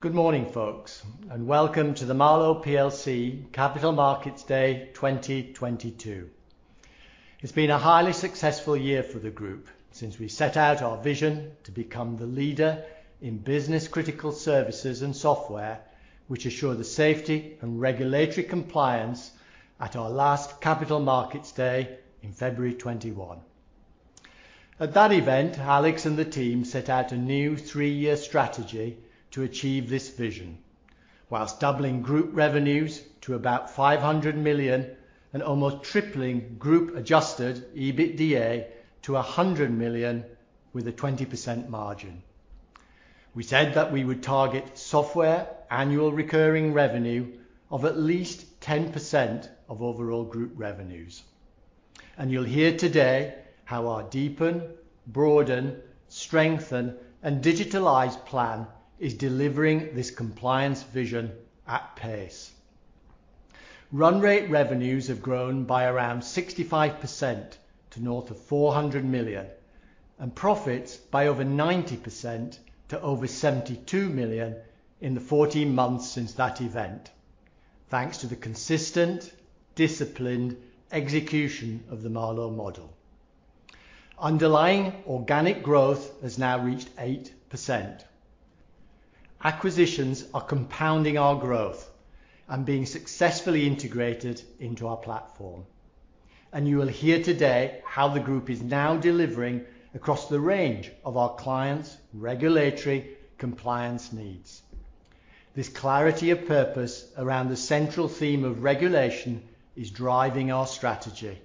Good morning, folks, and welcome to the Marlowe plc Capital Markets Day 2022. It's been a highly successful year for the group since we set out our vision to become the leader in business-critical services and software which assure the safety and regulatory compliance at our last Capital Markets Day in February 2021. At that event, Alex and the team set out a new three-year strategy to achieve this vision, while doubling group revenues to about 500 million and almost tripling group-adjusted EBITDA to 100 million with a 20% margin. We said that we would target software annual recurring revenue of at least 10% of overall group revenues, and you'll hear today how our deepen, broaden, strengthen, and digitalize plan is delivering this compliance vision at pace. Run rate revenues have grown by around 65% to north of 400 million and profits by over 90% to over 72 million in the 14 months since that event, thanks to the consistent, disciplined execution of the Marlowe model. Underlying organic growth has now reached 8%. Acquisitions are compounding our growth and being successfully integrated into our platform, and you will hear today how the group is now delivering across the range of our clients' regulatory compliance needs. This clarity of purpose around the central theme of regulation is driving our strategy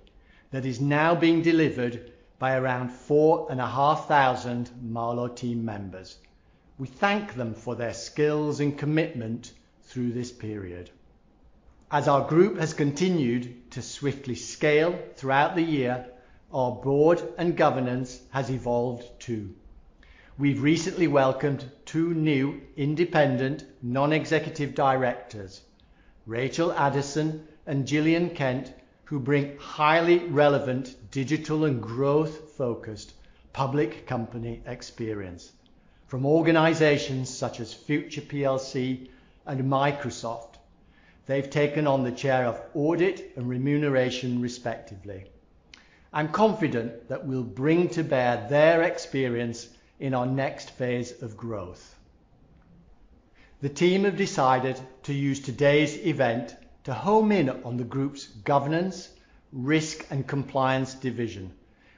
that is now being delivered by around 4,500 Marlowe team members. We thank them for their skills and commitment through this period. Our group has continued to swiftly scale throughout the year, our board and governance has evolved too. We've recently welcomed two new independent non-executive directors, Rachel Addison and Gillian Kent, who bring highly relevant digital and growth-focused public company experience from organizations such as Future plc and Microsoft. They've taken on the chair of audit and remuneration respectively. I'm confident that we'll bring to bear their experience in our next phase of growth. The team have decided to use today's event to home in on the group's governance, risk, and compliance division,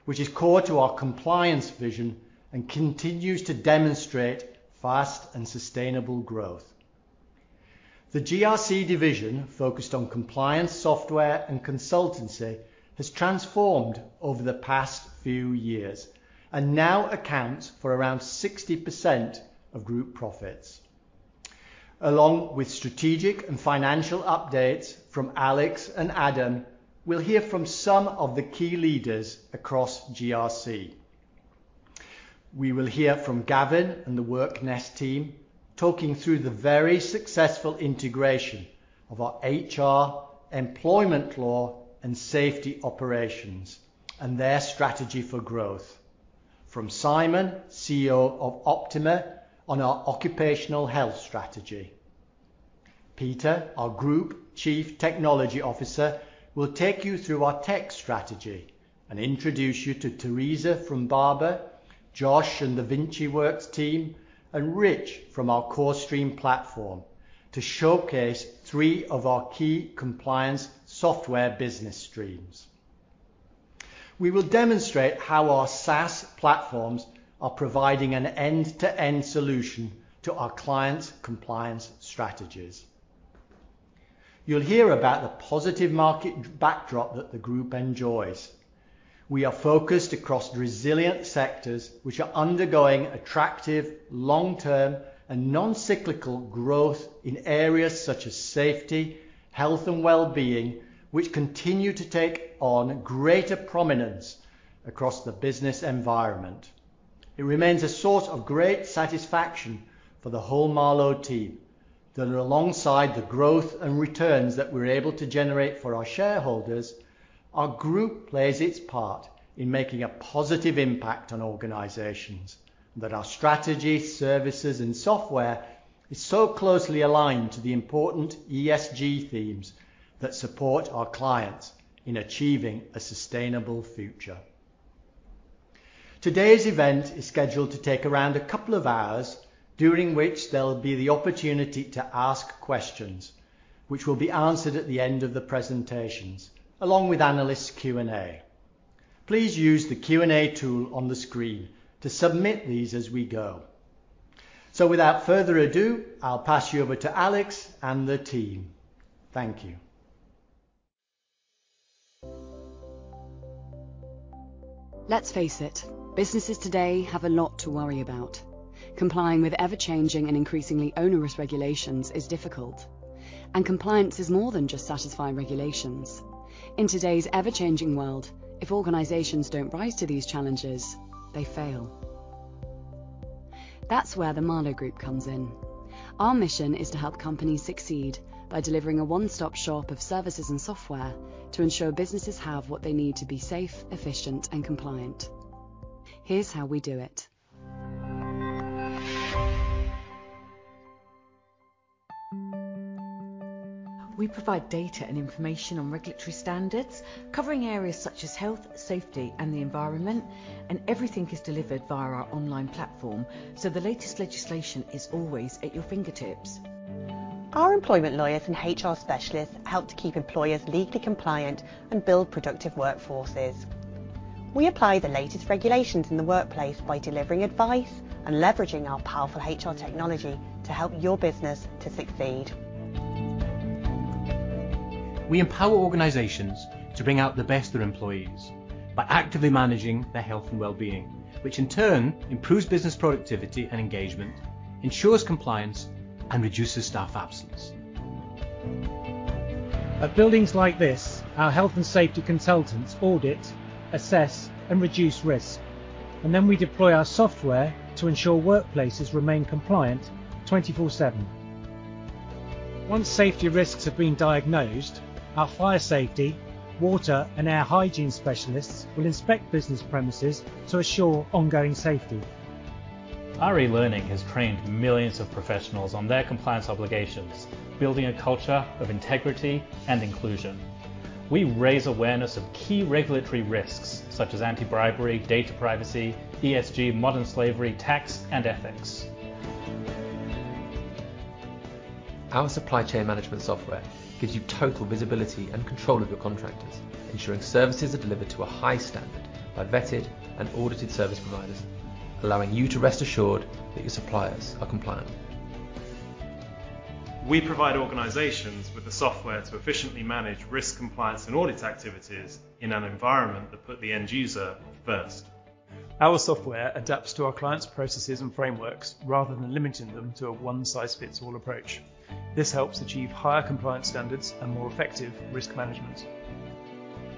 which is core to our compliance vision and continues to demonstrate fast and sustainable growth. The GRC division focused on compliance software and consultancy has transformed over the past few years and now accounts for around 60% of group profits. Along with strategic and financial updates from Alex and Adam, we'll hear from some of the key leaders across GRC. We will hear from Gavin and the WorkNest team talking through the very successful integration of our HR, employment law, and safety operations and their strategy for growth. From Simon, CEO of Optima, on our occupational health strategy. Peter, our Group Chief Technology Officer, will take you through our tech strategy and introduce you to Teresa from Barbour, Josh and the VinciWorks team, and Rich from our CoreStream platform to showcase three of our key compliance software business streams. We will demonstrate how our SaaS platforms are providing an end-to-end solution to our clients' compliance strategies. You'll hear about the positive market backdrop that the group enjoys. We are focused across resilient sectors which are undergoing attractive long-term and non-cyclical growth in areas such as safety, health, and wellbeing, which continue to take on greater prominence across the business environment. It remains a source of great satisfaction for the whole Marlowe team that alongside the growth and returns that we're able to generate for our shareholders, our group plays its part in making a positive impact on organizations, and that our strategy, services, and software is so closely aligned to the important ESG themes that support our clients in achieving a sustainable future. Today's event is scheduled to take around a couple of hours, during which there'll be the opportunity to ask questions which will be answered at the end of the presentations, along with analyst Q&A. Please use the Q&A tool on the screen to submit these as we go. Without further ado, I'll pass you over to Alex and the team. Thank you. Let's face it, businesses today have a lot to worry about. Complying with ever-changing and increasingly onerous regulations is difficult, and compliance is more than just satisfying regulations. In today's ever-changing world, if organizations don't rise to these challenges, they fail. That's where the Marlowe Group comes in. Our mission is to help companies succeed by delivering a one-stop shop of services and software to ensure businesses have what they need to be safe, efficient, and compliant. Here's how we do it. We provide data and information on regulatory standards, covering areas such as health, safety, and the environment, and everything is delivered via our online platform, so the latest legislation is always at your fingertips. Our employment lawyers and HR specialists help to keep employers legally compliant and build productive workforces. We apply the latest regulations in the workplace by delivering advice and leveraging our powerful HR technology to help your business to succeed. We empower organizations to bring out the best in employees by actively managing their health and well-being, which in turn improves business productivity and engagement, ensures compliance, and reduces staff absence. At buildings like this, our health and safety consultants audit, assess, and reduce risk, and then we deploy our software to ensure workplaces remain compliant 24/7. Once safety risks have been diagnosed, our fire safety, water, and air hygiene specialists will inspect business premises to assure ongoing safety. Our e-learning has trained millions of professionals on their compliance obligations, building a culture of integrity and inclusion. We raise awareness of key regulatory risks such as anti-bribery, data privacy, ESG, modern slavery, tax, and ethics. Our supply chain management software gives you total visibility and control of your contractors, ensuring services are delivered to a high standard by vetted and audited service providers, allowing you to rest assured that your suppliers are compliant. We provide organizations with the software to efficiently manage risk compliance and audit activities in an environment that put the end user first. Our software adapts to our clients' processes and frameworks rather than limiting them to a one-size-fits-all approach. This helps achieve higher compliance standards and more effective risk management.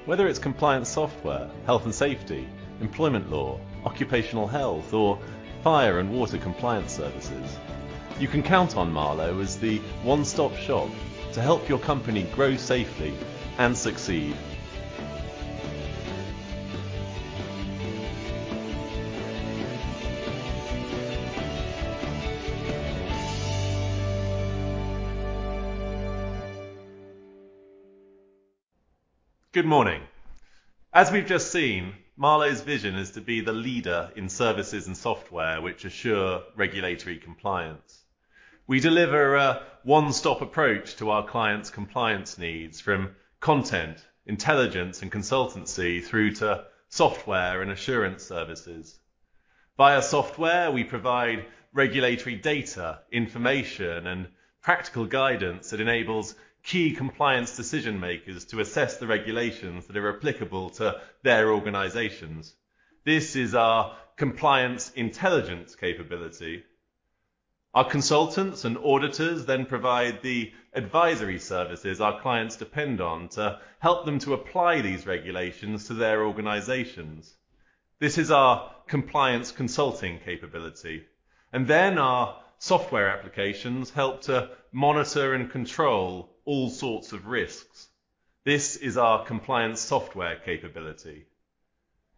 Whether it's compliance software, health and safety, employment law, occupational health, or fire and water compliance services, you can count on Marlowe as the one-stop shop to help your company grow safely and succeed. Good morning. As we've just seen, Marlowe's vision is to be the leader in services and software which assure regulatory compliance. We deliver a one-stop approach to our clients' compliance needs from content, intelligence, and consultancy through to software and assurance services. Via software, we provide regulatory data, information, and practical guidance that enables key compliance decision-makers to assess the regulations that are applicable to their organizations. This is our compliance intelligence capability. Our consultants and auditors then provide the advisory services our clients depend on to help them to apply these regulations to their organizations. This is our compliance consulting capability. Our software applications help to monitor and control all sorts of risks. This is our compliance software capability.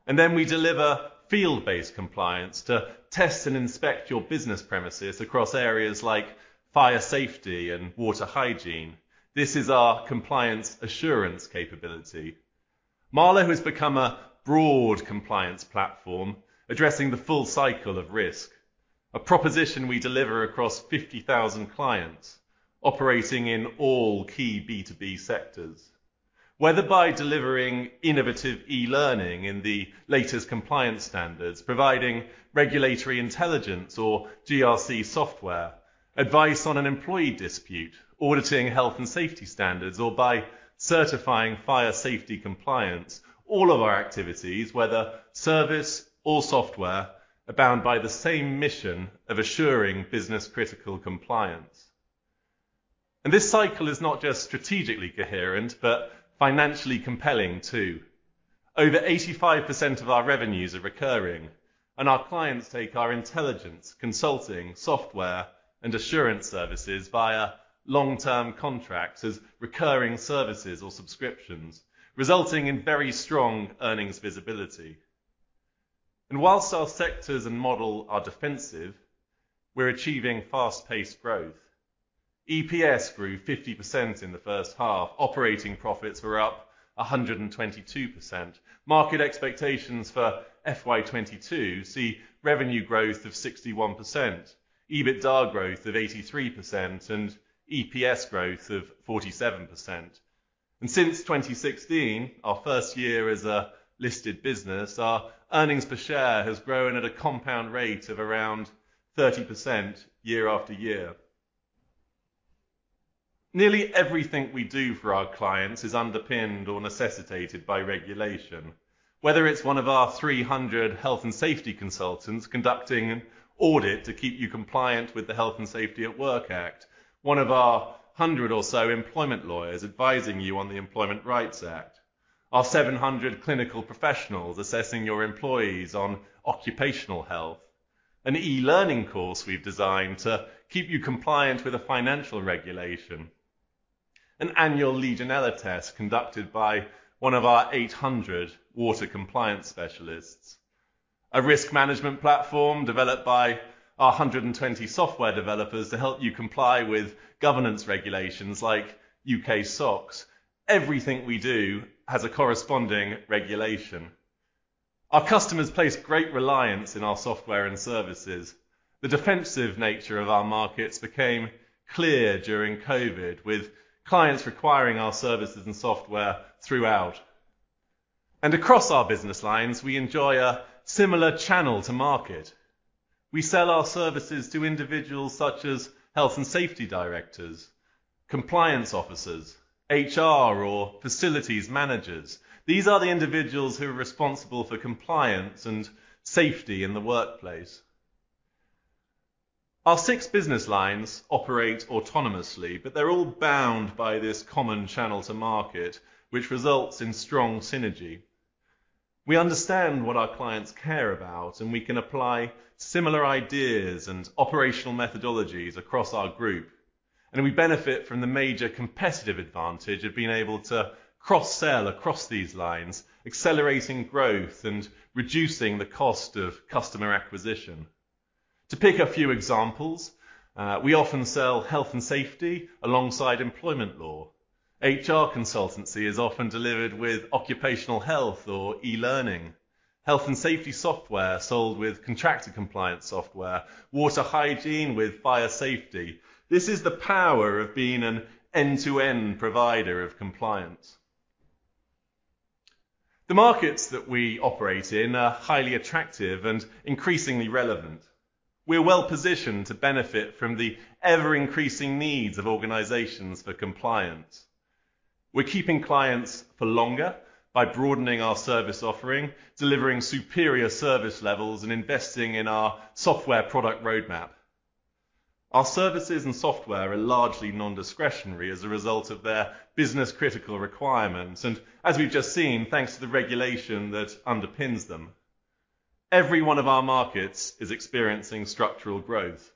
Then we deliver field-based compliance to test and inspect your business premises across areas like fire safety and water hygiene. This is our compliance assurance capability. Marlowe has become a broad compliance platform addressing the full cycle of risk, a proposition we deliver across 50,000 clients operating in all key B2B sectors. Whether by delivering innovative e-learning in the latest compliance standards, providing regulatory intelligence or GRC software, advice on an employee dispute, auditing health and safety standards, or by certifying fire safety compliance, all of our activities, whether service or software, are bound by the same mission of assuring business-critical compliance. This cycle is not just strategically coherent but financially compelling too. Over 85% of our revenues are recurring, and our clients take our intelligence, consulting, software, and assurance services via long-term contracts as recurring services or subscriptions, resulting in very strong earnings visibility. While our sectors and model are defensive, we're achieving fast-paced growth. EPS grew 50% in the first half. Operating profits were up 122%. Market expectations for FY 2022 see revenue growth of 61%, EBITDA growth of 83%, and EPS growth of 47%. Since 2016, our first year as a listed business, our earnings per share has grown at a compound rate of around 30% year-after-year. Nearly everything we do for our clients is underpinned or necessitated by regulation. Whether it's one of our 300 health and safety consultants conducting audit to keep you compliant with the Health and Safety at Work Act, one of our 100 or so employment lawyers advising you on the Employment Rights Act, our 700 clinical professionals assessing your employees on occupational health, an e-learning course we've designed to keep you compliant with a financial regulation. An annual Legionella test conducted by one of our 800 water compliance specialists. A risk management platform developed by our 120 software developers to help you comply with governance regulations like UK SOX. Everything we do has a corresponding regulation. Our customers place great reliance in our software and services. The defensive nature of our markets became clear during COVID, with clients requiring our services and software throughout. Across our business lines, we enjoy a similar channel to market. We sell our services to individuals such as health and safety directors, compliance officers, HR or facilities managers. These are the individuals who are responsible for compliance and safety in the workplace. Our six business lines operate autonomously, but they are all bound by this common channel to market, which results in strong synergy. We understand what our clients care about, and we can apply similar ideas and operational methodologies across our group. We benefit from the major competitive advantage of being able to cross-sell across these lines, accelerating growth and reducing the cost of customer acquisition. To pick a few examples, we often sell health and safety alongside employment law. HR consultancy is often delivered with occupational health or eLearning. Health and safety software sold with contractor compliance software. Water hygiene with fire safety. This is the power of being an end-to-end provider of compliance. The markets that we operate in are highly attractive and increasingly relevant. We are well-positioned to benefit from the ever-increasing needs of organizations for compliance. We are keeping clients for longer by broadening our service offering, delivering superior service levels and investing in our software product roadmap. Our services and software are largely non-discretionary as a result of their business-critical requirements and as we have just seen, thanks to the regulation that underpins them. Every one of our markets is experiencing structural growth.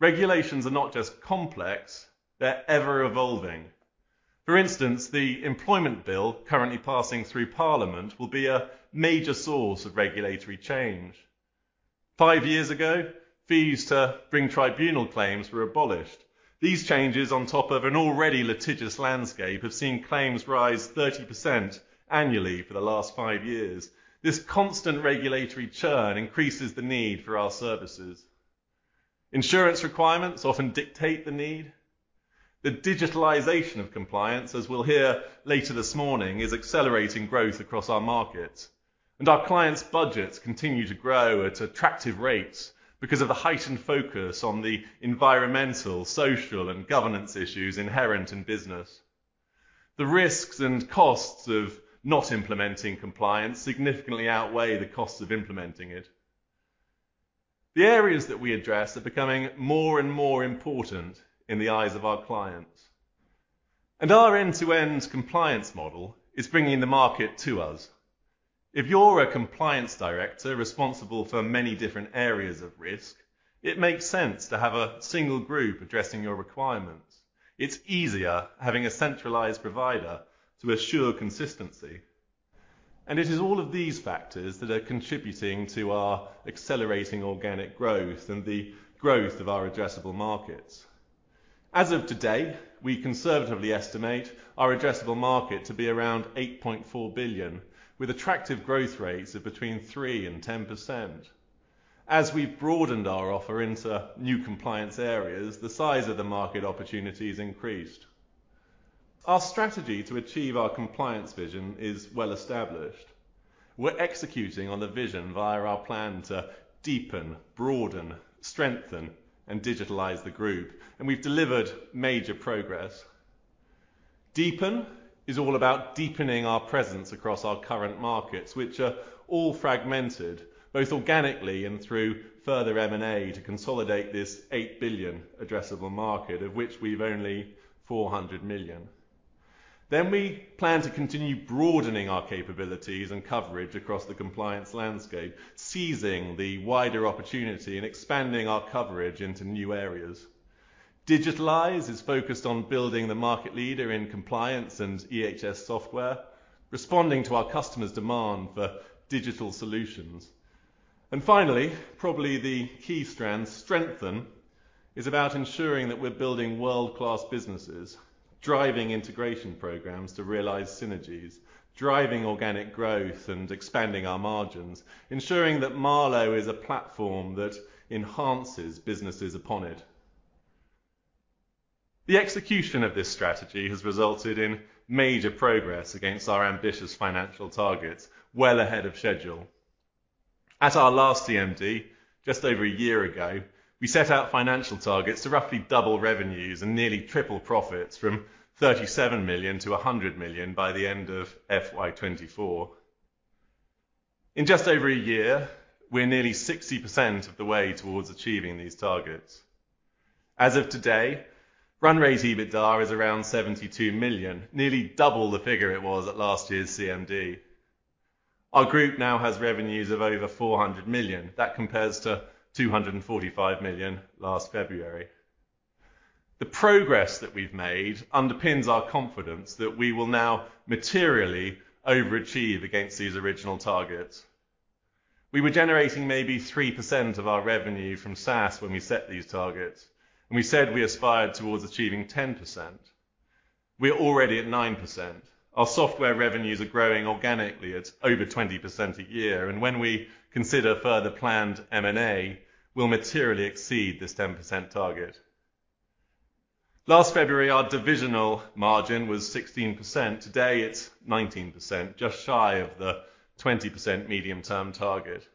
Regulations are not just complex, they are ever-evolving. For instance, the employment bill currently passing through Parliament will be a major source of regulatory change. Five years ago, fees to bring tribunal claims were abolished. These changes on top of an already litigious landscape have seen claims rise 30% annually for the last five years. This constant regulatory churn increases the need for our services. Insurance requirements often dictate the need. The digitalization of compliance, as we will hear later this morning, is accelerating growth across our markets. Our clients' budgets continue to grow at attractive rates because of the heightened focus on the environmental, social and governance issues inherent in business. The risks and costs of not implementing compliance significantly outweigh the costs of implementing it. The areas that we address are becoming more and more important in the eyes of our clients. Our end-to-end compliance model is bringing the market to us. If you are a compliance director responsible for many different areas of risk, it makes sense to have a single group addressing your requirements. It's easier having a centralized provider to assure consistency. It is all of these factors that are contributing to our accelerating organic growth and the growth of our addressable markets. As of today, we conservatively estimate our addressable market to be around 8.4 billion with attractive growth rates of between 3% and 10%. As we have broadened our offer into new compliance areas, the size of the market opportunity has increased. Our strategy to achieve our compliance vision is well established. We are executing on the vision via our plan to deepen, broaden, strengthen and digitalize the group. We have delivered major progress. Deepen is all about deepening our presence across our current markets, which are all fragmented, both organically and through further M&A to consolidate this 8 billion addressable market of which we have only 400 million. We plan to continue broadening our capabilities and coverage across the compliance landscape, seizing the wider opportunity and expanding our coverage into new areas. Digitalize is focused on building the market leader in compliance and EHS software, responding to our customers' demand for digital solutions. Finally, probably the key strand, strengthen, is about ensuring that we are building world-class businesses, driving integration programs to realize synergies, driving organic growth and expanding our margins, ensuring that Marlowe is a platform that enhances businesses upon it. The execution of this strategy has resulted in major progress against our ambitious financial targets well ahead of schedule. At our last CMD, just over a year ago, we set out financial targets to roughly double revenues and nearly triple profits from 37 million to 100 million by the end of FY 2024. In just over a year, we are nearly 60% of the way towards achieving these targets. As of today, run rate EBITDA is around 72 million, nearly double the figure it was at last year's CMD. Our group now has revenues of over 400 million. That compares to 245 million last February. The progress that we've made underpins our confidence that we will now materially overachieve against these original targets. We were generating maybe 3% of our revenue from SaaS when we set these targets, and we said we aspired towards achieving 10%. We're already at 9%. Our software revenues are growing organically at over 20% a year, and when we consider further planned M&A, we'll materially exceed this 10% target. Last February, our divisional margin was 16%. Today it's 19%, just shy of the 20% medium-term target.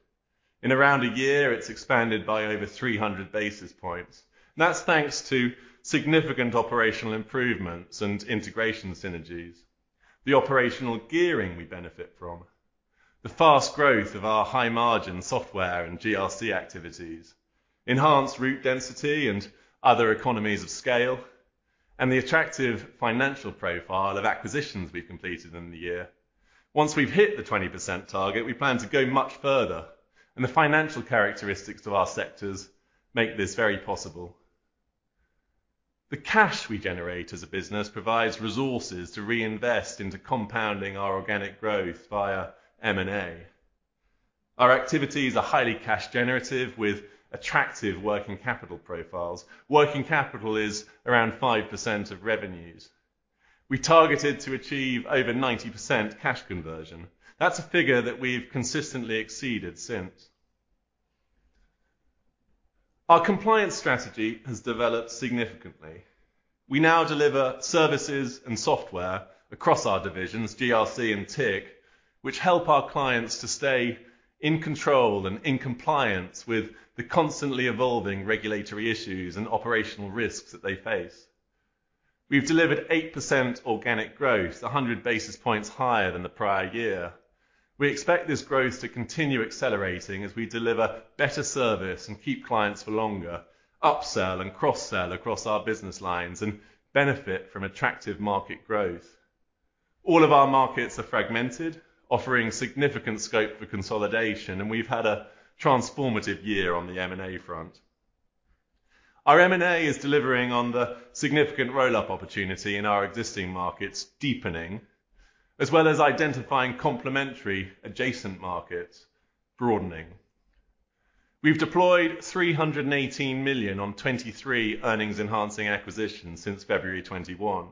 In around a year, it's expanded by over 300 basis points. That's thanks to significant operational improvements and integration synergies, the operational gearing we benefit from, the fast growth of our high-margin software and GRC activities, enhanced route density and other economies of scale, and the attractive financial profile of acquisitions we've completed in the year. Once we've hit the 20% target, we plan to go much further, and the financial characteristics of our sectors make this very possible. The cash we generate as a business provides resources to reinvest into compounding our organic growth via M&A. Our activities are highly cash generative with attractive working capital profiles. Working capital is around 5% of revenues. We targeted to achieve over 90% cash conversion. That's a figure that we've consistently exceeded since. Our compliance strategy has developed significantly. We now deliver services and software across our divisions, GRC and TIC, which help our clients to stay in control and in compliance with the constantly evolving regulatory issues and operational risks that they face. We've delivered 8% organic growth, 100 basis points higher than the prior year. We expect this growth to continue accelerating as we deliver better service and keep clients for longer, upsell and cross-sell across our business lines and benefit from attractive market growth. All of our markets are fragmented, offering significant scope for consolidation, and we've had a transformative year on the M&A front. Our M&A is delivering on the significant roll-up opportunity in our existing markets, deepening, as well as identifying complementary adjacent markets, broadening. We've deployed 318 million on 23 earnings-enhancing acquisitions since February 2021.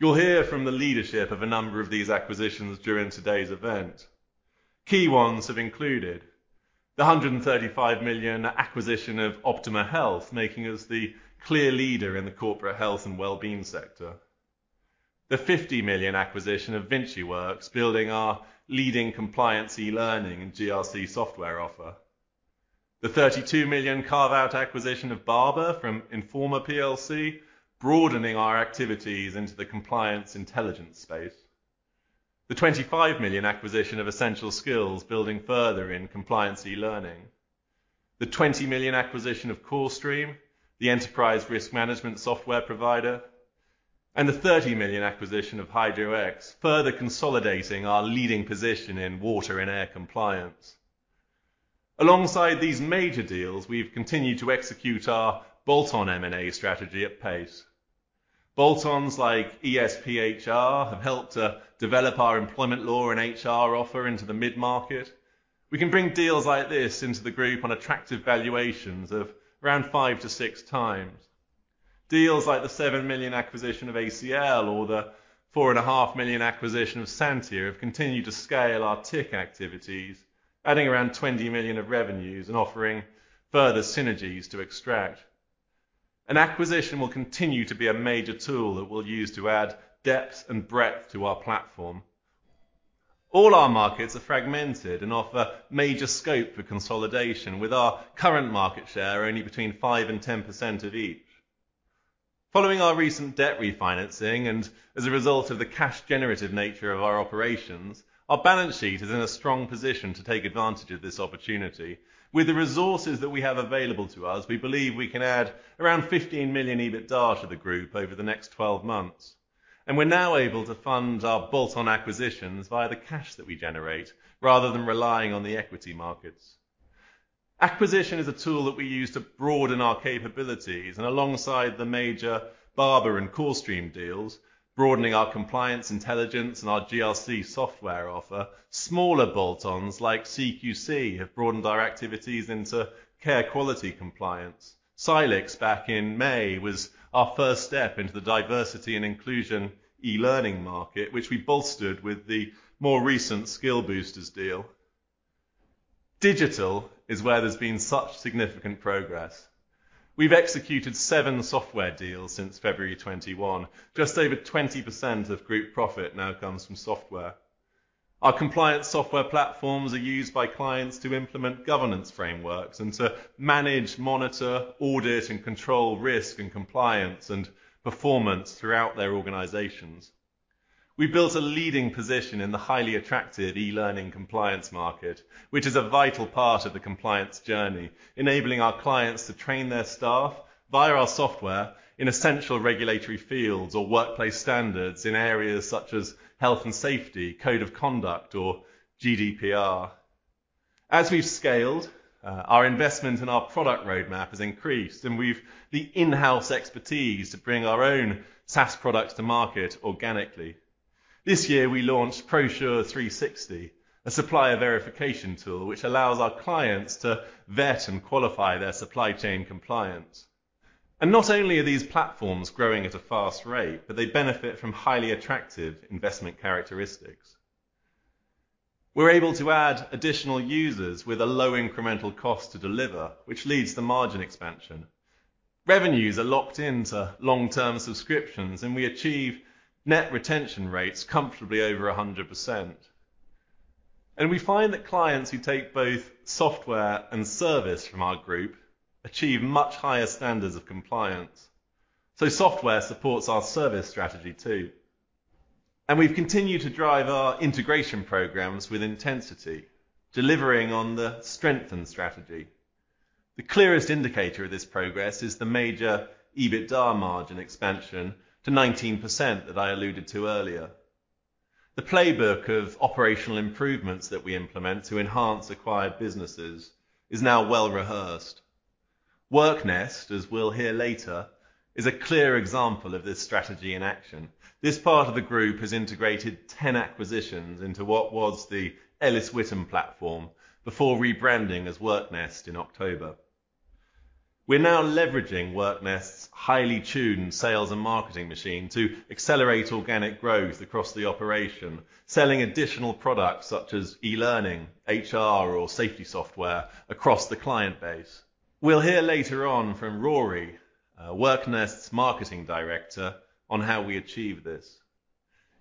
You'll hear from the leadership of a number of these acquisitions during today's event. Key ones have included the 135 million acquisition of Optima Health, making us the clear leader in the corporate health and wellbeing sector. The 50 million acquisition of VinciWorks, building our leading compliance e-learning and GRC software offer. The 32 million carve-out acquisition of Barbour from Informa plc, broadening our activities into the compliance intelligence space. The 25 million acquisition of EssentialSkillz, building further in compliance e-learning. The 20 million acquisition of CoreStream, the enterprise risk management software provider, and the 30 million acquisition of Hydro-X, further consolidating our leading position in water and air compliance. Alongside these major deals, we've continued to execute our bolt-on M&A strategy at pace. Bolt-ons like ESPHR have helped to develop our employment law and HR offer into the mid-market. We can bring deals like this into the group on attractive valuations of around 5x-6x. Deals like the 7 million acquisition of ACL or the 4.5 million acquisition of Santia have continued to scale our TIC activities, adding around 20 million of revenues and offering further synergies to extract. An acquisition will continue to be a major tool that we'll use to add depth and breadth to our platform. All our markets are fragmented and offer major scope for consolidation, with our current market share only between 5% and 10% of each. Following our recent debt refinancing and as a result of the cash generative nature of our operations, our balance sheet is in a strong position to take advantage of this opportunity. With the resources that we have available to us, we believe we can add around £15 million EBITDA to the group over the next 12 months, and we're now able to fund our bolt-on acquisitions via the cash that we generate rather than relying on the equity markets. Acquisition is a tool that we use to broaden our capabilities, and alongside the major Barbour and CoreStream deals, broadening our compliance intelligence and our GRC software offer, smaller bolt-ons like CQC have broadened our activities into care quality compliance. Cylix back in May was our first step into the diversity and inclusion e-learning market, which we bolstered with the more recent Skill Boosters deal. Digital is where there's been such significant progress. We've executed seven software deals since February 2021. Just over 20% of group profit now comes from software. Our compliance software platforms are used by clients to implement governance frameworks and to manage, monitor, audit, and control risk and compliance and performance throughout their organizations. We built a leading position in the highly attractive e-learning compliance market, which is a vital part of the compliance journey, enabling our clients to train their staff via our software in essential regulatory fields or workplace standards in areas such as health and safety, code of conduct, or GDPR. As we've scaled, our investment in our product roadmap has increased, and we have the in-house expertise to bring our own SaaS products to market organically. This year we launched Prosure360, a supplier verification tool which allows our clients to vet and qualify their supply chain compliance. Not only are these platforms growing at a fast rate, but they benefit from highly attractive investment characteristics. We're able to add additional users with a low incremental cost to deliver, which leads to margin expansion. Revenues are locked into long-term subscriptions, and we achieve net retention rates comfortably over 100%. We find that clients who take both software and service from our group achieve much higher standards of compliance. Software supports our service strategy too. We've continued to drive our integration programs with intensity, delivering on the strength and strategy. The clearest indicator of this progress is the major EBITDA margin expansion to 19% that I alluded to earlier. The playbook of operational improvements that we implement to enhance acquired businesses is now well-rehearsed. WorkNest, as we'll hear later, is a clear example of this strategy in action. This part of the group has integrated 10 acquisitions into what was the Ellis Whittam platform before rebranding as WorkNest in October. We're now leveraging WorkNest's highly tuned sales and marketing machine to accelerate organic growth across the operation, selling additional products such as e-learning, HR, or safety software across the client base. We'll hear later on from Rory, WorkNest's marketing director, on how we achieve this.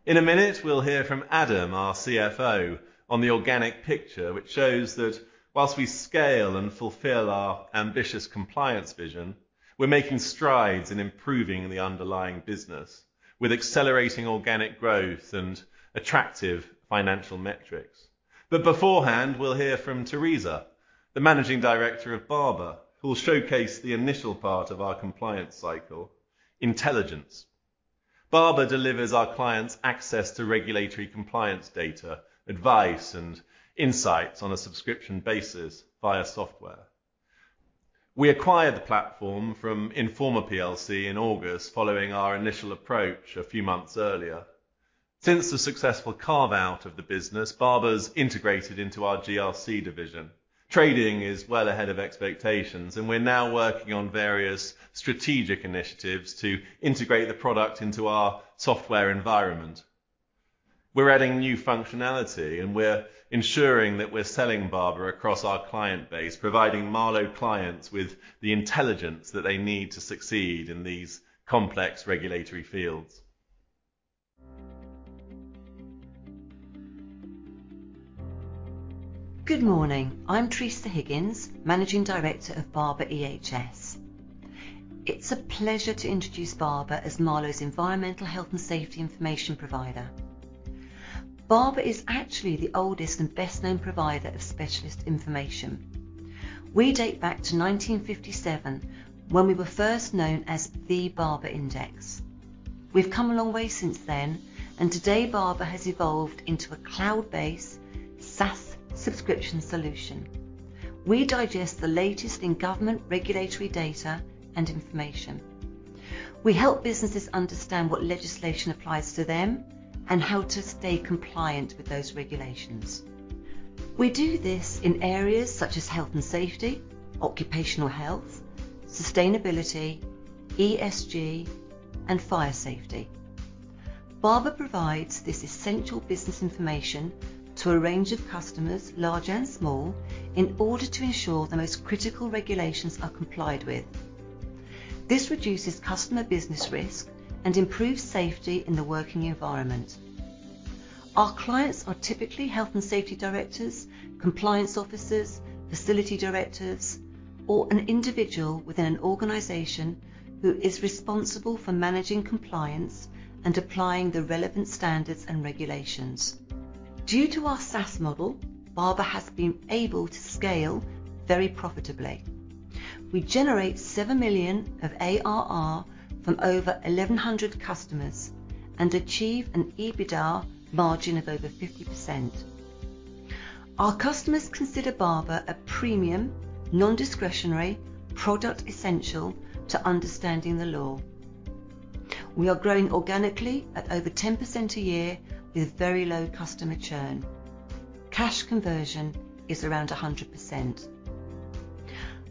In a minute, we'll hear from Adam, our CFO, on the organic picture, which shows that while we scale and fulfill our ambitious compliance vision, we're making strides in improving the underlying business with accelerating organic growth and attractive financial metrics. Beforehand, we'll hear from Teresa, the Managing Director of Barbour, who will showcase the initial part of our compliance cycle intelligence. Barbour delivers our clients access to regulatory compliance data, advice, and insights on a subscription basis via software. We acquired the platform from Informa plc in August following our initial approach a few months earlier. Since the successful carve-out of the business, Barbour's integrated into our GRC division. Trading is well ahead of expectations, and we're now working on various strategic initiatives to integrate the product into our software environment. We're adding new functionality, and we're ensuring that we're selling Barbour across our client base, providing Marlowe clients with the intelligence that they need to succeed in these complex regulatory fields. Good morning. I'm Teresa Higgins, Managing Director of Barbour EHS. It's a pleasure to introduce Barbour as Marlowe's environmental health and safety information provider. Barbour is actually the oldest and best-known provider of specialist information. We date back to 1957 when we were first known as the Barbour Index. We've come a long way since then, and today, Barbour has evolved into a cloud-based SaaS subscription solution. We digest the latest in government regulatory data and information. We help businesses understand what legislation applies to them and how to stay compliant with those regulations. We do this in areas such as health and safety, occupational health, sustainability, ESG, and fire safety. Barbour provides this essential business information to a range of customers, large and small, in order to ensure the most critical regulations are complied with. This reduces customer business risk and improves safety in the working environment. Our clients are typically health and safety directors, compliance officers, facility directors, or an individual within an organization who is responsible for managing compliance and applying the relevant standards and regulations. Due to our SaaS model, Barbour has been able to scale very profitably. We generate 7 million of ARR from over 1,100 customers and achieve an EBITDA margin of over 50%. Our customers consider Barbour a premium, non-discretionary product essential to understanding the law. We are growing organically at over 10% a year with very low customer churn. Cash conversion is around 100%.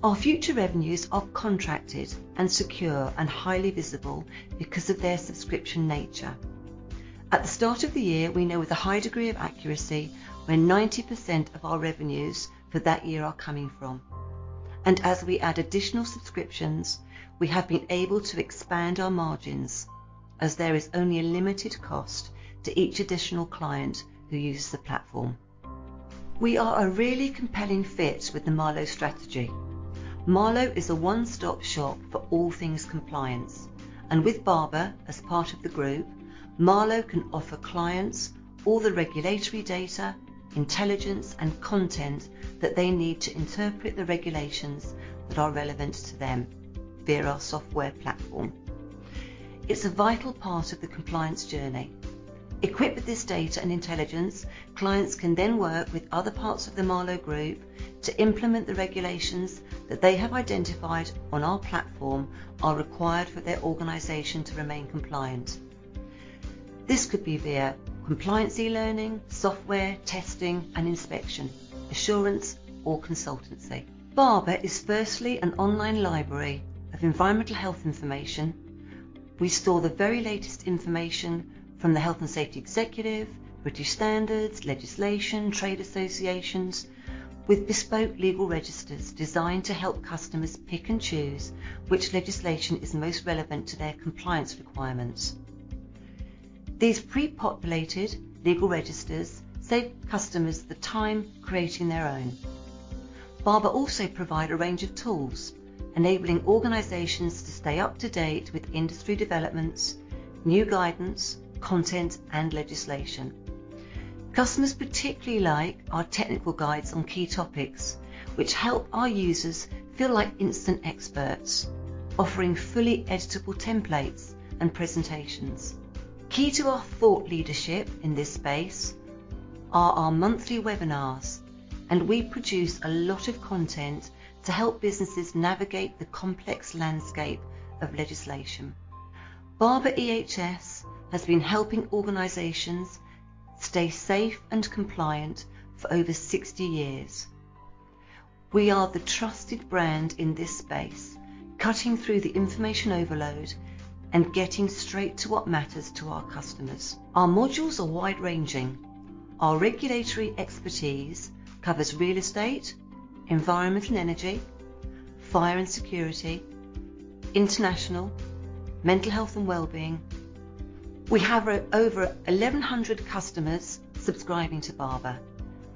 Our future revenues are contracted and secure and highly visible because of their subscription nature. At the start of the year, we know with a high degree of accuracy where 90% of our revenues for that year are coming from. As we add additional subscriptions, we have been able to expand our margins as there is only a limited cost to each additional client who uses the platform. We are a really compelling fit with the Marlowe strategy. Marlowe is a one-stop shop for all things compliance, and with Barbour as part of the group, Marlowe can offer clients all the regulatory data, intelligence, and content that they need to interpret the regulations that are relevant to them via our software platform. It's a vital part of the compliance journey. Equipped with this data and intelligence, clients can then work with other parts of the Marlowe Group to implement the regulations that they have identified on our platform are required for their organization to remain compliant. This could be via compliance e-learning, software testing, and inspection, assurance or consultancy. Barbour is firstly an online library of environmental health information. We store the very latest information from the Health and Safety Executive, British Standards, legislation, trade associations, with bespoke legal registers designed to help customers pick and choose which legislation is most relevant to their compliance requirements. These pre-populated legal registers save customers the time creating their own. Barbour also provide a range of tools enabling organizations to stay up to date with industry developments, new guidance, content, and legislation. Customers particularly like our technical guides on key topics which help our users feel like instant experts, offering fully editable templates and presentations. Key to our thought leadership in this space are our monthly webinars, and we produce a lot of content to help businesses navigate the complex landscape of legislation. Barbour EHS has been helping organizations stay safe and compliant for over 60 years. We are the trusted brand in this space, cutting through the information overload and getting straight to what matters to our customers. Our modules are wide-ranging. Our regulatory expertise covers real estate, environmental, energy, fire and security, international, mental health and wellbeing. We have over 1,100 customers subscribing to Barbour,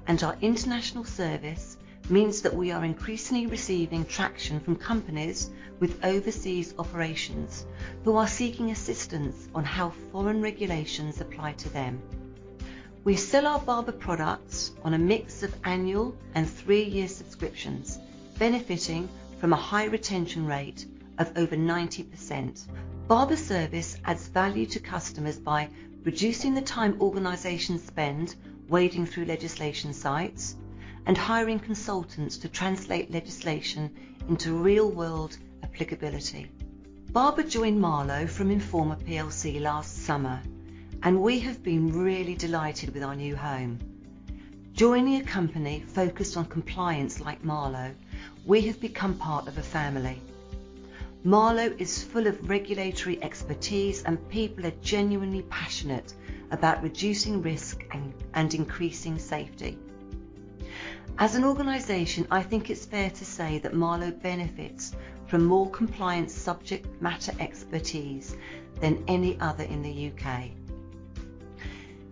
and our international service means that we are increasingly receiving traction from companies with overseas operations who are seeking assistance on how foreign regulations apply to them. We sell our Barbour products on a mix of annual and three-year subscriptions, benefiting from a high retention rate of over 90%. Barbour service adds value to customers by reducing the time organizations spend wading through legislation sites and hiring consultants to translate legislation into real-world applicability. Barbour joined Marlowe from Informa plc last summer, and we have been really delighted with our new home. Joining a company focused on compliance like Marlowe, we have become part of a family. Marlowe is full of regulatory expertise, and people are genuinely passionate about reducing risk and increasing safety. As an organization, I think it's fair to say that Marlowe benefits from more compliance subject matter expertise than any other in the U.K.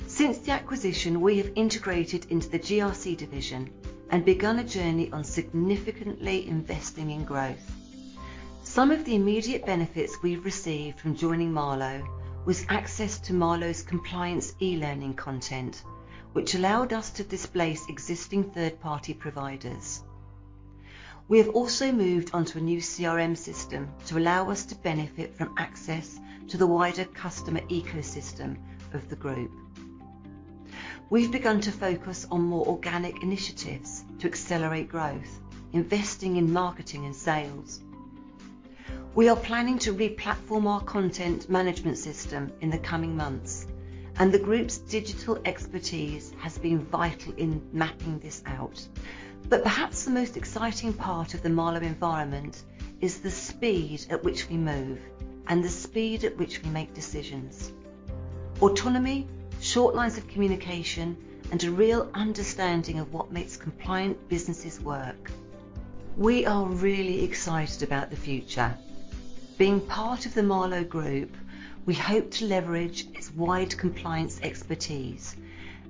Since the acquisition, we have integrated into the GRC division and begun a journey on significantly investing in growth. Some of the immediate benefits we've received from joining Marlowe was access to Marlowe's compliance e-learning content, which allowed us to displace existing third-party providers. We have also moved onto a new CRM system to allow us to benefit from access to the wider customer ecosystem of the group. We've begun to focus on more organic initiatives to accelerate growth, investing in marketing and sales. We are planning to re-platform our content management system in the coming months, and the group's digital expertise has been vital in mapping this out. Perhaps the most exciting part of the Marlowe environment is the speed at which we move and the speed at which we make decisions. Autonomy, short lines of communication, and a real understanding of what makes compliant businesses work. We are really excited about the future. Being part of the Marlowe Group, we hope to leverage its wide compliance expertise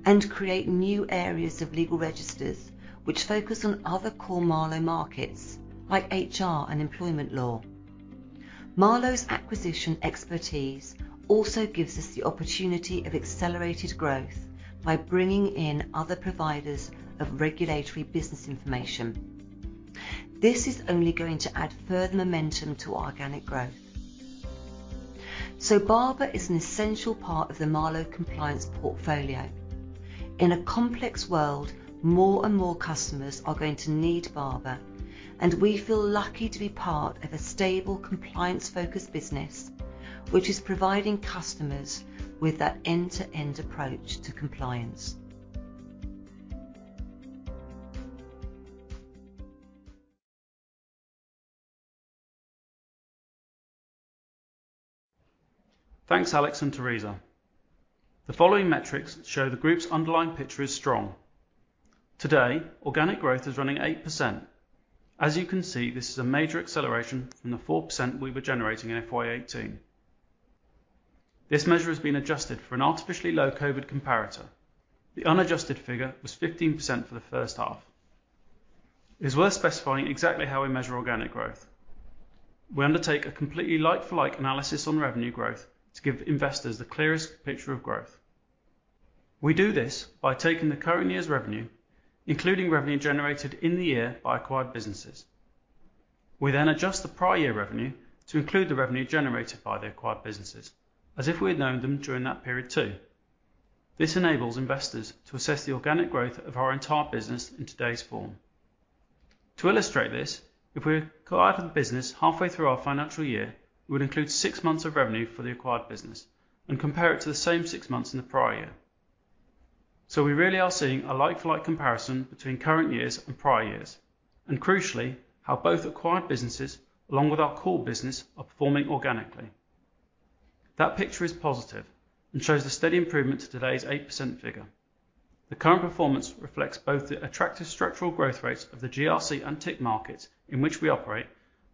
and create new areas of legal registers which focus on other core Marlowe markets like HR and employment law. Marlowe's acquisition expertise also gives us the opportunity of accelerated growth by bringing in other providers of regulatory business information. This is only going to add further momentum to organic growth. Barbour is an essential part of the Marlowe compliance portfolio. In a complex world, more and more customers are going to need B2B, and we feel lucky to be part of a stable, compliance-focused business, which is providing customers with that end-to-end approach to compliance. Thanks, Alex and Teresa. The following metrics show the group's underlying picture is strong. Today, organic growth is running 8%. As you can see, this is a major acceleration from the 4% we were generating in FY 2018. This measure has been adjusted for an artificially low COVID comparator. The unadjusted figure was 15% for the first half. It is worth specifying exactly how we measure organic growth. We undertake a completely like-for-like analysis on revenue growth to give investors the clearest picture of growth. We do this by taking the current year's revenue, including revenue generated in the year by acquired businesses. We then adjust the prior year revenue to include the revenue generated by the acquired businesses as if we had known them during that period too. This enables investors to assess the organic growth of our entire business in today's form. To illustrate this, if we acquired a business halfway through our financial year, we would include six months of revenue for the acquired business and compare it to the same six months in the prior year. We really are seeing a like for like comparison between current years and prior years, and crucially, how both acquired businesses along with our core business are performing organically. That picture is positive and shows the steady improvement to today's 8% figure. The current performance reflects both the attractive structural growth rates of the GRC and TIC markets in which we operate,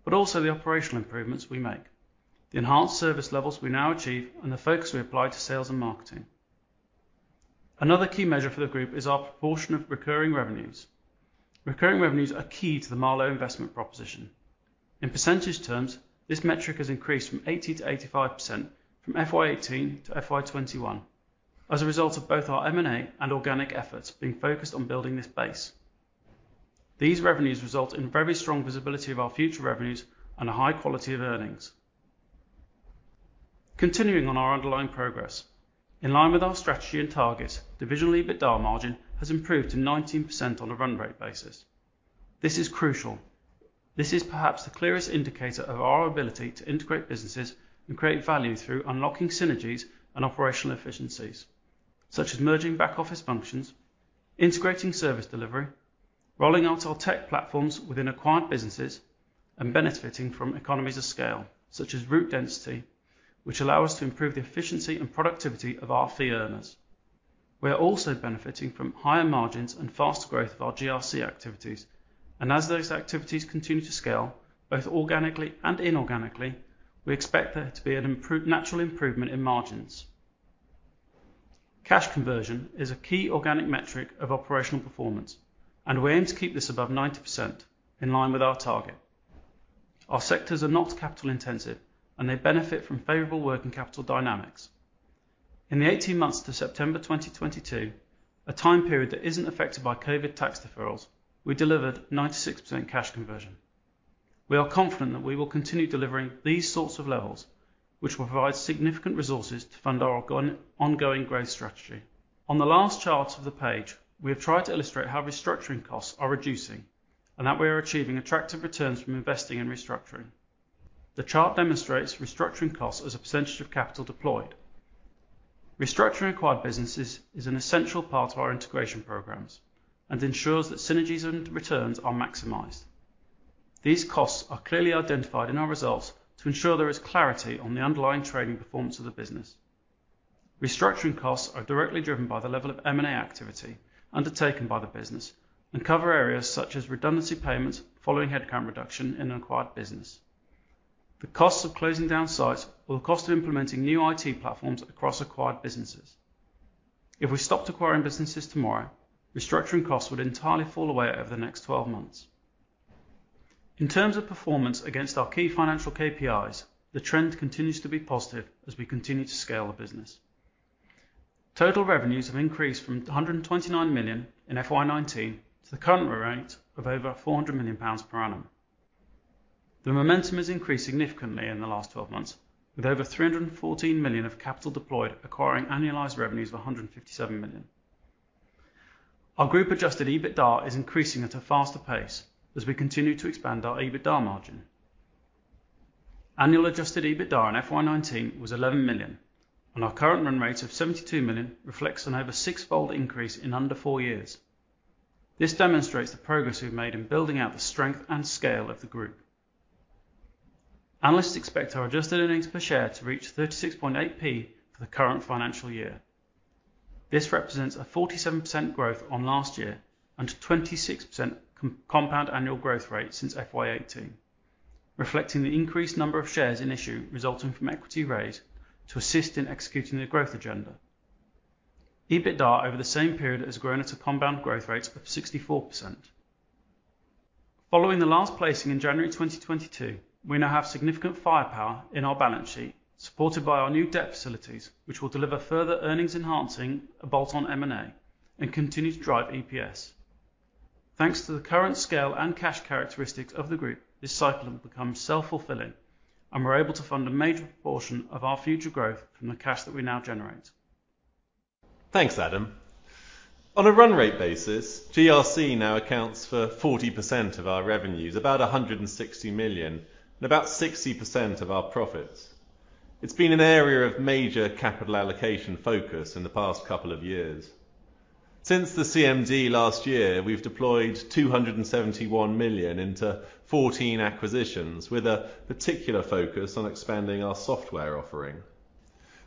but also the operational improvements we make, the enhanced service levels we now achieve, and the focus we apply to sales and marketing. Another key measure for the group is our proportion of recurring revenues. Recurring revenues are key to the Marlowe investment proposition. In percentage terms, this metric has increased from 80%-85% from FY 2018 to FY 2021 as a result of both our M&A and organic efforts being focused on building this base. These revenues result in very strong visibility of our future revenues and a high quality of earnings. Continuing on our underlying progress, in line with our strategy and targets, divisional EBITDA margin has improved to 19% on a run rate basis. This is crucial. This is perhaps the clearest indicator of our ability to integrate businesses and create value through unlocking synergies and operational efficiencies, such as merging back office functions, integrating service delivery, rolling out our tech platforms within acquired businesses, and benefiting from economies of scale, such as route density, which allow us to improve the efficiency and productivity of our fee earners. We are also benefiting from higher margins and faster growth of our GRC activities, and as those activities continue to scale, both organically and inorganically, we expect there to be a natural improvement in margins. Cash conversion is a key organic metric of operational performance, and we aim to keep this above 90% in line with our target. Our sectors are not capital intensive, and they benefit from favorable working capital dynamics. In the 18 months to September 2022, a time period that isn't affected by COVID tax deferrals, we delivered 96% cash conversion. We are confident that we will continue delivering these sorts of levels, which will provide significant resources to fund our ongoing growth strategy. On the last chart of the page, we have tried to illustrate how restructuring costs are reducing and that we are achieving attractive returns from investing and restructuring. The chart demonstrates restructuring costs as a percentage of capital deployed. Restructuring acquired businesses is an essential part of our integration programs and ensures that synergies and returns are maximized. These costs are clearly identified in our results to ensure there is clarity on the underlying trading performance of the business. Restructuring costs are directly driven by the level of M&A activity undertaken by the business and cover areas such as redundancy payments following headcount reduction in an acquired business, the costs of closing down sites or the cost of implementing new IT platforms across acquired businesses. If we stopped acquiring businesses tomorrow, restructuring costs would entirely fall away over the next 12 months. In terms of performance against our key financial KPIs, the trend continues to be positive as we continue to scale the business. Total revenues have increased from 129 million in FY 2019 to the current rate of over 400 million pounds per annum. The momentum has increased significantly in the last 12 months with over 314 million of capital deployed acquiring annualized revenues of 157 million. Our group adjusted EBITDA is increasing at a faster pace as we continue to expand our EBITDA margin. Annual adjusted EBITDA in FY 2019 was 11 million, and our current run rate of 72 million reflects an over six-fold increase in under four years. This demonstrates the progress we've made in building out the strength and scale of the group. Analysts expect our adjusted earnings per share to reach 36.8p for the current financial year. This represents a 47% growth on last year and 26% compound annual growth rate since FY 2018, reflecting the increased number of shares in issue resulting from equity raise to assist in executing the growth agenda. EBITDA over the same period has grown at a compound growth rate of 64%. Following the last placing in January 2022, we now have significant firepower in our balance sheet, supported by our new debt facilities, which will deliver further earnings-enhancing bolt-on M&A and continue to drive EPS. Thanks to the current scale and cash characteristics of the group, this cycle will become self-fulfilling, and we're able to fund a major portion of our future growth from the cash that we now generate. Thanks, Adam. On a run rate basis, GRC now accounts for 40% of our revenues, about 160 million, and about 60% of our profits. It's been an area of major capital allocation focus in the past couple of years. Since the CMD last year, we've deployed 271 million into 14 acquisitions with a particular focus on expanding our software offering.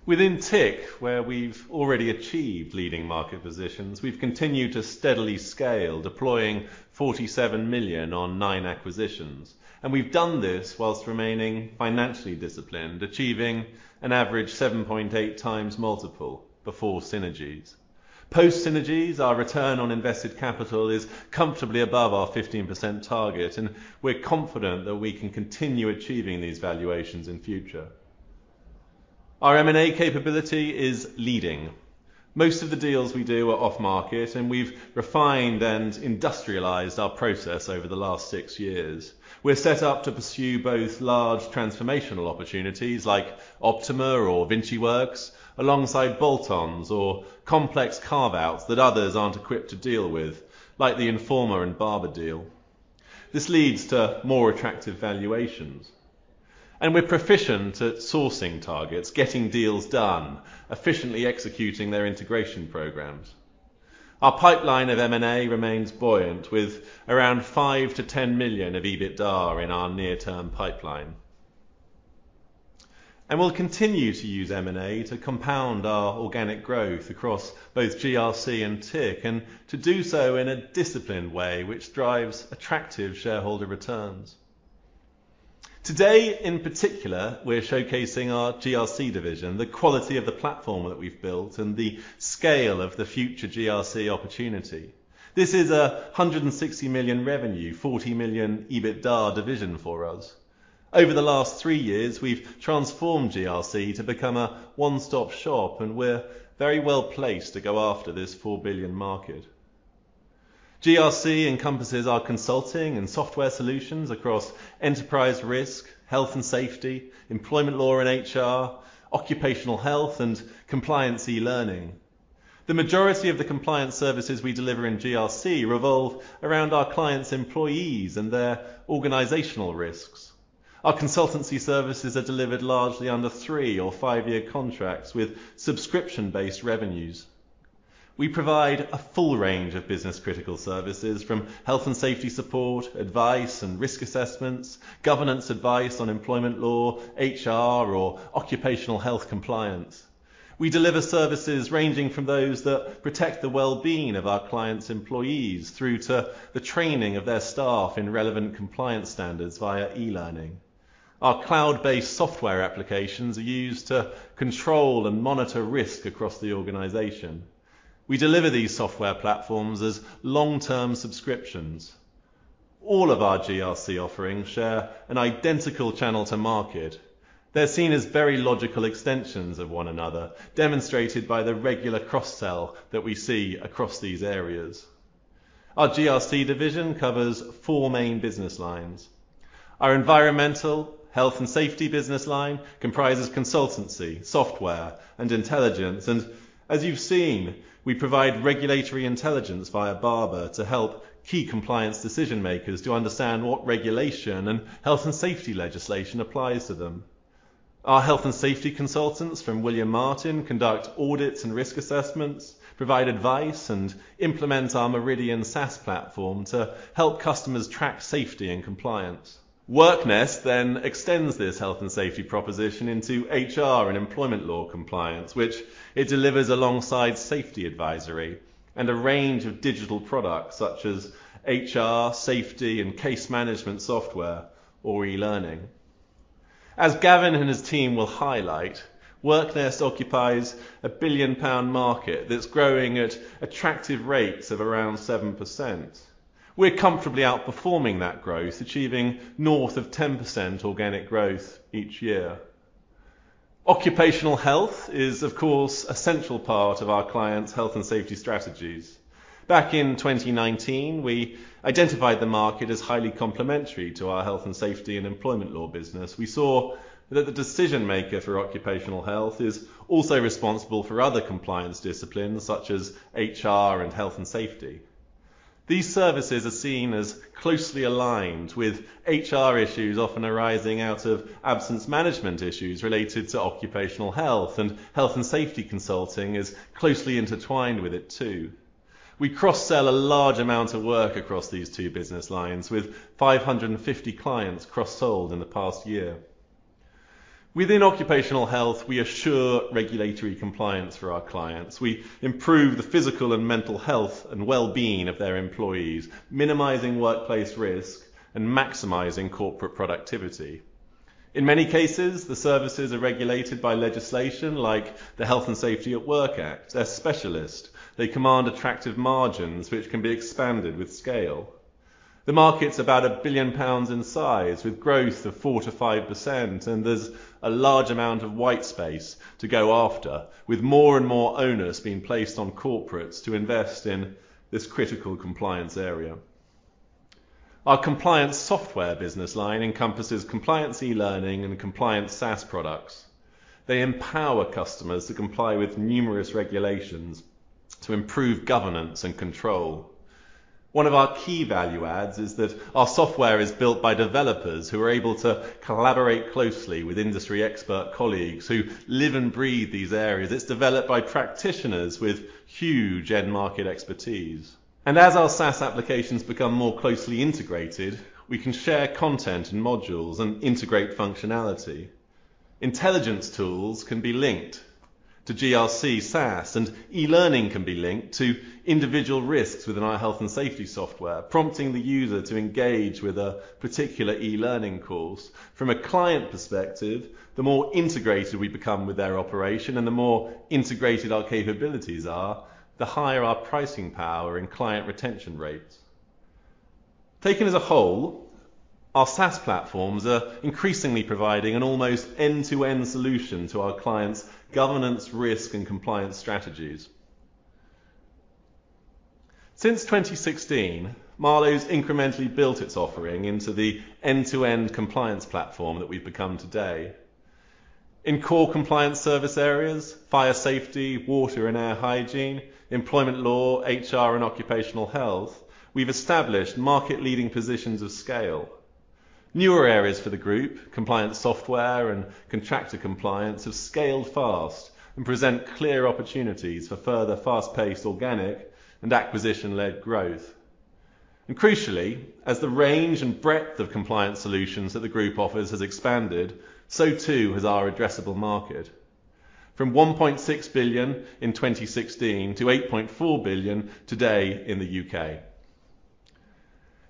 Within TIC, where we've already achieved leading market positions, we've continued to steadily scale, deploying 47 million on nine acquisitions, and we've done this whilst remaining financially disciplined, achieving an average 7.8x multiple before synergies. Post synergies, our return on invested capital is comfortably above our 15% target, and we're confident that we can continue achieving these valuations in future. Our M&A capability is leading. Most of the deals we do are off-market, and we've refined and industrialized our process over the last six years. We're set up to pursue both large transformational opportunities like Optima or VinciWorks, alongside bolt-ons or complex carve-outs that others aren't equipped to deal with, like the Informa and Barbour deal. This leads to more attractive valuations, and we're proficient at sourcing targets, getting deals done, efficiently executing their integration programs. Our pipeline of M&A remains buoyant with around 5-10 million of EBITDA in our near-term pipeline. We'll continue to use M&A to compound our organic growth across both GRC and TIC, and to do so in a disciplined way which drives attractive shareholder returns. Today, in particular, we're showcasing our GRC division, the quality of the platform that we've built and the scale of the future GRC opportunity. This is 160 million revenue, 40 million EBITDA division for us. Over the last three years, we've transformed GRC to become a one-stop shop, and we're very well-placed to go after this 4 billion market. GRC encompasses our consulting and software solutions across enterprise risk, health and safety, employment law and HR, occupational health, and compliance e-learning. The majority of the compliance services we deliver in GRC revolve around our clients' employees and their organizational risks. Our consultancy services are delivered largely under three- or five-year contracts with subscription-based revenues. We provide a full range of business-critical services from health and safety support, advice and risk assessments, governance advice on employment law, HR or occupational health compliance. We deliver services ranging from those that protect the well-being of our clients' employees through to the training of their staff in relevant compliance standards via e-learning. Our cloud-based software applications are used to control and monitor risk across the organization. We deliver these software platforms as long-term subscriptions. All of our GRC offerings share an identical channel to market. They're seen as very logical extensions of one another, demonstrated by the regular cross-sell that we see across these areas. Our GRC division covers four main business lines. Our environmental health and safety business line comprises consultancy, software, and intelligence. As you've seen, we provide regulatory intelligence via Barbour to help key compliance decision-makers to understand what regulation and health and safety legislation applies to them. Our health and safety consultants from William Martin conduct audits and risk assessments, provide advice, and implement our Meridian SaaS platform to help customers track safety and compliance. WorkNest then extends this health and safety proposition into HR and employment law compliance, which it delivers alongside safety advisory and a range of digital products such as HR, safety, and case management software or e-learning. As Gavin and his team will highlight, WorkNest occupies a 1 billion pound market that's growing at attractive rates of around 7%. We're comfortably outperforming that growth, achieving north of 10% organic growth each year. Occupational health is, of course, a central part of our clients' health and safety strategies. Back in 2019, we identified the market as highly complementary to our health and safety and employment law business. We saw that the decision-maker for occupational health is also responsible for other compliance disciplines such as HR and health and safety. These services are seen as closely aligned with HR issues often arising out of absence management issues related to occupational health, and health and safety consulting is closely intertwined with it too. We cross-sell a large amount of work across these two business lines, with 550 clients cross-sold in the past year. Within occupational health, we assure regulatory compliance for our clients. We improve the physical and mental health and well-being of their employees, minimizing workplace risk and maximizing corporate productivity. In many cases, the services are regulated by legislation like the Health and Safety at Work Act. They're specialist. They command attractive margins which can be expanded with scale. The market's about 1 billion pounds in size, with growth of 4%-5%, and there's a large amount of white space to go after, with more and more onus being placed on corporates to invest in this critical compliance area. Our compliance software business line encompasses compliance e-learning and compliance SaaS products. They empower customers to comply with numerous regulations to improve governance and control. One of our key value adds is that our software is built by developers who are able to collaborate closely with industry expert colleagues who live and breathe these areas. It's developed by practitioners with huge end-market expertise. As our SaaS applications become more closely integrated, we can share content and modules and integrate functionality. Intelligence tools can be linked to GRC SaaS, and e-learning can be linked to individual risks within our health and safety software, prompting the user to engage with a particular e-learning course. From a client perspective, the more integrated we become with their operation and the more integrated our capabilities are, the higher our pricing power and client retention rates. Taken as a whole, our SaaS platforms are increasingly providing an almost end-to-end solution to our clients' governance, risk, and compliance strategies. Since 2016, Marlowe's incrementally built its offering into the end-to-end compliance platform that we've become today. In core compliance service areas, fire safety, water and air hygiene, employment law, HR and occupational health, we've established market-leading positions of scale. Newer areas for the group, compliance software and contractor compliance have scaled fast and present clear opportunities for further fast-paced organic and acquisition-led growth. Crucially, as the range and breadth of compliance solutions that the group offers has expanded, so too has our addressable market. From 1.6 billion in 2016 to 8.4 billion today in the U.K.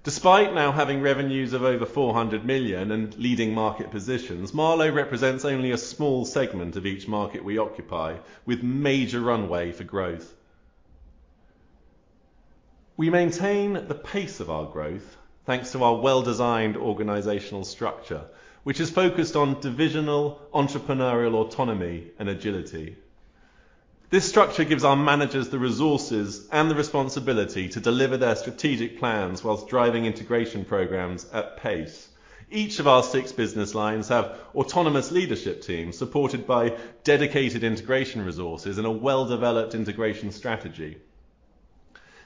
Despite now having revenues of over 400 million and leading market positions, Marlowe represents only a small segment of each market we occupy with major runway for growth. We maintain the pace of our growth thanks to our well-designed organizational structure, which is focused on divisional, entrepreneurial autonomy, and agility. This structure gives our managers the resources and the responsibility to deliver their strategic plans while driving integration programs at pace. Each of our six business lines have autonomous leadership teams supported by dedicated integration resources and a well-developed integration strategy.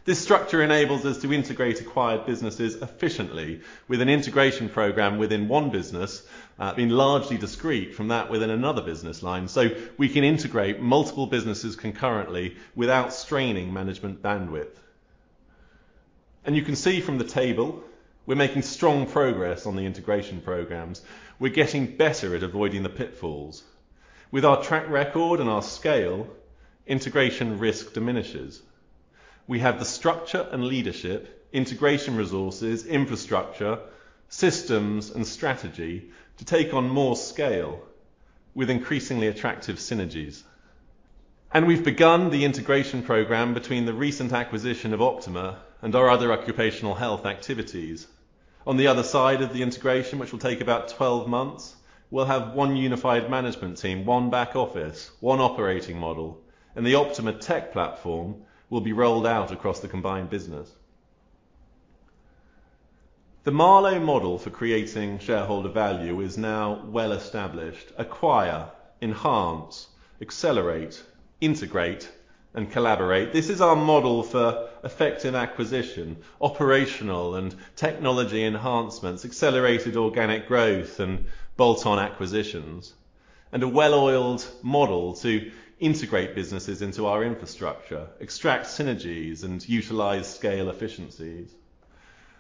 This structure enables us to integrate acquired businesses efficiently with an integration program within one business, being largely discrete from that within another business line, so we can integrate multiple businesses concurrently without straining management bandwidth. You can see from the table, we're making strong progress on the integration programs. We're getting better at avoiding the pitfalls. With our track record and our scale, integration risk diminishes. We have the structure and leadership, integration resources, infrastructure, systems, and strategy to take on more scale with increasingly attractive synergies. We've begun the integration program between the recent acquisition of Optima and our other occupational health activities. On the other side of the integration, which will take about 12 months, we'll have one unified management team, one back office, one operating model, and the Optima tech platform will be rolled out across the combined business. The Marlowe model for creating shareholder value is now well established. Acquire, enhance, accelerate, integrate, and collaborate. This is our model for effective acquisition, operational and technology enhancements, accelerated organic growth and bolt-on acquisitions, and a well-oiled model to integrate businesses into our infrastructure, extract synergies and utilize scale efficiencies.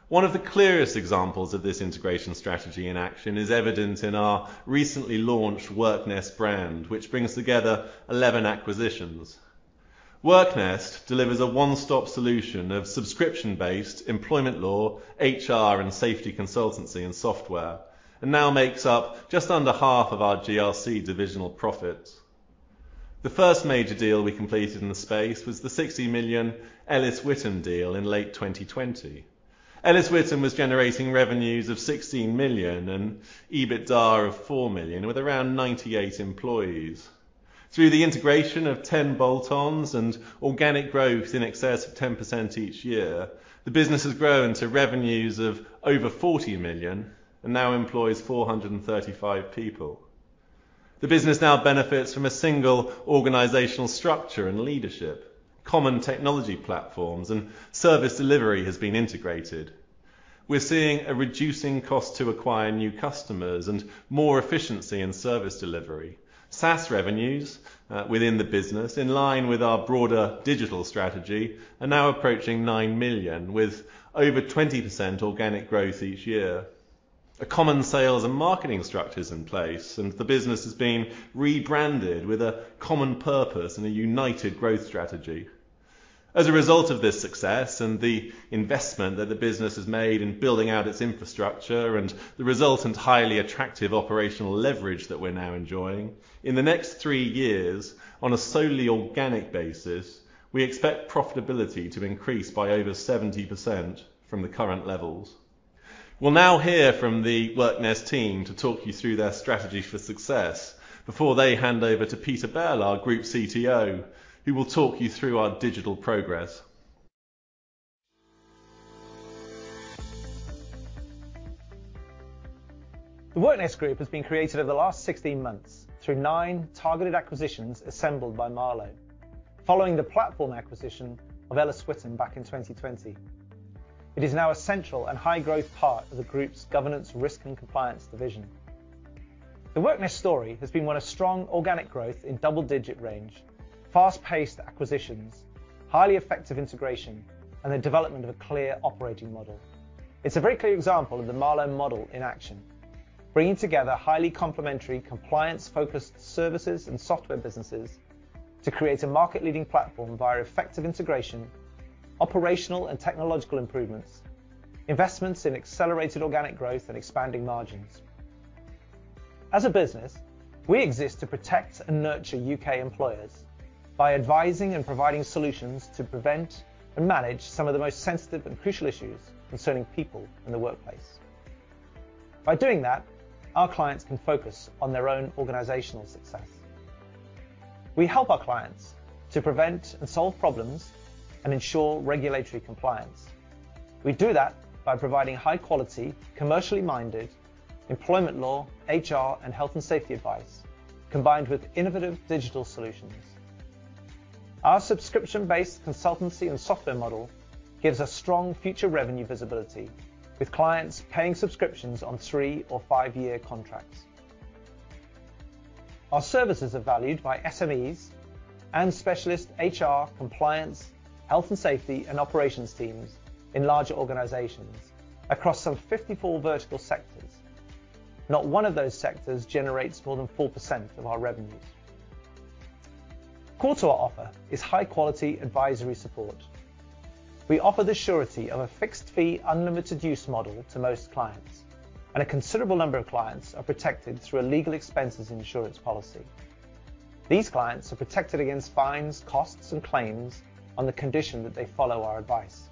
One of the clearest examples of this integration strategy in action is evident in our recently launched WorkNest brand, which brings together 11 acquisitions. WorkNest delivers a one-stop solution of subscription-based employment law, HR and safety consultancy and software, and now makes up just under half of our GRC divisional profit. The first major deal we completed in the space was the 60 million Ellis Whittam deal in late 2020. Ellis Whittam was generating revenues of 16 million and EBITDA of 4 million with around 98 employees. Through the integration of 10 bolt-ons and organic growth in excess of 10% each year, the business has grown to revenues of over 40 million and now employs 435 people. The business now benefits from a single organizational structure and leadership. Common technology platforms and service delivery has been integrated. We're seeing a reducing cost to acquire new customers and more efficiency in service delivery. SaaS revenues within the business, in line with our broader digital strategy, are now approaching 9 million, with over 20% organic growth each year. A common sales and marketing structure is in place, and the business has been rebranded with a common purpose and a united growth strategy. As a result of this success and the investment that the business has made in building out its infrastructure and the resultant highly attractive operational leverage that we're now enjoying, in the next three years, on a solely organic basis, we expect profitability to increase by over 70% from the current levels. We'll now hear from the WorkNest team to talk you through their strategies for success before they hand over to Peter Bell, our Group CTO, who will talk you through our digital progress. The WorkNest Group has been created over the last 16 months through nine targeted acquisitions assembled by Marlowe following the platform acquisition of Ellis Whittam back in 2020. It is now a central and high-growth part of the group's governance risk and compliance division. The WorkNest story has been one of strong organic growth in double-digit range, fast-paced acquisitions, highly effective integration, and the development of a clear operating model. It's a very clear example of the Marlowe model in action, bringing together highly complementary compliance-focused services and software businesses to create a market-leading platform via effective integration, operational and technological improvements, investments in accelerated organic growth and expanding margins. As a business, we exist to protect and nurture U.K. employers by advising and providing solutions to prevent and manage some of the most sensitive and crucial issues concerning people in the workplace. By doing that, our clients can focus on their own organizational success. We help our clients to prevent and solve problems and ensure regulatory compliance. We do that by providing high quality, commercially minded employment law, HR and health and safety advice, combined with innovative digital solutions. Our subscription-based consultancy and software model gives us strong future revenue visibility, with clients paying subscriptions on three- or five-year contracts. Our services are valued by SMEs and specialist HR, compliance, health and safety, and operations teams in larger organizations across some 54 vertical sectors. Not one of those sectors generates more than 4% of our revenues. Core to our offer is high quality advisory support. We offer the surety of a fixed fee, unlimited use model to most clients, and a considerable number of clients are protected through a legal expenses insurance policy. These clients are protected against fines, costs, and claims on the condition that they follow our advice.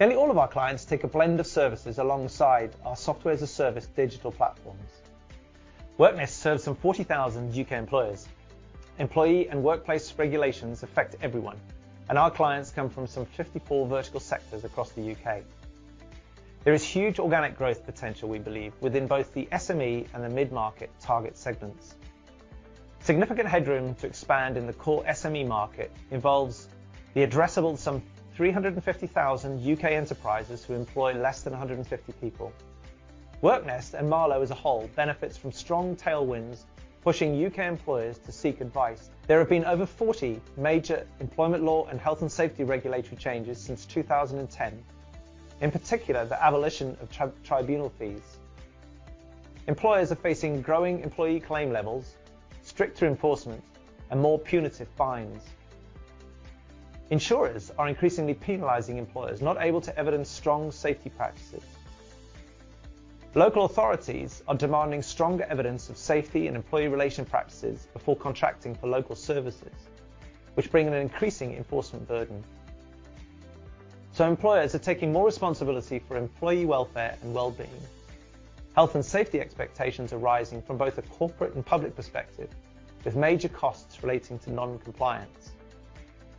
Nearly all of our clients take a blend of services alongside our software as a service digital platforms. WorkNest serves some 40,000 U.K. employers. Employee and workplace regulations affect everyone, and our clients come from some 54 vertical sectors across the U.K. There is huge organic growth potential, we believe, within both the SME and the mid-market target segments. Significant headroom to expand in the core SME market involves the addressable some 350,000 U.K. enterprises who employ less than 150 people. WorkNest and Marlowe as a whole benefits from strong tailwinds, pushing U.K. employers to seek advice. There have been over 40 major employment law and health and safety regulatory changes since 2010. In particular, the abolition of tribunal fees. Employers are facing growing employee claim levels, stricter enforcement, and more punitive fines. Insurers are increasingly penalizing employers not able to evidence strong safety practices. Local authorities are demanding stronger evidence of safety and employee relation practices before contracting for local services, which bring an increasing enforcement burden. Employers are taking more responsibility for employee welfare and well-being. Health and safety expectations are rising from both a corporate and public perspective, with major costs relating to non-compliance.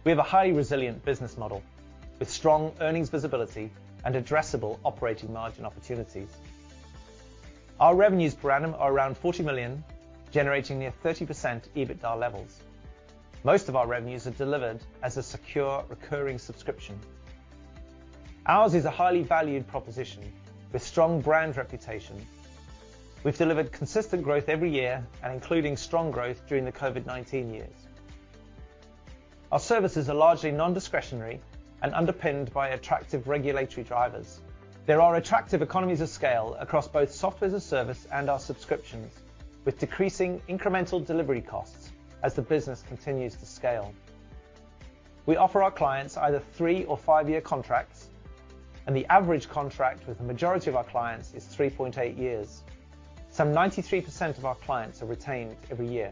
We have a highly resilient business model with strong earnings visibility and addressable operating margin opportunities. Our revenues per annum are around 40 million, generating near 30% EBITDA levels. Most of our revenues are delivered as a secure recurring subscription. Ours is a highly valued proposition with strong brand reputation. We've delivered consistent growth every year and including strong growth during the COVID-19 years. Our services are largely non-discretionary and underpinned by attractive regulatory drivers. There are attractive economies of scale across both software as a service and our subscriptions, with decreasing incremental delivery costs as the business continues to scale. We offer our clients either three- or five-year contracts, and the average contract with the majority of our clients is 3.8 years. Some 93% of our clients are retained every year.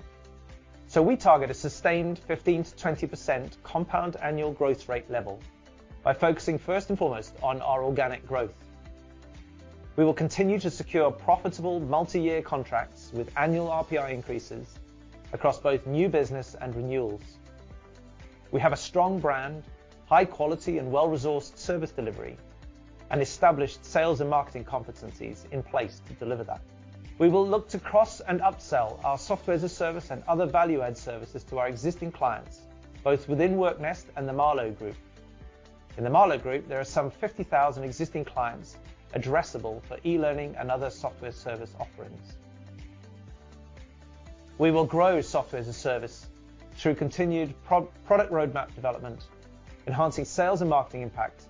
We target a sustained 15%-20% compound annual growth rate level by focusing first and foremost on our organic growth. We will continue to secure profitable multi-year contracts with annual RPI increases across both new business and renewals. We have a strong brand, high quality, and well-resourced service delivery, and established sales and marketing competencies in place to deliver that. We will look to cross and upsell our software as a service and other value-add services to our existing clients, both within WorkNest and the Marlowe Group. In the Marlowe Group, there are some 50,000 existing clients addressable for e-learning and other software service offerings. We will grow software as a service through continued product roadmap development, enhancing sales and marketing impact,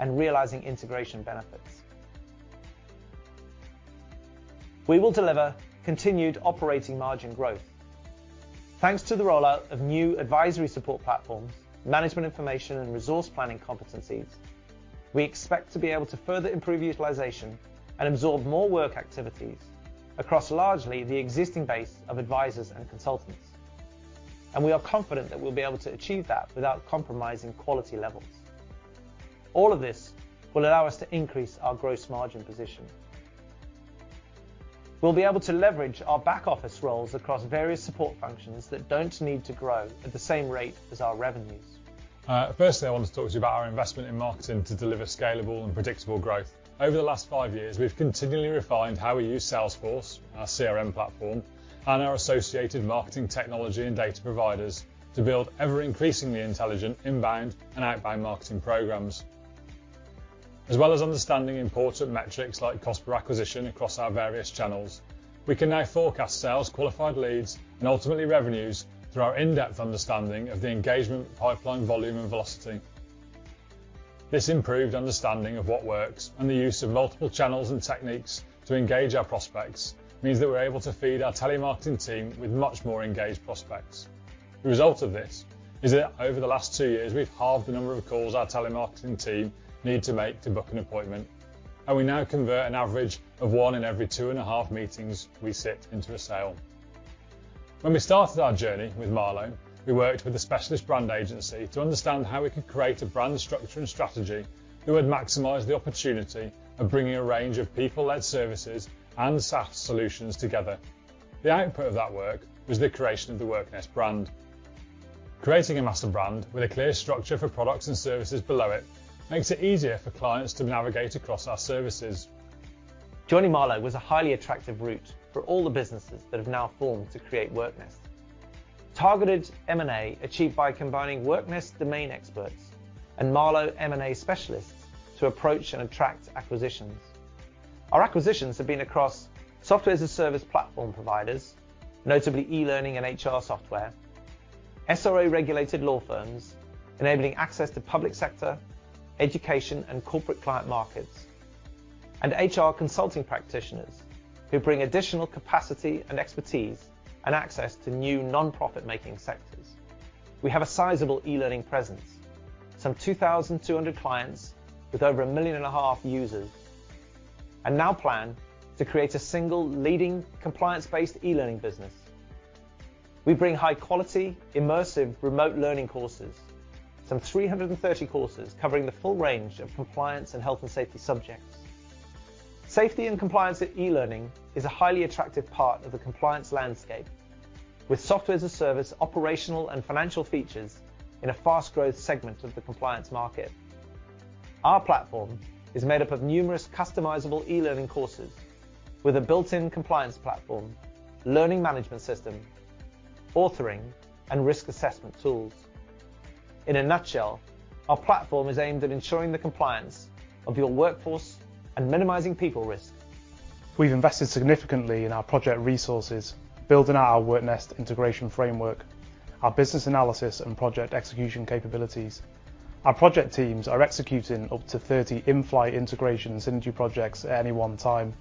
and realizing integration benefits. We will deliver continued operating margin growth. Thanks to the rollout of new advisory support platforms, management information and resource planning competencies, we expect to be able to further improve utilization and absorb more work activities across largely the existing base of advisors and consultants. We are confident that we'll be able to achieve that without compromising quality levels. All of this will allow us to increase our gross margin position. We'll be able to leverage our back office roles across various support functions that don't need to grow at the same rate as our revenues. Firstly, I want to talk to you about our investment in marketing to deliver scalable and predictable growth. Over the last five years, we've continually refined how we use Salesforce, our CRM platform, and our associated marketing technology and data providers to build ever-increasingly intelligent inbound and outbound marketing programs. As well as understanding important metrics like cost per acquisition across our various channels, we can now forecast sales, qualified leads, and ultimately revenues through our in-depth understanding of the engagement pipeline volume and velocity. This improved understanding of what works and the use of multiple channels and techniques to engage our prospects means that we're able to feed our telemarketing team with much more engaged prospects. The result of this is that over the last two years, we've halved the number of calls our telemarketing team need to make to book an appointment, and we now convert an average of one in every 2.5 meetings we sit into a sale. When we started our journey with Marlowe, we worked with a specialist brand agency to understand how we could create a brand structure and strategy that would maximize the opportunity of bringing a range of people-led services and SaaS solutions together. The output of that work was the creation of the WorkNest brand. Creating a master brand with a clear structure for products and services below it makes it easier for clients to navigate across our services. Joining Marlowe was a highly attractive route for all the businesses that have now formed to create WorkNest. Targeted M&A achieved by combining WorkNest domain experts and Marlowe M&A specialists to approach and attract acquisitions. Our acquisitions have been across software as a service platform providers, notably e-learning and HR software, SRA-regulated law firms enabling access to public sector, education, and corporate client markets, and HR consulting practitioners who bring additional capacity and expertise and access to new nonprofit-making sectors. We have a sizable e-learning presence, some 2,200 clients with over 1.5 million users, and now plan to create a single leading compliance-based e-learning business. We bring high-quality, immersive remote learning courses, some 330 courses covering the full range of compliance and health and safety subjects. Safety and compliance e-learning is a highly attractive part of the compliance landscape with software as a service, operational and financial features in a fast-growth segment of the compliance market. Our platform is made up of numerous customizable e-learning courses with a built-in compliance platform, learning management system, authoring, and risk assessment tools. In a nutshell, our platform is aimed at ensuring the compliance of your workforce and minimizing people risk. We've invested significantly in our project resources, building out our WorkNest integration framework, our business analysis, and project execution capabilities. Our project teams are executing up to 30 in-flight integration synergy projects at any one time.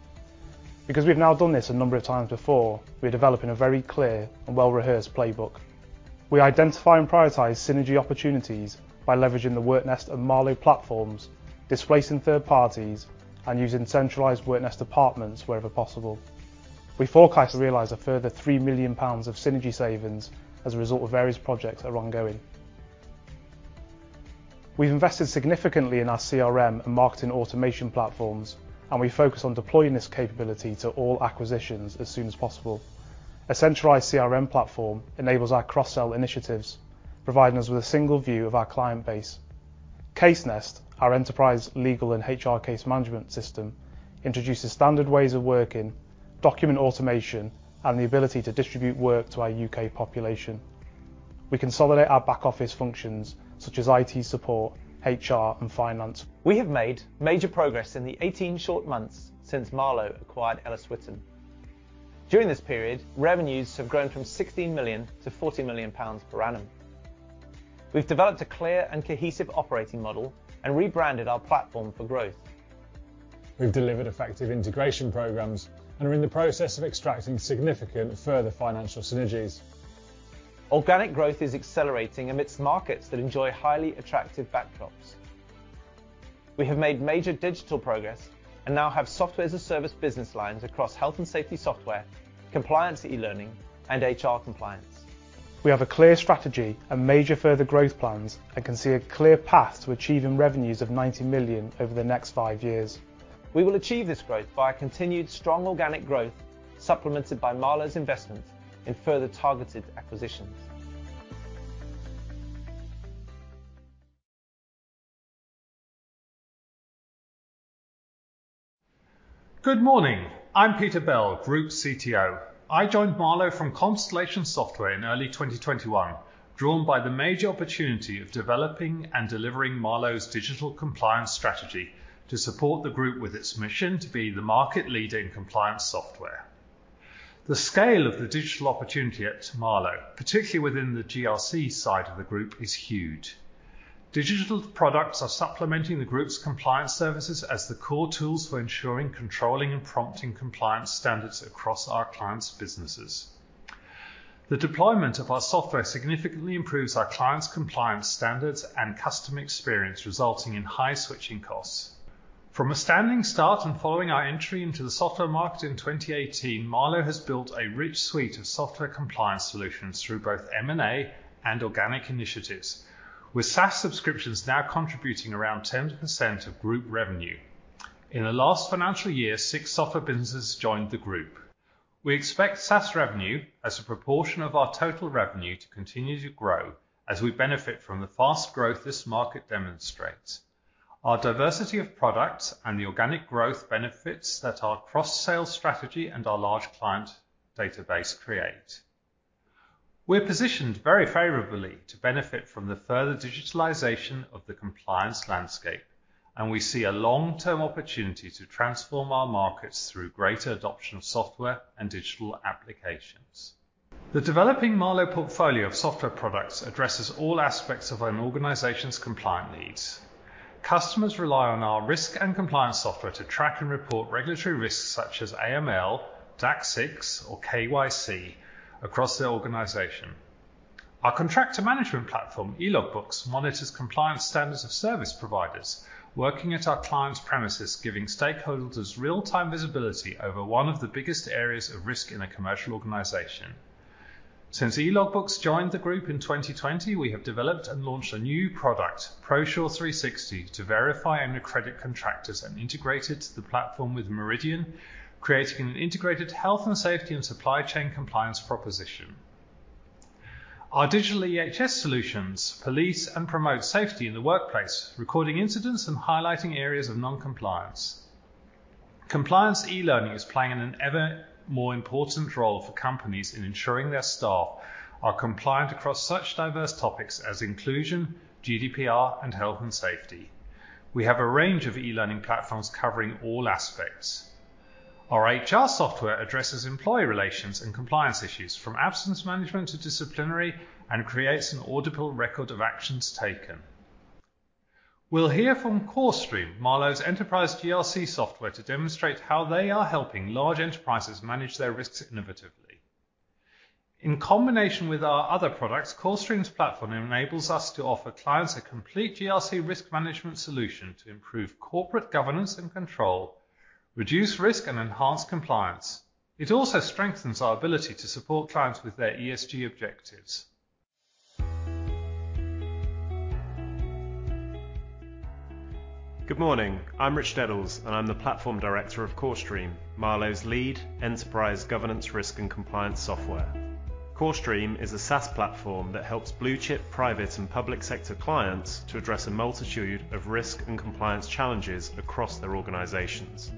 Because we've now done this a number of times before, we're developing a very clear and well-rehearsed playbook. We identify and prioritize synergy opportunities by leveraging the WorkNest and Marlowe platforms, displacing third parties, and using centralized WorkNest departments wherever possible. We forecast to realize a further 3 million pounds of synergy savings as a result of various projects that are ongoing. We've invested significantly in our CRM and marketing automation platforms, and we focus on deploying this capability to all acquisitions as soon as possible. A centralized CRM platform enables our cross-sell initiatives, providing us with a single view of our client base. CaseNest, our enterprise legal and HR case management system, introduces standard ways of working, document automation, and the ability to distribute work to our U.K. population. We consolidate our back-office functions such as IT support, HR, and finance. We have made major progress in the 18 short months since Marlowe acquired Ellis Whittam. During this period, revenues have grown from 16 million to 40 million pounds per annum. We've developed a clear and cohesive operating model and rebranded our platform for growth. We've delivered effective integration programs and are in the process of extracting significant further financial synergies. Organic growth is accelerating amidst markets that enjoy highly attractive backdrops. We have made major digital progress and now have software as a service business lines across health and safety software, compliance e-learning, and HR compliance. We have a clear strategy and major further growth plans and can see a clear path to achieving revenues of 90 million over the next five years. We will achieve this growth by a continued strong organic growth supplemented by Marlowe's investment in further targeted acquisitions. Good morning. I'm Peter Bell, Group CTO. I joined Marlowe from Constellation Software in early 2021, drawn by the major opportunity of developing and delivering Marlowe's digital compliance strategy to support the group with its mission to be the market leader in compliance software. The scale of the digital opportunity at Marlowe, particularly within the GRC side of the group, is huge. Digital products are supplementing the group's compliance services as the core tools for ensuring, controlling, and prompting compliance standards across our clients' businesses. The deployment of our software significantly improves our clients' compliance standards and customer experience, resulting in high switching costs. From a standing start and following our entry into the software market in 2018, Marlowe has built a rich suite of software compliance solutions through both M&A and organic initiatives. With SaaS subscriptions now contributing around 10% of group revenue. In the last financial year, six software businesses joined the group. We expect SaaS revenue as a proportion of our total revenue to continue to grow as we benefit from the fast growth this market demonstrates, our diversity of products and the organic growth benefits that our cross-sale strategy and our large client database create. We're positioned very favorably to benefit from the further digitalization of the compliance landscape, and we see a long-term opportunity to transform our markets through greater adoption of software and digital applications. The developing Marlowe portfolio of software products addresses all aspects of an organization's compliance needs. Customers rely on our risk and compliance software to track and report regulatory risks such as AML, DAC6, or KYC across the organization. Our contractor management platform, eLogbooks, monitors compliance standards of service providers working at our clients' premises, giving stakeholders real-time visibility over one of the biggest areas of risk in a commercial organization. Since eLogbooks joined the group in 2020, we have developed and launched a new product, Prosure360, to verify and accredit contractors and integrate it to the platform with Meridian, creating an integrated health and safety and supply chain compliance proposition. Our digital EHS solutions police and promote safety in the workplace, recording incidents and highlighting areas of non-compliance. Compliance e-learning is playing an ever more important role for companies in ensuring their staff are compliant across such diverse topics as inclusion, GDPR, and health and safety. We have a range of e-learning platforms covering all aspects. Our HR software addresses employee relations and compliance issues from absence management to disciplinary, and creates an audible record of actions taken. We'll hear from CoreStream, Marlowe's enterprise GRC software, to demonstrate how they are helping large enterprises manage their risks innovatively. In combination with our other products, CoreStream's platform enables us to offer clients a complete GRC risk management solution to improve corporate governance and control, reduce risk, and enhance compliance. It also strengthens our ability to support clients with their ESG objectives. Good morning. I'm Rich Detels, and I'm the platform director of CoreStream, Marlowe's lead enterprise governance risk and compliance software. CoreStream is a SaaS platform that helps blue-chip private and public sector clients to address a multitude of risk and compliance challenges across their organizations.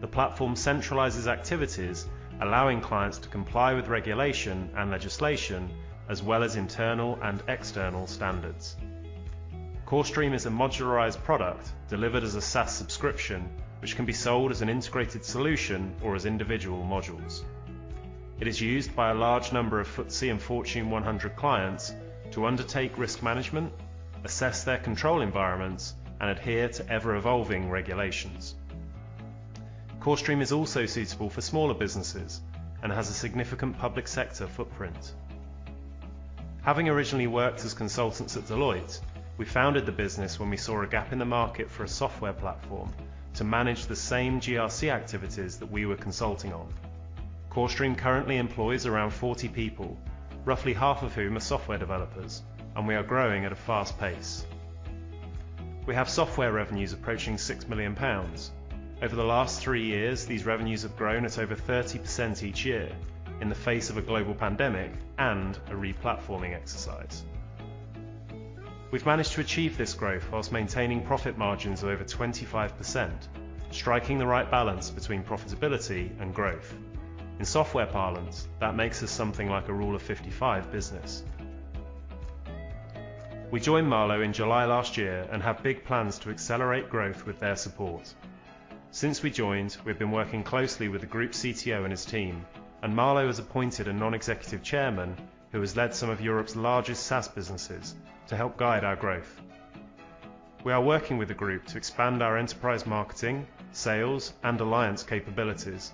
The platform centralizes activities, allowing clients to comply with regulation and legislation, as well as internal and external standards. CoreStream is a modularized product delivered as a SaaS subscription, which can be sold as an integrated solution or as individual modules. It is used by a large number of FTSE and Fortune 100 clients to undertake risk management, assess their control environments, and adhere to ever-evolving regulations. CoreStream is also suitable for smaller businesses and has a significant public sector footprint. Having originally worked as consultants at Deloitte, we founded the business when we saw a gap in the market for a software platform to manage the same GRC activities that we were consulting on. CoreStream currently employs around 40 people, roughly half of whom are software developers, and we are growing at a fast pace. We have software revenues approaching 6 million pounds. Over the last three years, these revenues have grown at over 30% each year in the face of a global pandemic and a replatforming exercise. We've managed to achieve this growth while maintaining profit margins of over 25%, striking the right balance between profitability and growth. In software parlance, that makes us something like a rule of 55 business. We joined Marlowe in July last year and have big plans to accelerate growth with their support. Since we joined, we've been working closely with the group CTO and his team, and Marlowe has appointed a non-executive chairman, who has led some of Europe's largest SaaS businesses, to help guide our growth. We are working with the group to expand our enterprise marketing, sales, and alliance capabilities.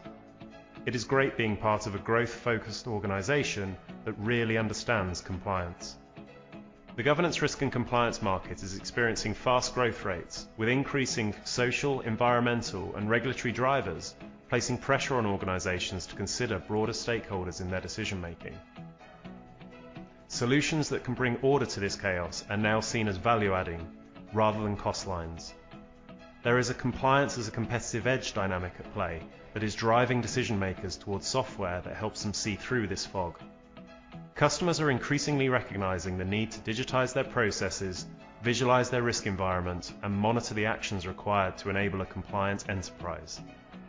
It is great being part of a growth-focused organization that really understands compliance. The governance risk and compliance market is experiencing fast growth rates with increasing social, environmental, and regulatory drivers, placing pressure on organizations to consider broader stakeholders in their decision-making. Solutions that can bring order to this chaos are now seen as value-adding rather than cost lines. There is a compliance as a competitive edge dynamic at play that is driving decision-makers towards software that helps them see through this fog. Customers are increasingly recognizing the need to digitize their processes, visualize their risk environment, and monitor the actions required to enable a compliance enterprise.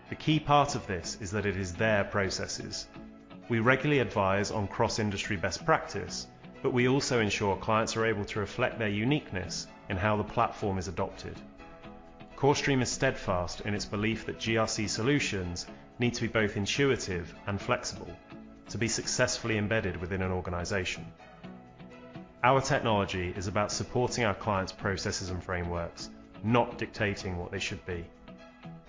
The key part of this is that it is their processes. We regularly advise on cross-industry best practice, but we also ensure clients are able to reflect their uniqueness in how the platform is adopted. CoreStream is steadfast in its belief that GRC solutions need to be both intuitive and flexible to be successfully embedded within an organization. Our technology is about supporting our clients' processes and frameworks, not dictating what they should be.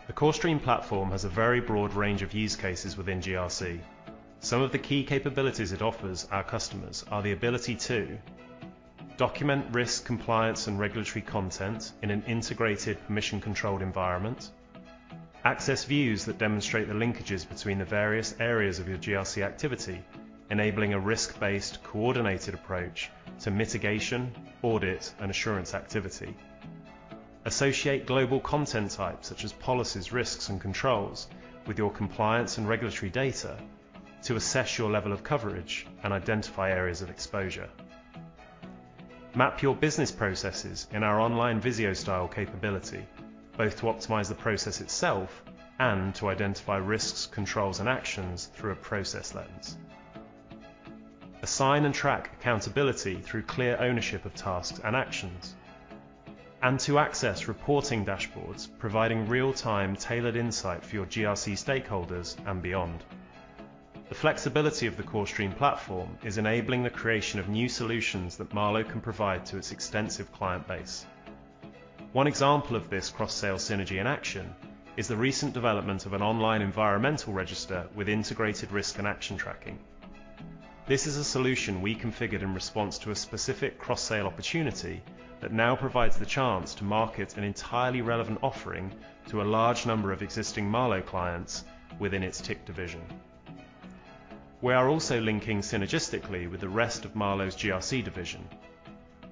The CoreStream platform has a very broad range of use cases within GRC. Some of the key capabilities it offers our customers are the ability to document risk, compliance, and regulatory content in an integrated permission-controlled environment. Access views that demonstrate the linkages between the various areas of your GRC activity, enabling a risk-based coordinated approach to mitigation, audit, and assurance activity. Associate global content types such as policies, risks, and controls with your compliance and regulatory data to assess your level of coverage and identify areas of exposure. Map your business processes in our online Visio style capability, both to optimize the process itself and to identify risks, controls, and actions through a process lens. Assign and track accountability through clear ownership of tasks and actions, and to access reporting dashboards, providing real-time tailored insight for your GRC stakeholders and beyond. The flexibility of the CoreStream platform is enabling the creation of new solutions that Marlowe can provide to its extensive client base. One example of this cross-sale synergy in action is the recent development of an online environmental register with integrated risk and action tracking. This is a solution we configured in response to a specific cross-sale opportunity that now provides the chance to market an entirely relevant offering to a large number of existing Marlowe clients within its SRC division. We are also linking synergistically with the rest of Marlowe's GRC division.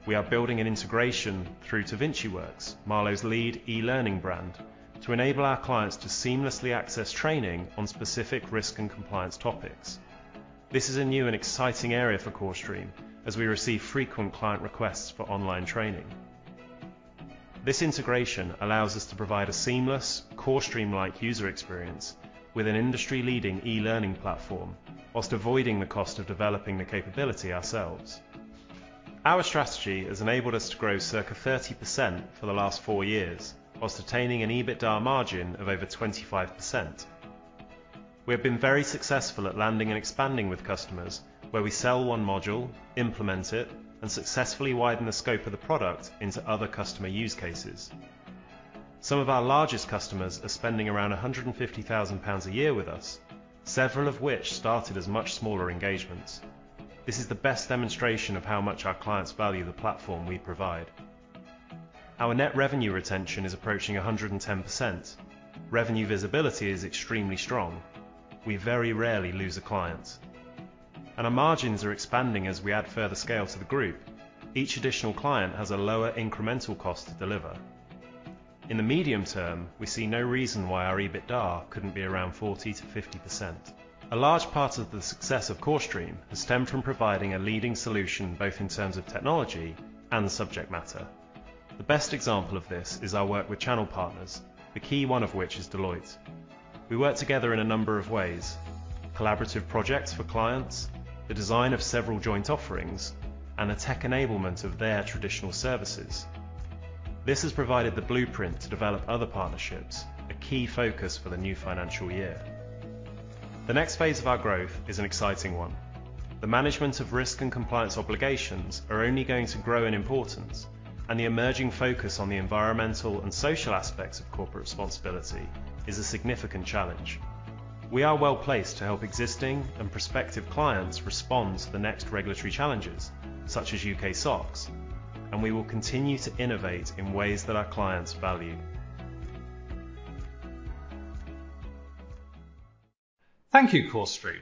We are building an integration through to VinciWorks, Marlowe's lead e-learning brand, to enable our clients to seamlessly access training on specific risk and compliance topics. This is a new and exciting area for CoreStream as we receive frequent client requests for online training. This integration allows us to provide a seamless CoreStream-like user experience with an industry-leading e-learning platform while avoiding the cost of developing the capability ourselves. Our strategy has enabled us to grow circa 30% for the last three years while attaining an EBITDA margin of over 25%. We have been very successful at landing and expanding with customers where we sell one module, implement it and successfully widen the scope of the product into other customer use cases. Some of our largest customers are spending around 150 thousand pounds a year with us, several of which started as much smaller engagements. This is the best demonstration of how much our clients value the platform we provide. Our net revenue retention is approaching 110%. Revenue visibility is extremely strong. We very rarely lose a client, and our margins are expanding as we add further scale to the group. Each additional client has a lower incremental cost to deliver. In the medium term, we see no reason why our EBITDA couldn't be around 40%-50%. A large part of the success of CoreStream has stemmed from providing a leading solution, both in terms of technology and the subject matter. The best example of this is our work with channel partners, the key one of which is Deloitte. We work together in a number of ways, collaborative projects for clients, the design of several joint offerings, and the tech enablement of their traditional services. This has provided the blueprint to develop other partnerships, a key focus for the new financial year. The next phase of our growth is an exciting one. The management of risk and compliance obligations are only going to grow in importance, and the emerging focus on the environmental and social aspects of corporate responsibility is a significant challenge. We are well-placed to help existing and prospective clients respond to the next regulatory challenges, such as UK SOX, and we will continue to innovate in ways that our clients value. Thank you, CoreStream.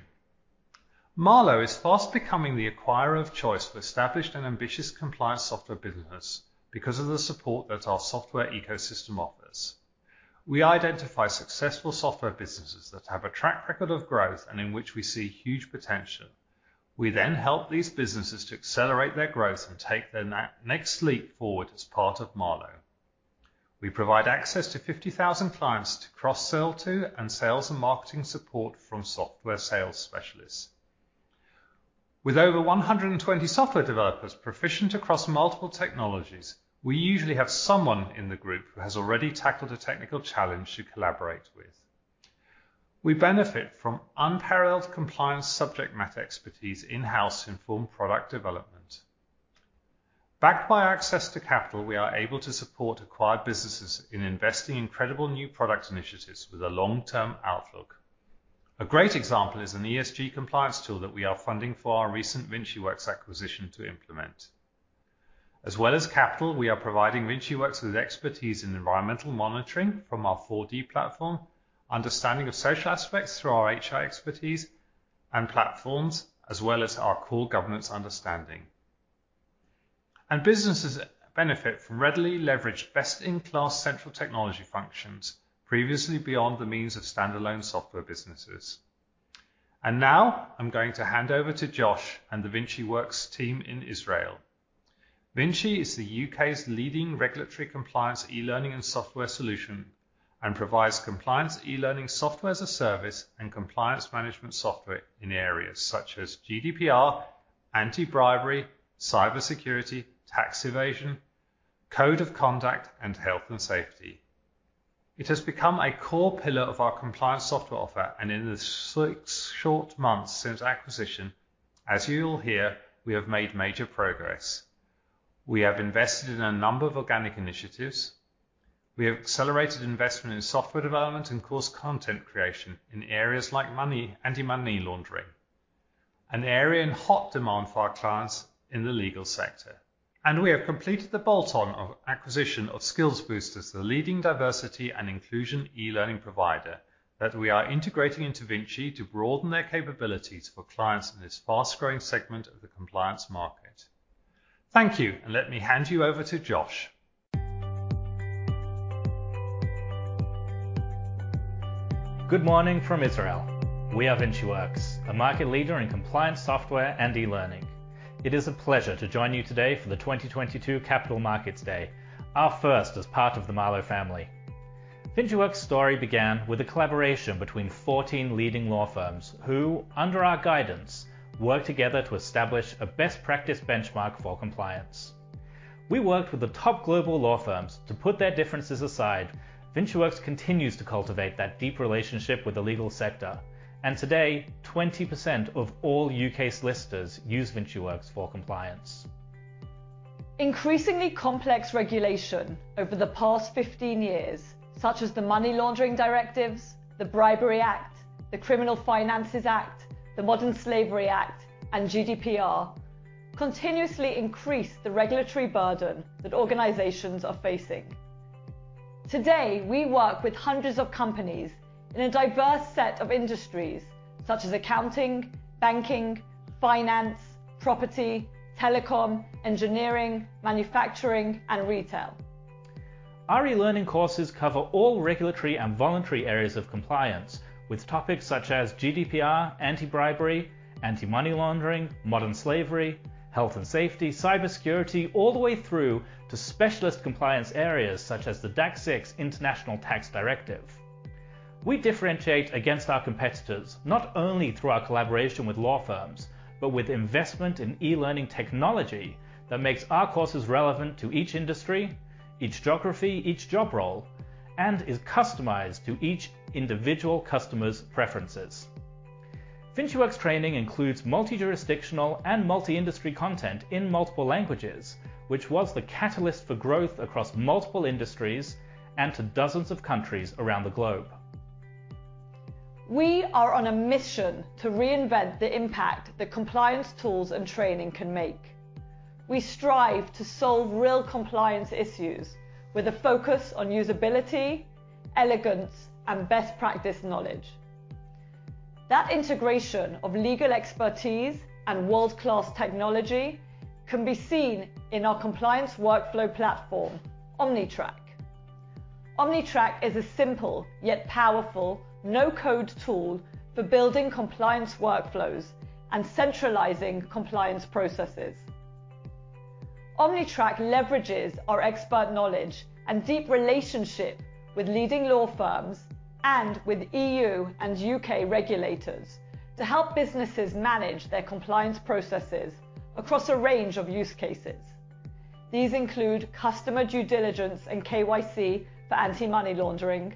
Marlowe is fast becoming the acquirer of choice for established and ambitious compliance software business because of the support that our software ecosystem offers. We identify successful software businesses that have a track record of growth and in which we see huge potential. We then help these businesses to accelerate their growth and take their next leap forward as part of Marlowe. We provide access to 50,000 clients to cross-sell to and sales and marketing support from software sales specialists. With over 120 software developers proficient across multiple technologies, we usually have someone in the group who has already tackled a technical challenge to collaborate with. We benefit from unparalleled compliance subject matter expertise in-house to inform product development. Backed by access to capital, we are able to support acquired businesses in investing in credible new product initiatives with a long-term outlook. A great example is an ESG compliance tool that we are funding for our recent VinciWorks acquisition to implement. As well as capital, we are providing VinciWorks with expertise in environmental monitoring from our 4D platform, understanding of social aspects through our HR expertise and platforms, as well as our core governance understanding. Businesses benefit from readily leveraged best-in-class central technology functions previously beyond the means of standalone software businesses. Now I'm going to hand over to Josh and the VinciWorks team in Israel. VinciWorks is the U.K.'s leading regulatory compliance e-learning and software solution, and provides compliance e-learning software as a service and compliance management software in areas such as GDPR, anti-bribery, cybersecurity, tax evasion, code of conduct, and health and safety. It has become a core pillar of our compliance software offer, and in the six short months since acquisition, as you'll hear, we have made major progress. We have invested in a number of organic initiatives. We have accelerated investment in software development and course content creation in areas like anti-money laundering, an area in hot demand for our clients in the legal sector. We have completed the bolt-on of acquisition of Skill Boosters, the leading diversity and inclusion e-learning provider, that we are integrating into Vinci to broaden their capabilities for clients in this fast-growing segment of the compliance market. Thank you, and let me hand you over to Josh. Good morning from Israel. We are VinciWorks, a market leader in compliance software and e-learning. It is a pleasure to join you today for the 2022 Capital Markets Day, our first as part of the Marlowe family. VinciWorks' story began with a collaboration between 14 leading law firms who, under our guidance, worked together to establish a best practice benchmark for compliance. We worked with the top global law firms to put their differences aside. VinciWorks continues to cultivate that deep relationship with the legal sector and today, 20% of all U.K. solicitors use VinciWorks for compliance. Increasingly complex regulation over the past 15 years, such as the Money Laundering Directives, the Bribery Act, the Criminal Finances Act, the Modern Slavery Act, and GDPR, continuously increase the regulatory burden that organizations are facing. Today, we work with hundreds of companies in a diverse set of industries such as accounting, banking, finance, property, telecom, engineering, manufacturing, and retail. Our e-learning courses cover all regulatory and voluntary areas of compliance with topics such as GDPR, anti-bribery, anti-money laundering, modern slavery, health and safety, cybersecurity, all the way through to specialist compliance areas such as the DAC6 international tax directive. We differentiate against our competitors not only through our collaboration with law firms, but with investment in e-learning technology that makes our courses relevant to each industry, each geography, each job role, and is customized to each individual customer's preferences. VinciWorks training includes multi-jurisdictional and multi-industry content in multiple languages, which was the catalyst for growth across multiple industries and to dozens of countries around the globe. We are on a mission to reinvent the impact that compliance tools and training can make. We strive to solve real compliance issues with a focus on usability, elegance, and best practice knowledge. That integration of legal expertise and world-class technology can be seen in our compliance workflow platform, Omnitrack. Omnitrack is a simple, yet powerful, no-code tool for building compliance workflows and centralizing compliance processes. Omnitrack leverages our expert knowledge and deep relationship with leading law firms and with EU and UK regulators to help businesses manage their compliance processes across a range of use cases. These include customer due diligence and KYC for anti-money laundering,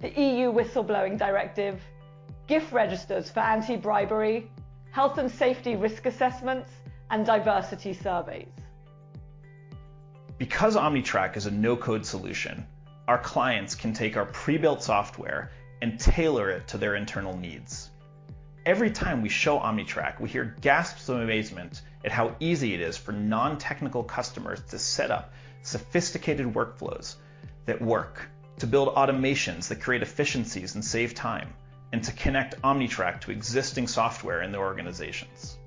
the EU Whistleblowing Directive, gift registers for anti-bribery, health and safety risk assessments, and diversity surveys. Because Omnitrack is a no-code solution, our clients can take our pre-built software and tailor it to their internal needs. Every time we show Omnitrack, we hear gasps of amazement at how easy it is for non-technical customers to set up sophisticated workflows that work to build automations that create efficiencies and save time, and to connect Omnitrack to existing software in their organizations.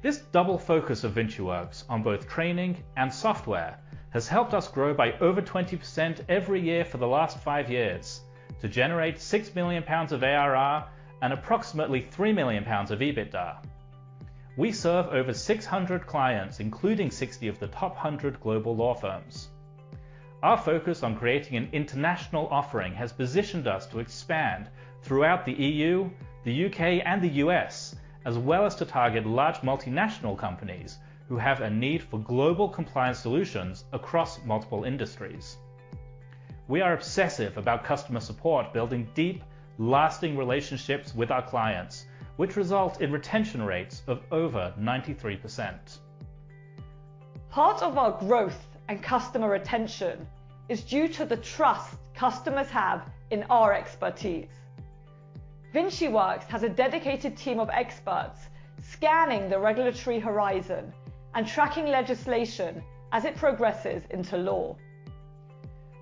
This double focus of VinciWorks on both training and software has helped us grow by over 20% every year for the last five years to generate 6 million pounds of ARR and approximately 3 million pounds of EBITDA. We serve over 600 clients, including 60 of the top 100 global law firms. Our focus on creating an international offering has positioned us to expand throughout the EU, the U.K., and the U.S., as well as to target large multinational companies who have a need for global compliance solutions across multiple industries. We are obsessive about customer support, building deep, lasting relationships with our clients, which result in retention rates of over 93%. Part of our growth and customer retention is due to the trust customers have in our expertise. VinciWorks has a dedicated team of experts scanning the regulatory horizon and tracking legislation as it progresses into law.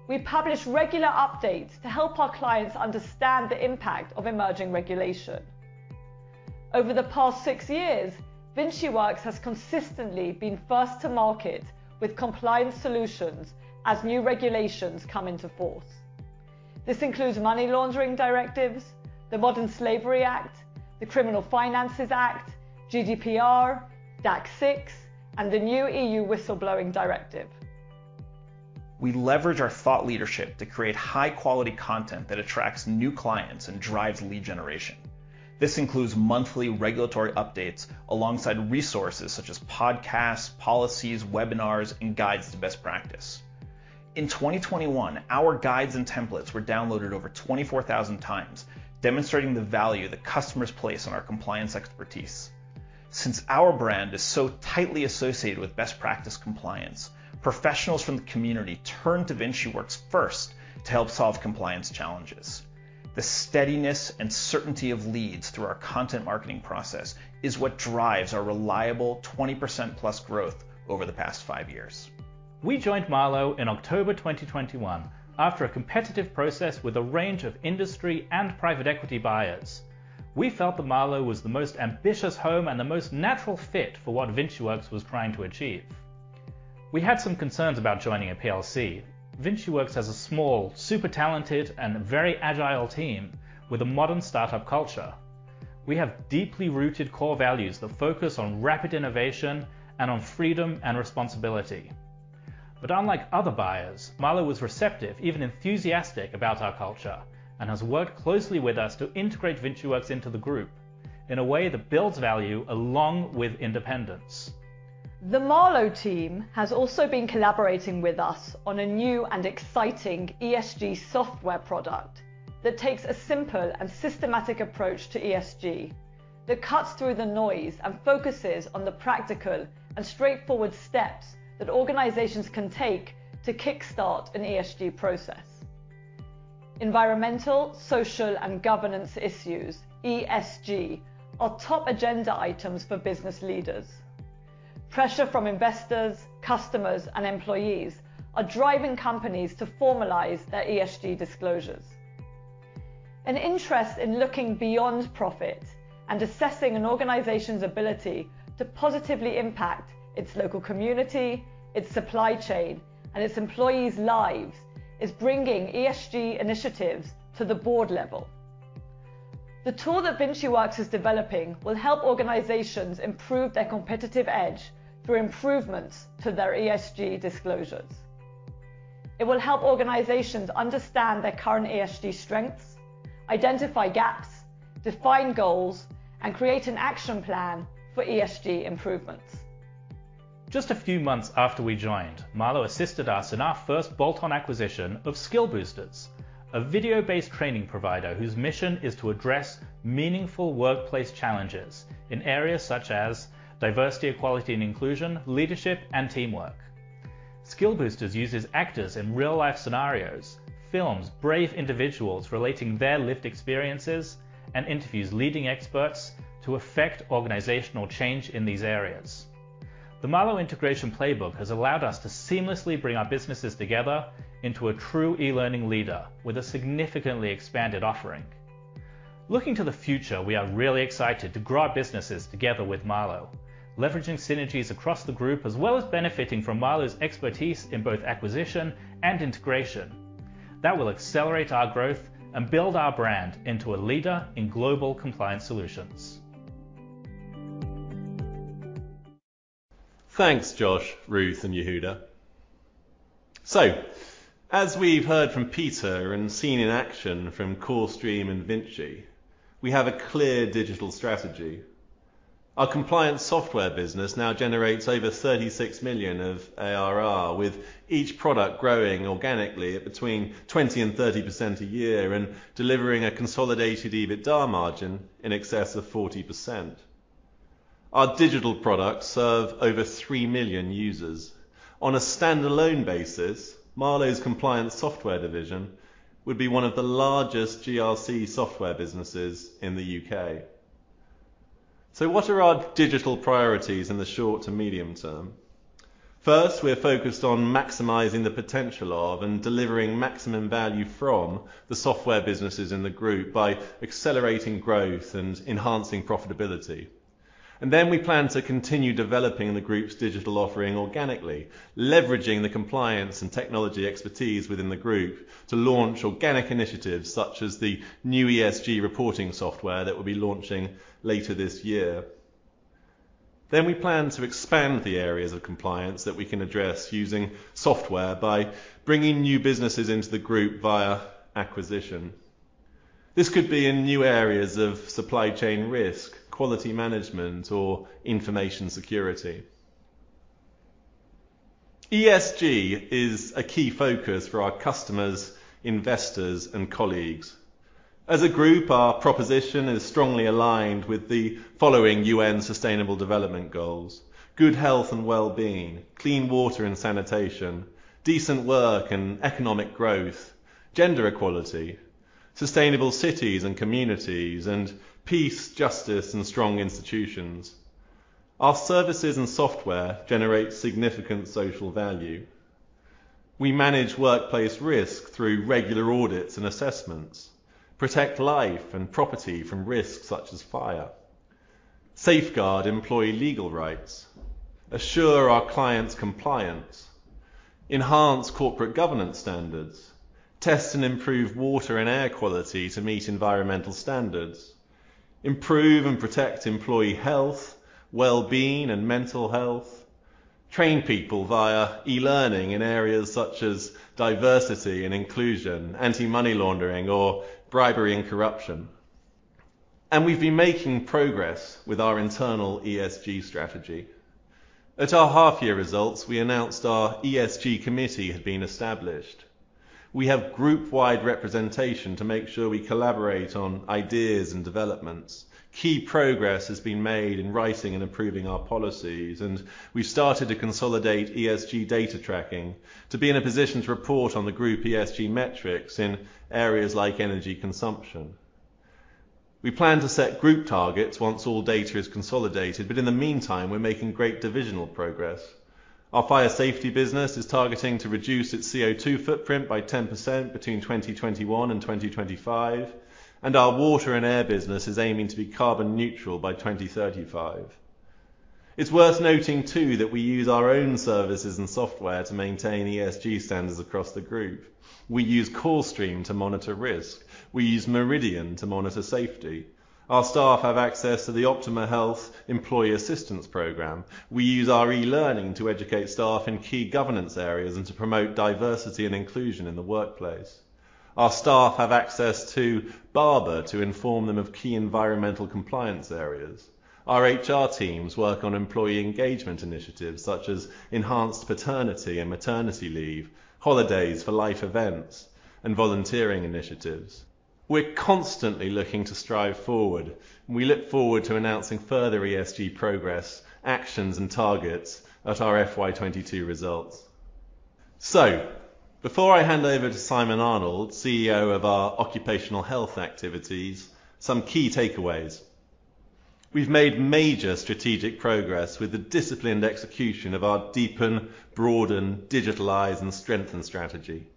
We publish regular updates to help our clients understand the impact of emerging regulation. Over the past six years, VinciWorks has consistently been first to market with compliance solutions as new regulations come into force. This includes Money Laundering Directives, the Modern Slavery Act, the Criminal Finances Act, GDPR, DAC6, and the new EU Whistleblowing Directive. We leverage our thought leadership to create high quality content that attracts new clients and drives lead generation. This includes monthly regulatory updates alongside resources such as podcasts, policies, webinars, and guides to best practice. In 2021, our guides and templates were downloaded over 24,000 times, demonstrating the value that customers place on our compliance expertise. Since our brand is so tightly associated with best practice compliance, professionals from the community turn to VinciWorks first to help solve compliance challenges. The steadiness and certainty of leads through our content marketing process is what drives our reliable 20%+ growth over the past five years. We joined Marlowe in October 2021 after a competitive process with a range of industry and private equity buyers. We felt that Marlowe was the most ambitious home and the most natural fit for what VinciWorks was trying to achieve. We had some concerns about joining a PLC. VinciWorks has a small, super talented, and very agile team with a modern startup culture. We have deeply rooted core values that focus on rapid innovation and on freedom and responsibility. Unlike other buyers, Marlowe was receptive, even enthusiastic, about our culture, and has worked closely with us to integrate VinciWorks into the group. In a way that builds value along with independence. The Marlowe team has also been collaborating with us on a new and exciting ESG software product that takes a simple and systematic approach to ESG that cuts through the noise and focuses on the practical and straightforward steps that organizations can take to kickstart an ESG process. Environmental, social, and governance issues, ESG, are top agenda items for business leaders. Pressure from investors, customers, and employees are driving companies to formalize their ESG disclosures. An interest in looking beyond profit and assessing an organization's ability to positively impact its local community, its supply chain, and its employees' lives is bringing ESG initiatives to the board level. The tool that VinciWorks is developing will help organizations improve their competitive edge through improvements to their ESG disclosures. It will help organizations understand their current ESG strengths, identify gaps, define goals, and create an action plan for ESG improvements. Just a few months after we joined, Marlowe assisted us in our first bolt-on acquisition of Skill Boosters, a video-based training provider whose mission is to address meaningful workplace challenges in areas such as diversity, equality, and inclusion, leadership, and teamwork. Skill Boosters uses actors in real-life scenarios, films brave individuals relating their lived experiences, and interviews leading experts to affect organizational change in these areas. The Marlowe integration playbook has allowed us to seamlessly bring our businesses together into a true e-learning leader with a significantly expanded offering. Looking to the future, we are really excited to grow our businesses together with Marlowe, leveraging synergies across the group as well as benefiting from Marlowe's expertise in both acquisition and integration. That will accelerate our growth and build our brand into a leader in global compliance solutions. Thanks, Josh, Ruth, and Yehuda. As we've heard from Peter and seen in action from CoreStream and VinciWorks, we have a clear digital strategy. Our compliance software business now generates over 36 million of ARR, with each product growing organically at between 20%-30% a year and delivering a consolidated EBITDA margin in excess of 40%. Our digital products serve over three million users. On a standalone basis, Marlowe's compliance software division would be one of the largest GRC software businesses in the U.K. What are our digital priorities in the short to medium term? First, we are focused on maximizing the potential of and delivering maximum value from the software businesses in the group by accelerating growth and enhancing profitability. We plan to continue developing the group's digital offering organically, leveraging the compliance and technology expertise within the group to launch organic initiatives such as the new ESG reporting software that we'll be launching later this year. We plan to expand the areas of compliance that we can address using software by bringing new businesses into the group via acquisition. This could be in new areas of supply chain risk, quality management, or information security. ESG is a key focus for our customers, investors, and colleagues. As a group, our proposition is strongly aligned with the following UN Sustainable Development Goals. Good health and well-being, clean water and sanitation, decent work and economic growth, gender equality, sustainable cities and communities, and peace, justice, and strong institutions. Our services and software generate significant social value. We manage workplace risk through regular audits and assessments, protect life and property from risks such as fire, safeguard employee legal rights, assure our clients' compliance, enhance corporate governance standards, test and improve water and air quality to meet environmental standards, improve and protect employee health, well-being, and mental health, train people via e-learning in areas such as diversity and inclusion, anti-money laundering, or bribery and corruption. We've been making progress with our internal ESG strategy. At our half-year results, we announced our ESG committee had been established. We have group-wide representation to make sure we collaborate on ideas and developments. Key progress has been made in writing and improving our policies, and we've started to consolidate ESG data tracking to be in a position to report on the group ESG metrics in areas like energy consumption. We plan to set group targets once all data is consolidated, but in the meantime, we're making great divisional progress. Our fire safety business is targeting to reduce its CO2 footprint by 10% between 2021 and 2025, and our water and air business is aiming to be carbon neutral by 2035. It's worth noting too that we use our own services and software to maintain ESG standards across the group. We use CoreStream to monitor risk. We use Meridian to monitor safety. Our staff have access to the Optima Health Employee Assistance program. We use our e-learning to educate staff in key governance areas and to promote diversity and inclusion in the workplace. Our staff have access to Barbour to inform them of key environmental compliance areas. Our HR teams work on employee engagement initiatives such as enhanced paternity and maternity leave, holidays for life events, and volunteering initiatives. We're constantly looking to strive forward, and we look forward to announcing further ESG progress, actions, and targets at our FY 2022 results. Before I hand over to Simon Arnold, CEO of our occupational health activities, some key takeaways. We've made major strategic progress with the disciplined execution of our deepen, broaden, digitalize, and strengthen strategy.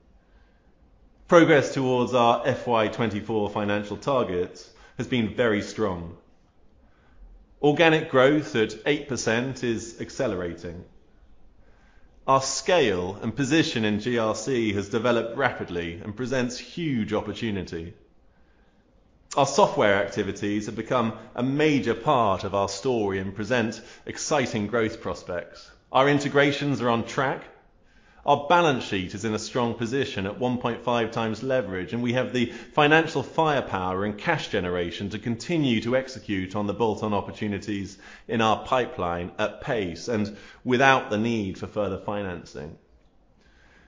Progress towards our FY 2024 financial targets has been very strong. Organic growth at 8% is accelerating. Our scale and position in GRC has developed rapidly and presents huge opportunity. Our software activities have become a major part of our story and present exciting growth prospects. Our integrations are on track. Our balance sheet is in a strong position at 1.5x leverage, and we have the financial firepower and cash generation to continue to execute on the bolt-on opportunities in our pipeline at pace and without the need for further financing.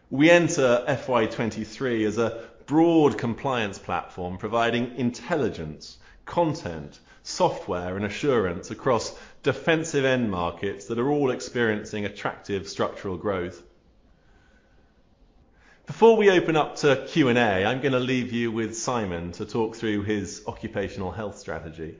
We enter FY 2023 as a broad compliance platform providing intelligence, content, software, and assurance across defensive end markets that are all experiencing attractive structural growth. Before we open up to Q&A, I'm gonna leave you with Simon to talk through his occupational health strategy.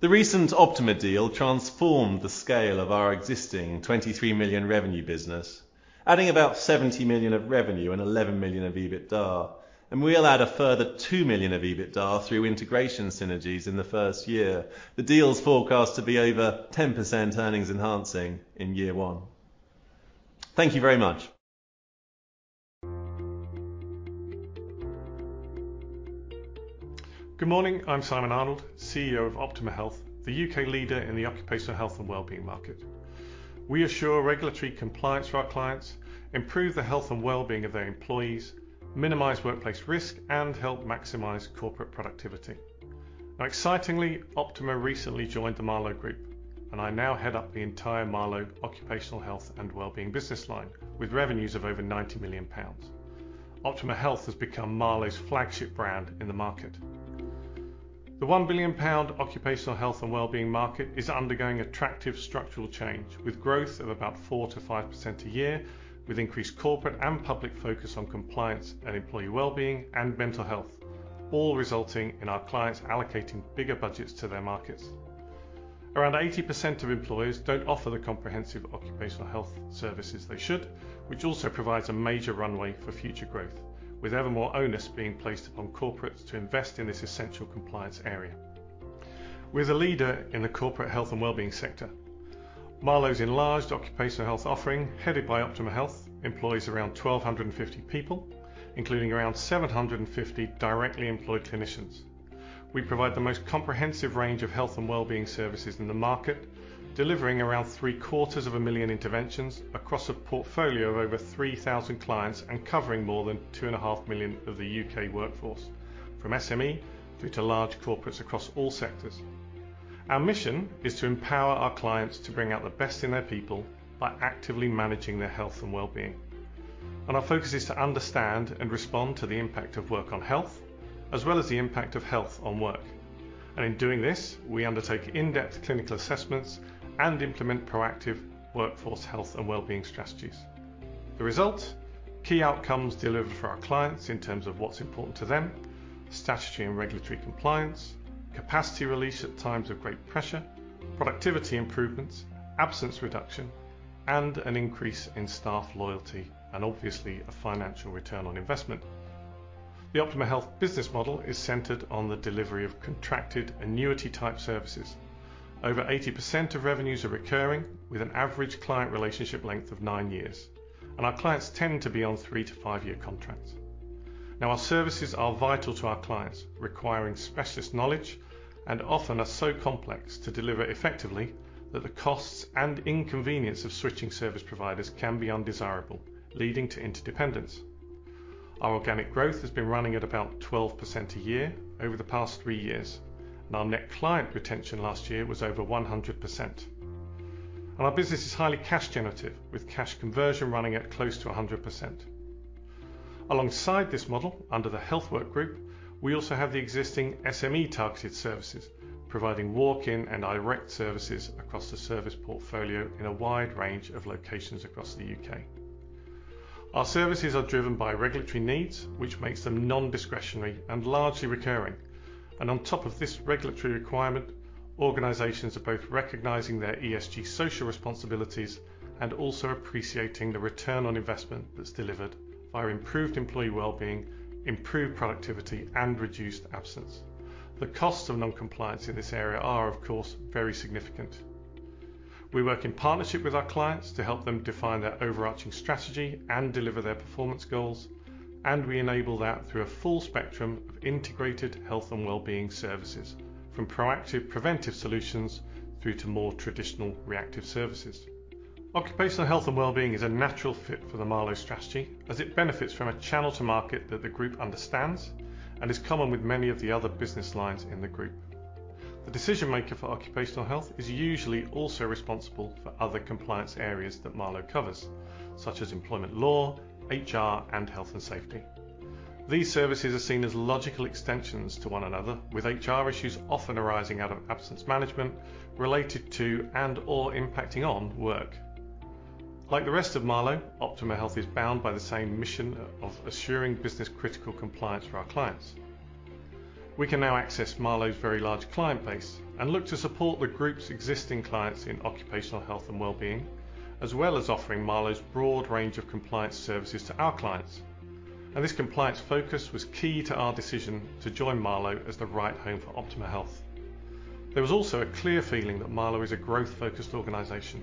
The recent Optima deal transformed the scale of our existing 23 million revenue business, adding about 70 million of revenue and 11 million of EBITDA, and we'll add a further 2 million of EBITDA through integration synergies in the first year. The deal is forecast to be over 10% earnings enhancing in year one. Thank you very much. Good morning. I'm Simon Arnold, CEO of Optima Health, the U.K. leader in the occupational health and wellbeing market. We assure regulatory compliance for our clients, improve the health and wellbeing of their employees, minimize workplace risk, and help maximize corporate productivity. Now, excitingly, Optima recently joined the Marlowe group, and I now head up the entire Marlowe occupational health and wellbeing business line with revenues of over 90 million pounds. Optima Health has become Marlowe's flagship brand in the market. The 1 billion pound occupational health and wellbeing market is undergoing attractive structural change with growth of about 4%-5% a year, with increased corporate and public focus on compliance and employee wellbeing and mental health, all resulting in our clients allocating bigger budgets to their markets. Around 80% of employers don't offer the comprehensive occupational health services they should, which also provides a major runway for future growth, with ever more onus being placed upon corporates to invest in this essential compliance area. We're the leader in the corporate health and well-being sector. Marlowe's enlarged occupational health offering, headed by Optima Health, employs around 1,250 people, including around 750 directly employed clinicians. We provide the most comprehensive range of health and well-being services in the market, delivering around 750,000 interventions across a portfolio of over 3,000 clients and covering more than 2.5 million of the U.K. workforce, from SME through to large corporates across all sectors. Our mission is to empower our clients to bring out the best in their people by actively managing their health and well-being. Our focus is to understand and respond to the impact of work on health, as well as the impact of health on work. In doing this, we undertake in-depth clinical assessments and implement proactive workforce health and well-being strategies. The result, key outcomes delivered for our clients in terms of what's important to them, statutory and regulatory compliance, capacity release at times of great pressure, productivity improvements, absence reduction, and an increase in staff loyalty, and obviously a financial return on investment. The Optima Health business model is centered on the delivery of contracted annuity-type services. Over 80% of revenues are recurring, with an average client relationship length of nine years, and our clients tend to be on three- to five-year contracts. Now, our services are vital to our clients, requiring specialist knowledge and often are so complex to deliver effectively that the costs and inconvenience of switching service providers can be undesirable, leading to interdependence. Our organic growth has been running at about 12% a year over the past three years, and our net client retention last year was over 100%. Our business is highly cash generative, with cash conversion running at close to 100%. Alongside this model, under the Healthwork Group, we also have the existing SME targeted services, providing walk-in and direct services across the service portfolio in a wide range of locations across the U.K. Our services are driven by regulatory needs, which makes them non-discretionary and largely recurring. On top of this regulatory requirement, organizations are both recognizing their ESG social responsibilities and also appreciating the return on investment that's delivered via improved employee wellbeing, improved productivity, and reduced absence. The costs of non-compliance in this area are, of course, very significant. We work in partnership with our clients to help them define their overarching strategy and deliver their performance goals, and we enable that through a full spectrum of integrated health and wellbeing services from proactive preventive solutions through to more traditional reactive services. Occupational health and wellbeing is a natural fit for the Marlowe strategy as it benefits from a channel to market that the group understands and is common with many of the other business lines in the group. The decision-maker for occupational health is usually also responsible for other compliance areas that Marlowe covers, such as employment law, HR, and health and safety. These services are seen as logical extensions to one another, with HR issues often arising out of absence management related to and/or impacting on work. Like the rest of Marlowe, Optima Health is bound by the same mission of assuring business-critical compliance for our clients. We can now access Marlowe's very large client base and look to support the group's existing clients in occupational health and well-being, as well as offering Marlowe's broad range of compliance services to our clients. This compliance focus was key to our decision to join Marlowe as the right home for Optima Health. There was also a clear feeling that Marlowe is a growth-focused organization.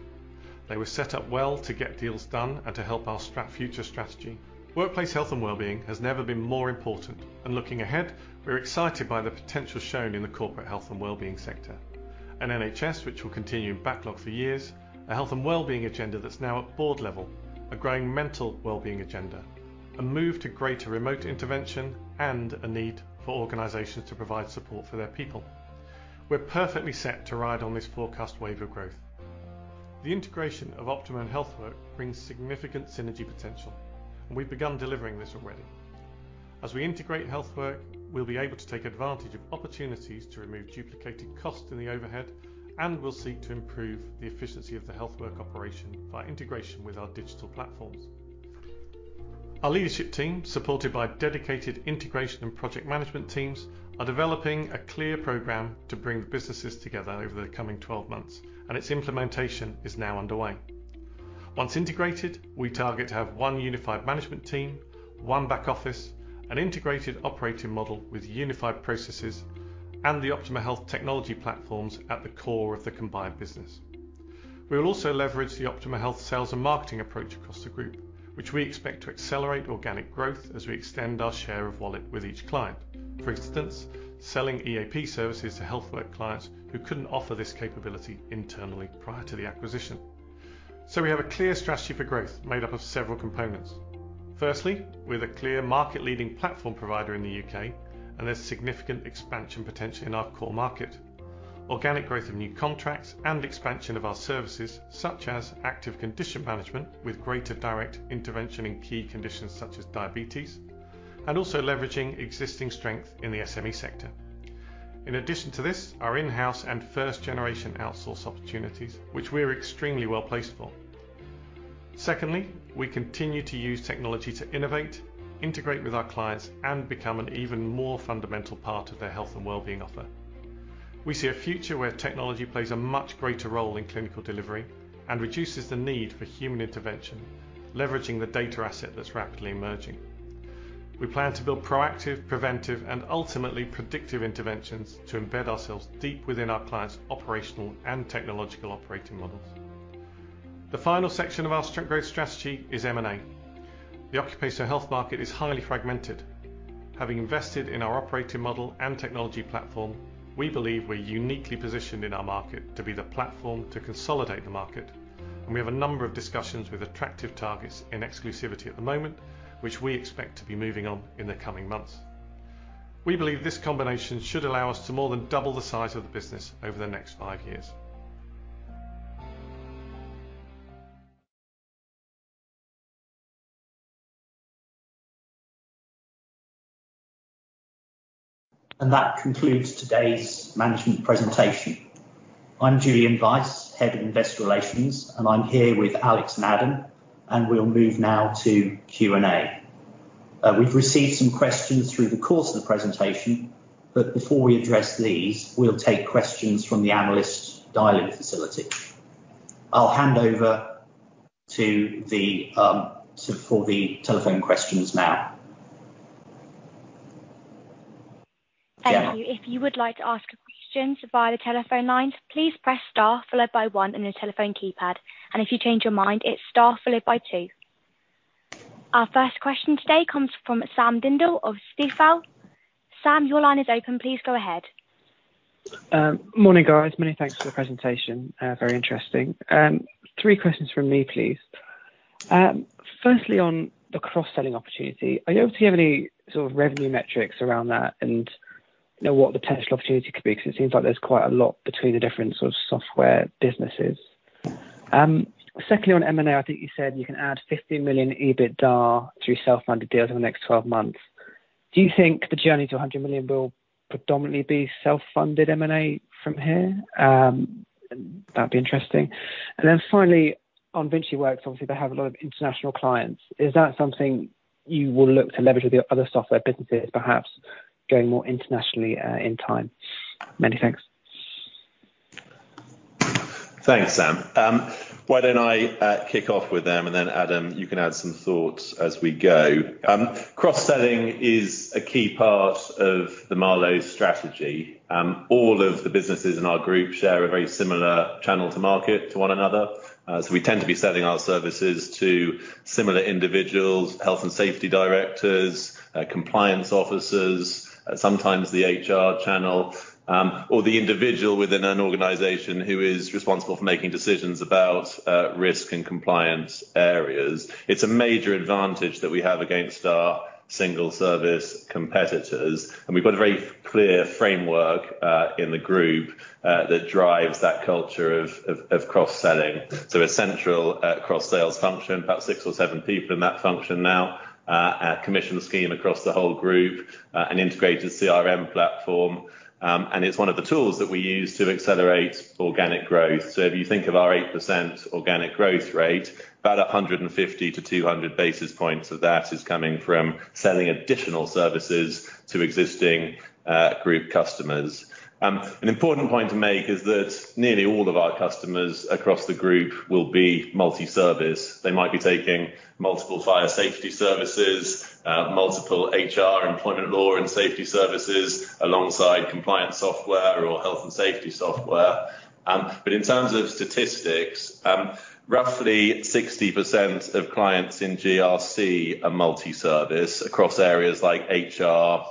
They were set up well to get deals done and to help our strategic future strategy. Workplace health and well-being has never been more important, and looking ahead, we're excited by the potential shown in the corporate health and well-being sector. An NHS which will continue in backlog for years, a health and well-being agenda that's now at board level, a growing mental well-being agenda, a move to greater remote intervention, and a need for organizations to provide support for their people. We're perfectly set to ride on this forecast wave of growth. The integration of Optima and Healthwork brings significant synergy potential, and we've begun delivering this already. As we integrate Healthwork, we'll be able to take advantage of opportunities to remove duplicated costs in the overhead, and we'll seek to improve the efficiency of the Healthwork operation via integration with our digital platforms. Our leadership team, supported by dedicated integration and project management teams, are developing a clear program to bring the businesses together over the coming 12 months, and its implementation is now underway. Once integrated, we target to have one unified management team, one back office, an integrated operating model with unified processes, and the Optima Health technology platforms at the core of the combined business. We will also leverage the Optima Health sales and marketing approach across the group, which we expect to accelerate organic growth as we extend our share of wallet with each client. For instance, selling EAP services to Healthwork clients who couldn't offer this capability internally prior to the acquisition. We have a clear strategy for growth made up of several components. Firstly, with a clear market-leading platform provider in the U.K., and there's significant expansion potential in our core market. Organic growth of new contracts and expansion of our services such as active condition management with greater direct intervention in key conditions such as diabetes, and also leveraging existing strength in the SME sector. In addition to this, our in-house and first-generation outsource opportunities, which we are extremely well-placed for. Secondly, we continue to use technology to innovate, integrate with our clients, and become an even more fundamental part of their health and wellbeing offer. We see a future where technology plays a much greater role in clinical delivery and reduces the need for human intervention, leveraging the data asset that's rapidly emerging. We plan to build proactive, preventive, and ultimately predictive interventions to embed ourselves deep within our clients' operational and technological operating models. The final section of our growth strategy is M&A. The occupational health market is highly fragmented. Having invested in our operating model and technology platform, we believe we're uniquely positioned in our market to be the platform to consolidate the market. We have a number of discussions with attractive targets in exclusivity at the moment, which we expect to be moving on in the coming months. We believe this combination should allow us to more than double the size of the business over the next five years. That concludes today's management presentation. I'm Julian Wais, Head of Investor Relations, and I'm here with Alex and Adam, and we'll move now to Q&A. We've received some questions through the course of the presentation, but before we address these, we'll take questions from the analyst dial-in facility. I'll hand over for the telephone questions now. Thank you. If you would like to ask a question via the telephone line, please press star followed by one on your telephone keypad. If you change your mind, it's star followed by two. Our first question today comes from Sam Dindol of Stifel. Sam, your line is open. Please go ahead. Morning, guys. Many thanks for the presentation. Very interesting. Three questions from me, please. Firstly, on the cross-selling opportunity, are you able to give any sort of revenue metrics around that and, you know, what the potential opportunity could be? Because it seems like there's quite a lot between the different sort of software businesses. Secondly, on M&A, I think you said you can add 50 million EBITDA through self-funded deals in the next 12 months. Do you think the journey to 100 million will predominantly be self-funded M&A from here? That'd be interesting. Then finally, on VinciWorks, obviously, they have a lot of international clients. Is that something you will look to leverage with your other software businesses, perhaps going more internationally, in time? Many thanks. Thanks, Sam. Why don't I kick off with them, and then Adam, you can add some thoughts as we go. Cross-selling is a key part of the Marlowe strategy. All of the businesses in our group share a very similar channel to market to one another. We tend to be selling our services to similar individuals, health and safety directors, compliance officers, sometimes the HR channel, or the individual within an organization who is responsible for making decisions about risk and compliance areas. It's a major advantage that we have against our single service competitors, and we've got a very clear framework in the group that drives that culture of cross-selling essential cross-sales function, about six or seven people in that function now. Our commission scheme across the whole group, an integrated CRM platform, and it's one of the tools that we use to accelerate organic growth. If you think of our 8% organic growth rate, about 150-200 basis points of that is coming from selling additional services to existing, group customers. An important point to make is that nearly all of our customers across the group will be multi-service. They might be taking multiple fire safety services, multiple HR, employment law and safety services, alongside compliance software or health and safety software. In terms of statistics, roughly 60% of clients in GRC are multi-service across areas like HR,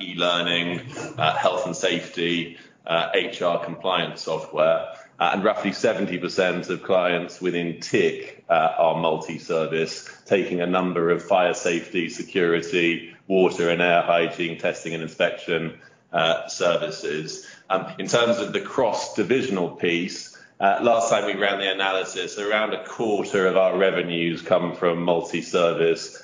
e-learning, health and safety, HR compliance software. Roughly 70% of clients within TIC are multi-service, taking a number of fire safety, security, water and air hygiene testing and inspection services. In terms of the cross-divisional piece, last time we ran the analysis, around a quarter of our revenues come from multi-service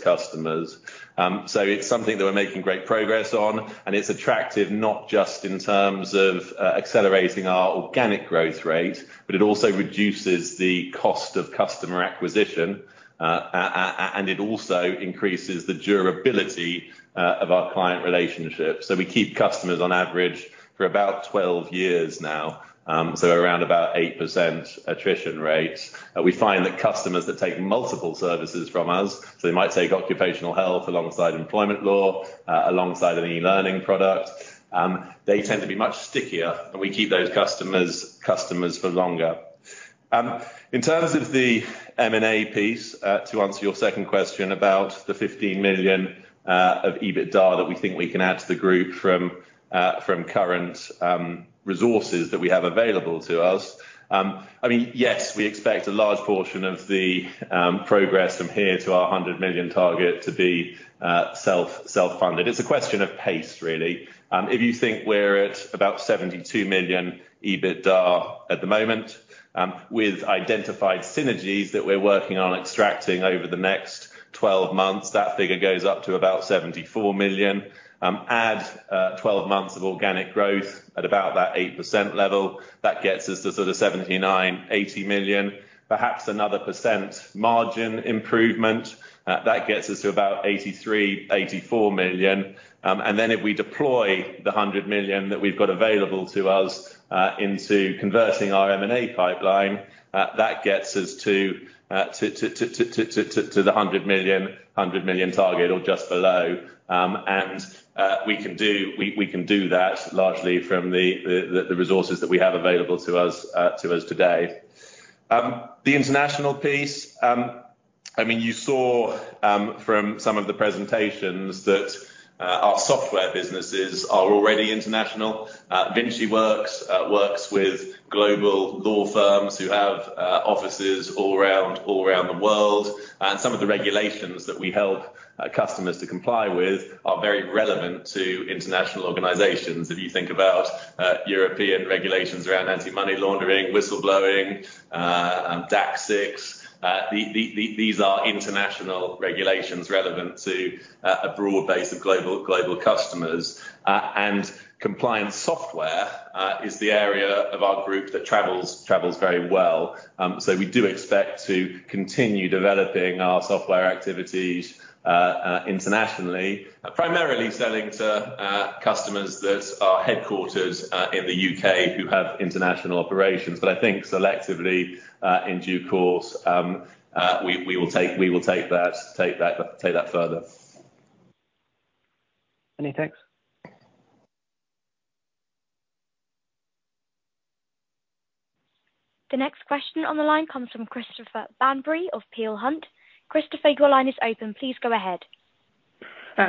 customers. It's something that we're making great progress on, and it's attractive not just in terms of accelerating our organic growth rate, but it also reduces the cost of customer acquisition. And it also increases the durability of our client relationships. We keep customers on average for about 12 years now. Around 8% attrition rate. We find that customers that take multiple services from us, so they might take occupational health alongside employment law, alongside an e-learning product, they tend to be much stickier, and we keep those customers for longer. In terms of the M&A piece, to answer your second question about the 15 million of EBITDA that we think we can add to the group from current resources that we have available to us. I mean, yes, we expect a large portion of the progress from here to our 100 million target to be self-funded. It's a question of pace, really. If you think we're at about 72 million EBITDA at the moment, with identified synergies that we're working on extracting over the next 12 months, that figure goes up to about 74 million. Add 12 months of organic growth at about that 8% level, that gets us to sort of 79 million-80 million. Perhaps another % margin improvement, that gets us to about 83 million-84 million. If we deploy the 100 million that we've got available to us into converting our M&A pipeline, that gets us to the 100 million target or just below. We can do that largely from the resources that we have available to us today. The international piece, I mean, you saw from some of the presentations that our software businesses are already international. VinciWorks works with global law firms who have offices all around the world. Some of the regulations that we help our customers to comply with are very relevant to international organizations. If you think about European regulations around anti-money laundering, whistleblowing, DAC6, these are international regulations relevant to a broad base of global customers. Compliance software is the area of our group that travels very well. We do expect to continue developing our software activities internationally, primarily selling to customers that are headquartered in the U.K. who have international operations. I think selectively in due course we will take that further. Many thanks. The next question on the line comes from Christopher Bamberry of Peel Hunt. Christopher, your line is open. Please go ahead.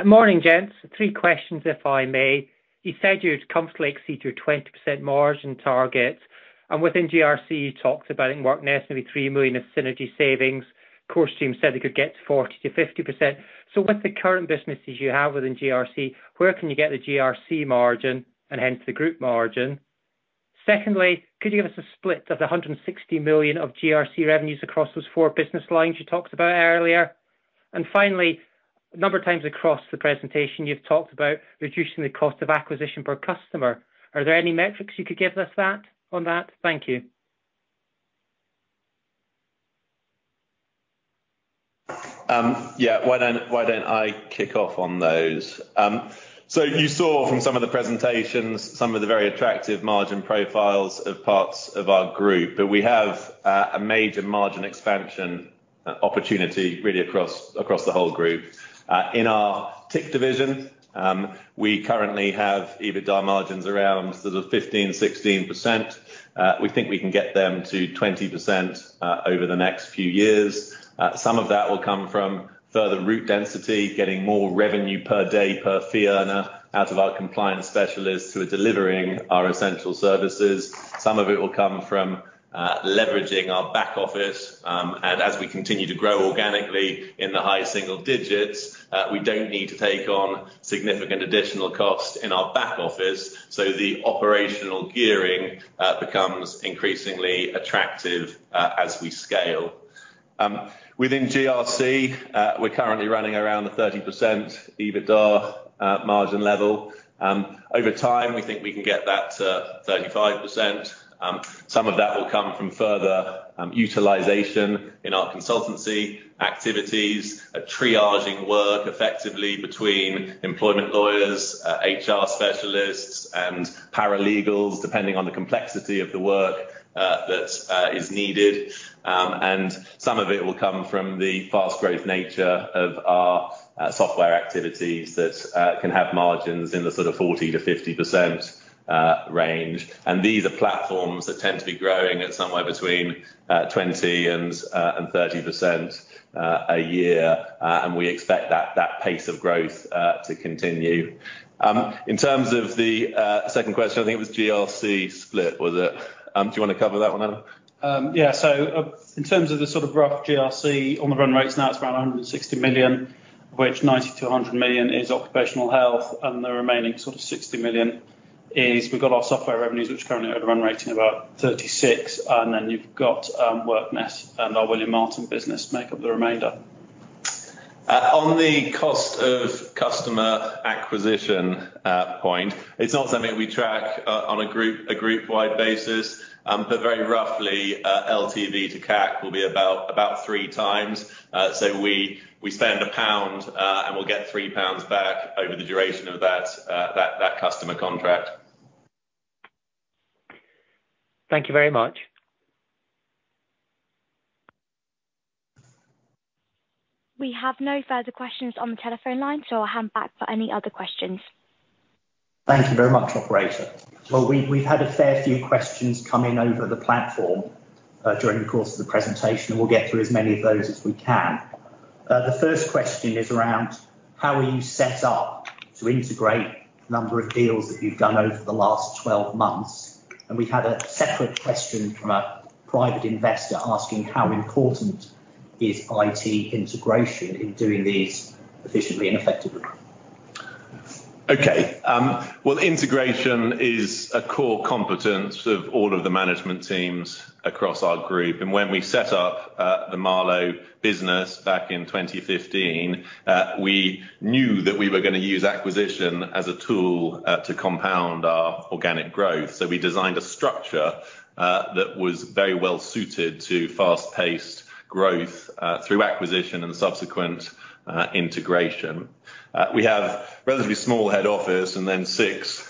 Morning, gents. Three questions if I may. You said you'd comfortably exceed your 20% margin target, and within GRC, you talked about, I think, what, nearly £3 million of synergy savings. CoreStream said they could get 40%-50%. With the current businesses you have within GRC, where can you get the GRC margin and hence the group margin? Secondly, could you give us a split of the £160 million of GRC revenues across those four business lines you talked about earlier? Finally, a number of times across the presentation you've talked about reducing the cost of acquisition per customer. Are there any metrics you could give us that, on that? Thank you. Yeah. Why don't I kick off on those? You saw from some of the presentations some of the very attractive margin profiles of parts of our group. We have a major margin expansion opportunity really across the whole group. In our TIC division, we currently have EBITDA margins around sort of 15%-16%. We think we can get them to 20% over the next few years. Some of that will come from further route density, getting more revenue per day, per fee earner out of our compliance specialists who are delivering our essential services. Some of it will come from leveraging our back office. As we continue to grow organically in the high single digits, we don't need to take on significant additional costs in our back office, so the operational gearing becomes increasingly attractive as we scale. Within GRC, we're currently running around a 30% EBITDA margin level. Over time, we think we can get that to 35%. Some of that will come from further utilization in our consultancy activities, triaging work effectively between employment lawyers, HR specialists and paralegals, depending on the complexity of the work that is needed. Some of it will come from the fast growth nature of our software activities that can have margins in the sort of 40%-50% range. These are platforms that tend to be growing at somewhere between 20% and 30% a year. We expect that pace of growth to continue. In terms of the second question, I think it was GRC split, was it? Do you wanna cover that one, Adam? In terms of the sort of rough GRC on the run rates now, it's around 160 million, which 90 million-100 million is occupational health, and the remaining sort of 60 million is we've got our software revenues, which are currently at a run rate of about 36 million, and then you've got WorkNest and our William Martin business make up the remainder. On the cost of customer acquisition point, it's not something we track on a group-wide basis. Very roughly, LTV to CAC will be about three times. We spend GBP 1 and we'll get 3 pounds back over the duration of that customer contract. Thank you very much. We have no further questions on the telephone line, so I'll hand back for any other questions. Thank you very much, operator. Well, we've had a fair few questions come in over the platform during the course of the presentation, and we'll get through as many of those as we can. The first question is around how are you set up to integrate the number of deals that you've done over the last 12 months? We've had a separate question from a private investor asking how important is IT integration in doing these efficiently and effectively? Well, integration is a core competence of all of the management teams across our group. When we set up the Marlowe business back in 2015, we knew that we were gonna use acquisition as a tool to compound our organic growth. We designed a structure that was very well suited to fast-paced growth through acquisition and subsequent integration. We have relatively small head office and then 6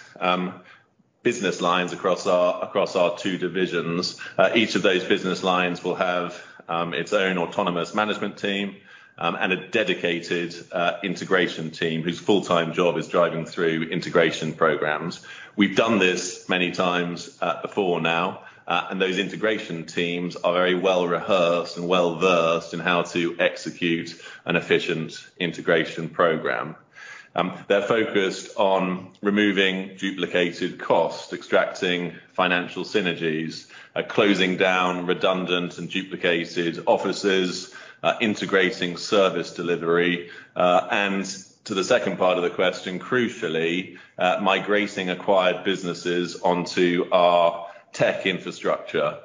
business lines across our two divisions. Each of those business lines will have its own autonomous management team and a dedicated integration team whose full-time job is driving through integration programs. We've done this many times before now, and those integration teams are very well-rehearsed and well-versed in how to execute an efficient integration program. They're focused on removing duplicated costs, extracting financial synergies, closing down redundant and duplicated offices, integrating service delivery, and to the second part of the question, crucially, migrating acquired businesses onto our tech infrastructure.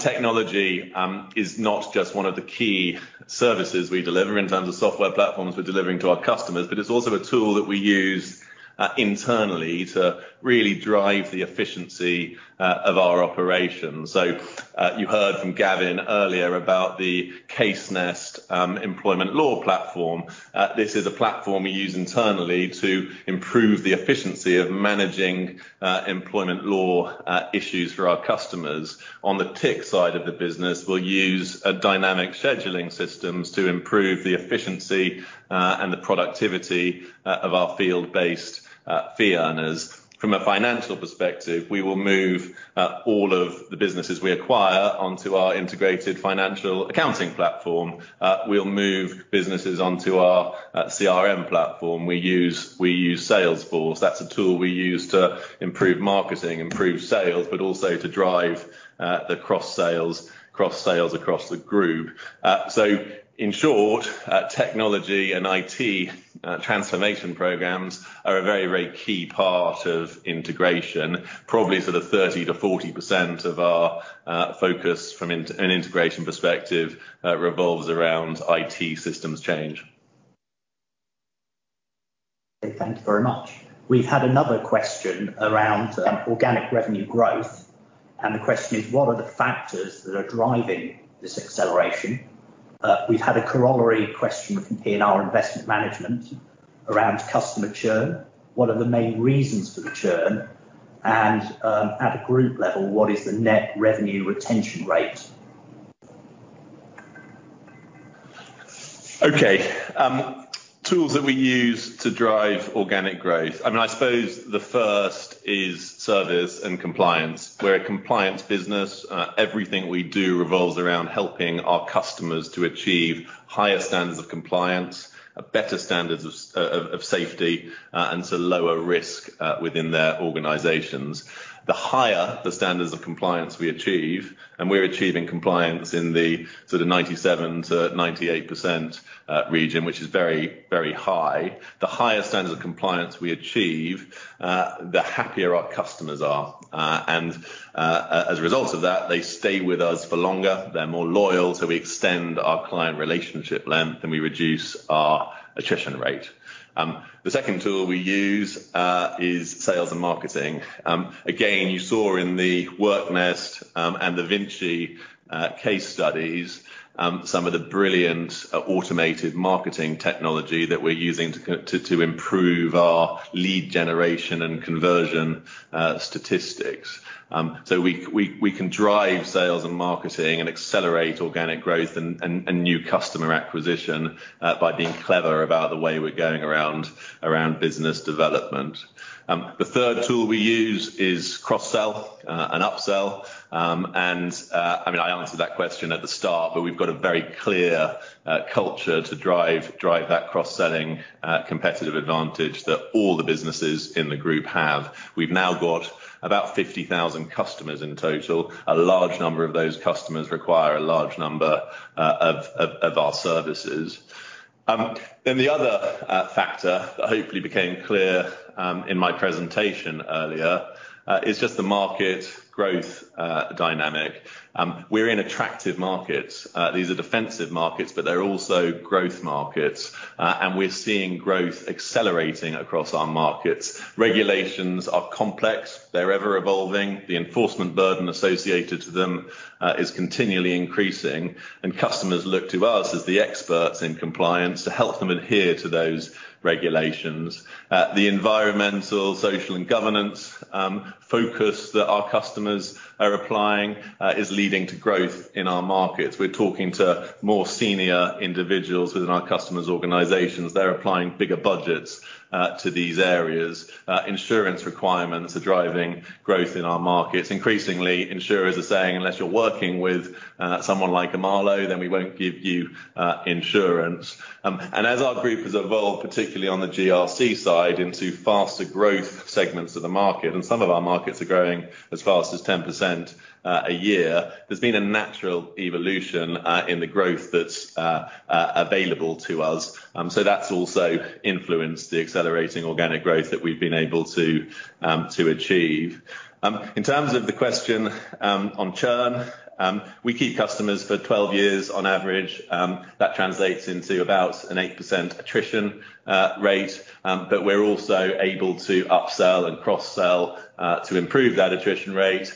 Technology is not just one of the key services we deliver in terms of software platforms we're delivering to our customers, but it's also a tool that we use internally to really drive the efficiency of our operations. You heard from Gavin earlier about the CaseNest employment law platform. This is a platform we use internally to improve the efficiency of managing employment law issues for our customers. On the tech side of the business, we'll use dynamic scheduling systems to improve the efficiency and the productivity of our field-based fee earners. From a financial perspective, we will move all of the businesses we acquire onto our integrated financial accounting platform. We'll move businesses onto our CRM platform. We use Salesforce. That's a tool we use to improve marketing, improve sales, but also to drive the cross-sales across the group. In short, technology and IT transformation programs are a very key part of integration. Probably sort of 30%-40% of our focus from an integration perspective revolves around IT systems change. Okay, thank you very much. We've had another question around organic revenue growth, and the question is, what are the factors that are driving this acceleration? We've had a corollary question from PNR Investment Management around customer churn. What are the main reasons for the churn? At a group level, what is the net revenue retention rate? Okay. Tools that we use to drive organic growth. I mean, I suppose the first is service and compliance. We're a compliance business, everything we do revolves around helping our customers to achieve higher standards of compliance, better standards of safety, and so lower risk within their organizations. The higher the standards of compliance we achieve, and we're achieving compliance in the sort of 97%-98% region, which is very, very high. The higher standards of compliance we achieve, the happier our customers are. As a result of that, they stay with us for longer, they're more loyal, so we extend our client relationship length, and we reduce our attrition rate. The second tool we use is sales and marketing. Again, you saw in the WorkNest and the VinciWorks case studies some of the brilliant automated marketing technology that we're using to improve our lead generation and conversion statistics. We can drive sales and marketing and accelerate organic growth and new customer acquisition by being clever about the way we're going around business development. The third tool we use is cross-sell and upsell. I mean, I answered that question at the start, but we've got a very clear culture to drive that cross-selling competitive advantage that all the businesses in the group have. We've now got about 50,000 customers in total. A large number of those customers require a large number of our services. The other factor that hopefully became clear in my presentation earlier is just the market growth dynamic. We're in attractive markets. These are defensive markets, but they're also growth markets. We're seeing growth accelerating across our markets. Regulations are complex, they're ever-evolving. The enforcement burden associated to them is continually increasing, and customers look to us as the experts in compliance to help them adhere to those regulations. The Environmental, Social, and Governance focus that our customers are applying is leading to growth in our markets. We're talking to more senior individuals within our customers' organizations. They're applying bigger budgets to these areas. Insurance requirements are driving growth in our markets. Increasingly, insurers are saying, "Unless you're working with someone like Marlowe, then we won't give you insurance." As our group has evolved, particularly on the GRC side, into faster growth segments of the market, and some of our markets are growing as fast as 10% a year, there's been a natural evolution in the growth that's available to us. That's also influenced the accelerating organic growth that we've been able to achieve. In terms of the question on churn, we keep customers for 12 years on average. That translates into about an 8% attrition rate. We're also able to upsell and cross-sell to improve that attrition rate,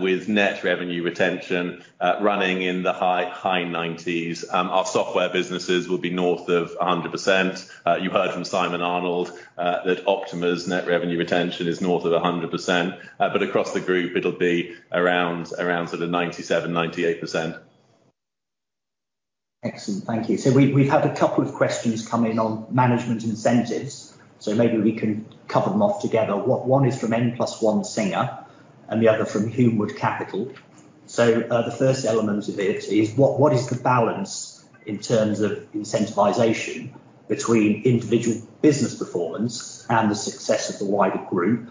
with net revenue retention running in the high nineties. Our software businesses will be north of 100%. You heard from Simon Arnold that Optima's net revenue retention is north of 100%. Across the group, it'll be around sort of 97%-98%. Excellent. Thank you. We had a couple of questions come in on management incentives, so maybe we can cover them off together. One is from N+1 Singer, and the other from Humewood Capital. The first element of it is what is the balance in terms of incentivization between individual business performance and the success of the wider group?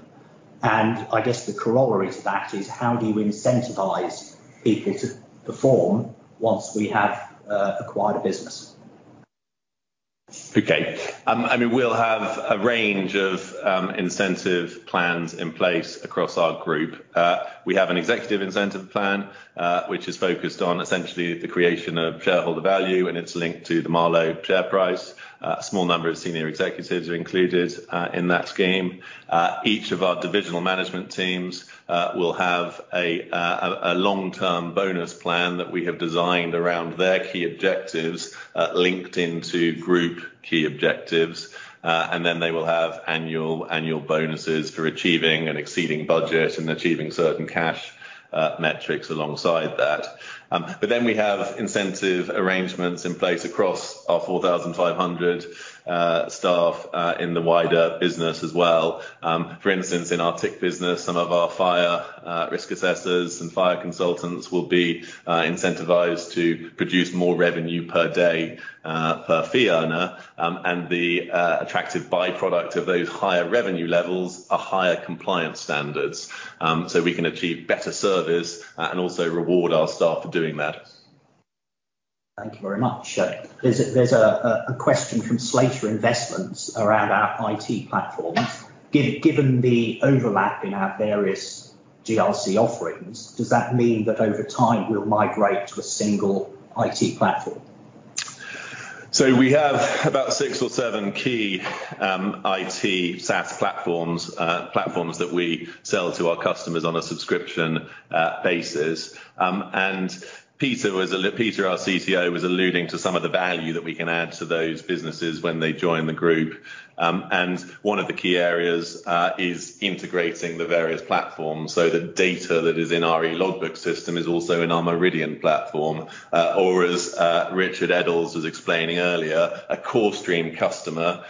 I guess the corollary to that is how do you incentivize people to perform once we have acquired a business? I mean, we'll have a range of incentive plans in place across our group. We have an executive incentive plan, which is focused on essentially the creation of shareholder value, and it's linked to the Marlowe share price. A small number of senior executives are included in that scheme. Each of our divisional management teams will have a long-term bonus plan that we have designed around their key objectives, linked into group key objectives. They will have annual bonuses for achieving and exceeding budget and achieving certain cash metrics alongside that. We have incentive arrangements in place across our 4,500 staff in the wider business as well. For instance, in our TIC business, some of our fire risk assessors and fire consultants will be incentivized to produce more revenue per day per fee earner. The attractive by-product of those higher revenue levels are higher compliance standards. We can achieve better service and also reward our staff for doing that. Thank you very much. There's a question from Slater Investments around our IT platform. Given the overlap in our various GRC offerings, does that mean that over time we'll migrate to a single IT platform? We have about six or seven key IT SaaS platforms that we sell to our customers on a subscription basis. Peter, our CTO, was alluding to some of the value that we can add to those businesses when they join the group. One of the key areas is integrating the various platforms so the data that is in our eLogbooks system is also in our Meridian platform. Or as Richard Eddolls was explaining earlier, a CoreStream customer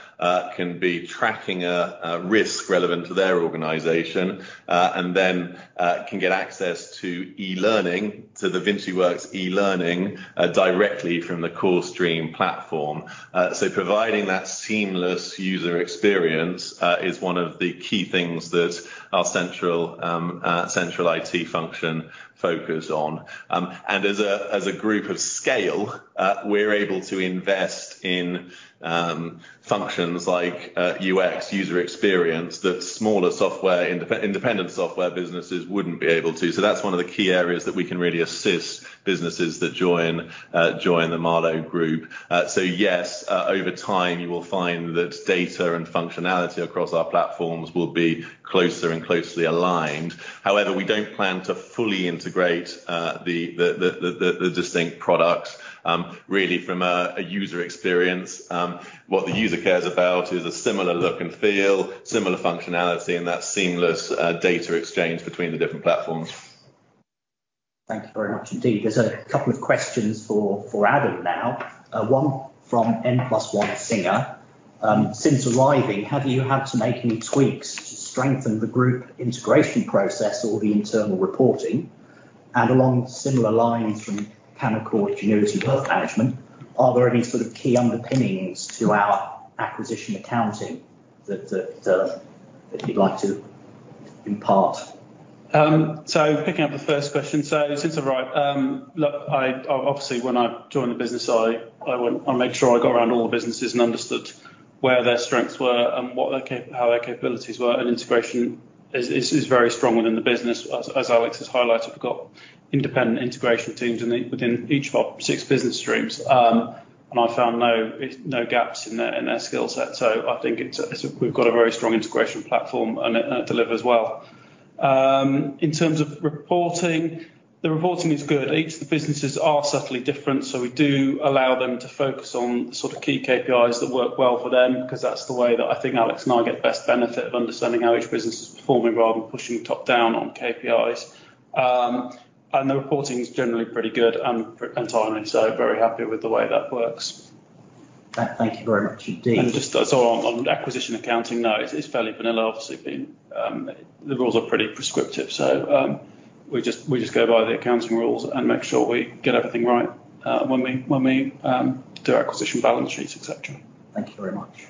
can be tracking a risk relevant to their organization and then can get access to e-learning, so the VinciWorks e-learning directly from the CoreStream platform. Providing that seamless user experience is one of the key things that our central IT function focus on. As a group of scale, we're able to invest in functions like UX, user experience, that smaller software independent software businesses wouldn't be able to. That's one of the key areas that we can really assist businesses that join the Marlowe Group. Yes, over time you will find that data and functionality across our platforms will be closer and closely aligned. However, we don't plan to fully integrate the distinct products, really from a user experience. What the user cares about is a similar look and feel, similar functionality, and that seamless data exchange between the different platforms. Thank you very much indeed. There's a couple of questions for Adam now. One from N+1 Singer. Since arriving, have you had to make any tweaks to strengthen the group integration process or the internal reporting? Along similar lines from Panacor Utility Wealth Management, are there any sort of key underpinnings to our acquisition accounting that you'd like to impart? Picking up the first question. Since I've arrived, look, I obviously when I joined the business, I went I made sure I got around all the businesses and understood where their strengths were and what their how their capabilities were, and integration is very strong within the business. As Alex has highlighted, we've got independent integration teams in each within each of our six business streams. I found no gaps in their skill set. I think we've got a very strong integration platform, and it delivers well. In terms of reporting, the reporting is good. Each of the businesses are subtly different, so we do allow them to focus on the sort of key KPIs that work well for them, 'cause that's the way that I think Alex and I get best benefit of understanding how each business is performing rather than pushing top-down on KPIs. The reporting is generally pretty good and timely, so very happy with the way that works. Thank you very much indeed. Just so, on acquisition accounting, no, it's fairly vanilla. Obviously, the rules are pretty prescriptive, so we just go by the accounting rules and make sure we get everything right, when we do acquisition balance sheets, et cetera. Thank you very much.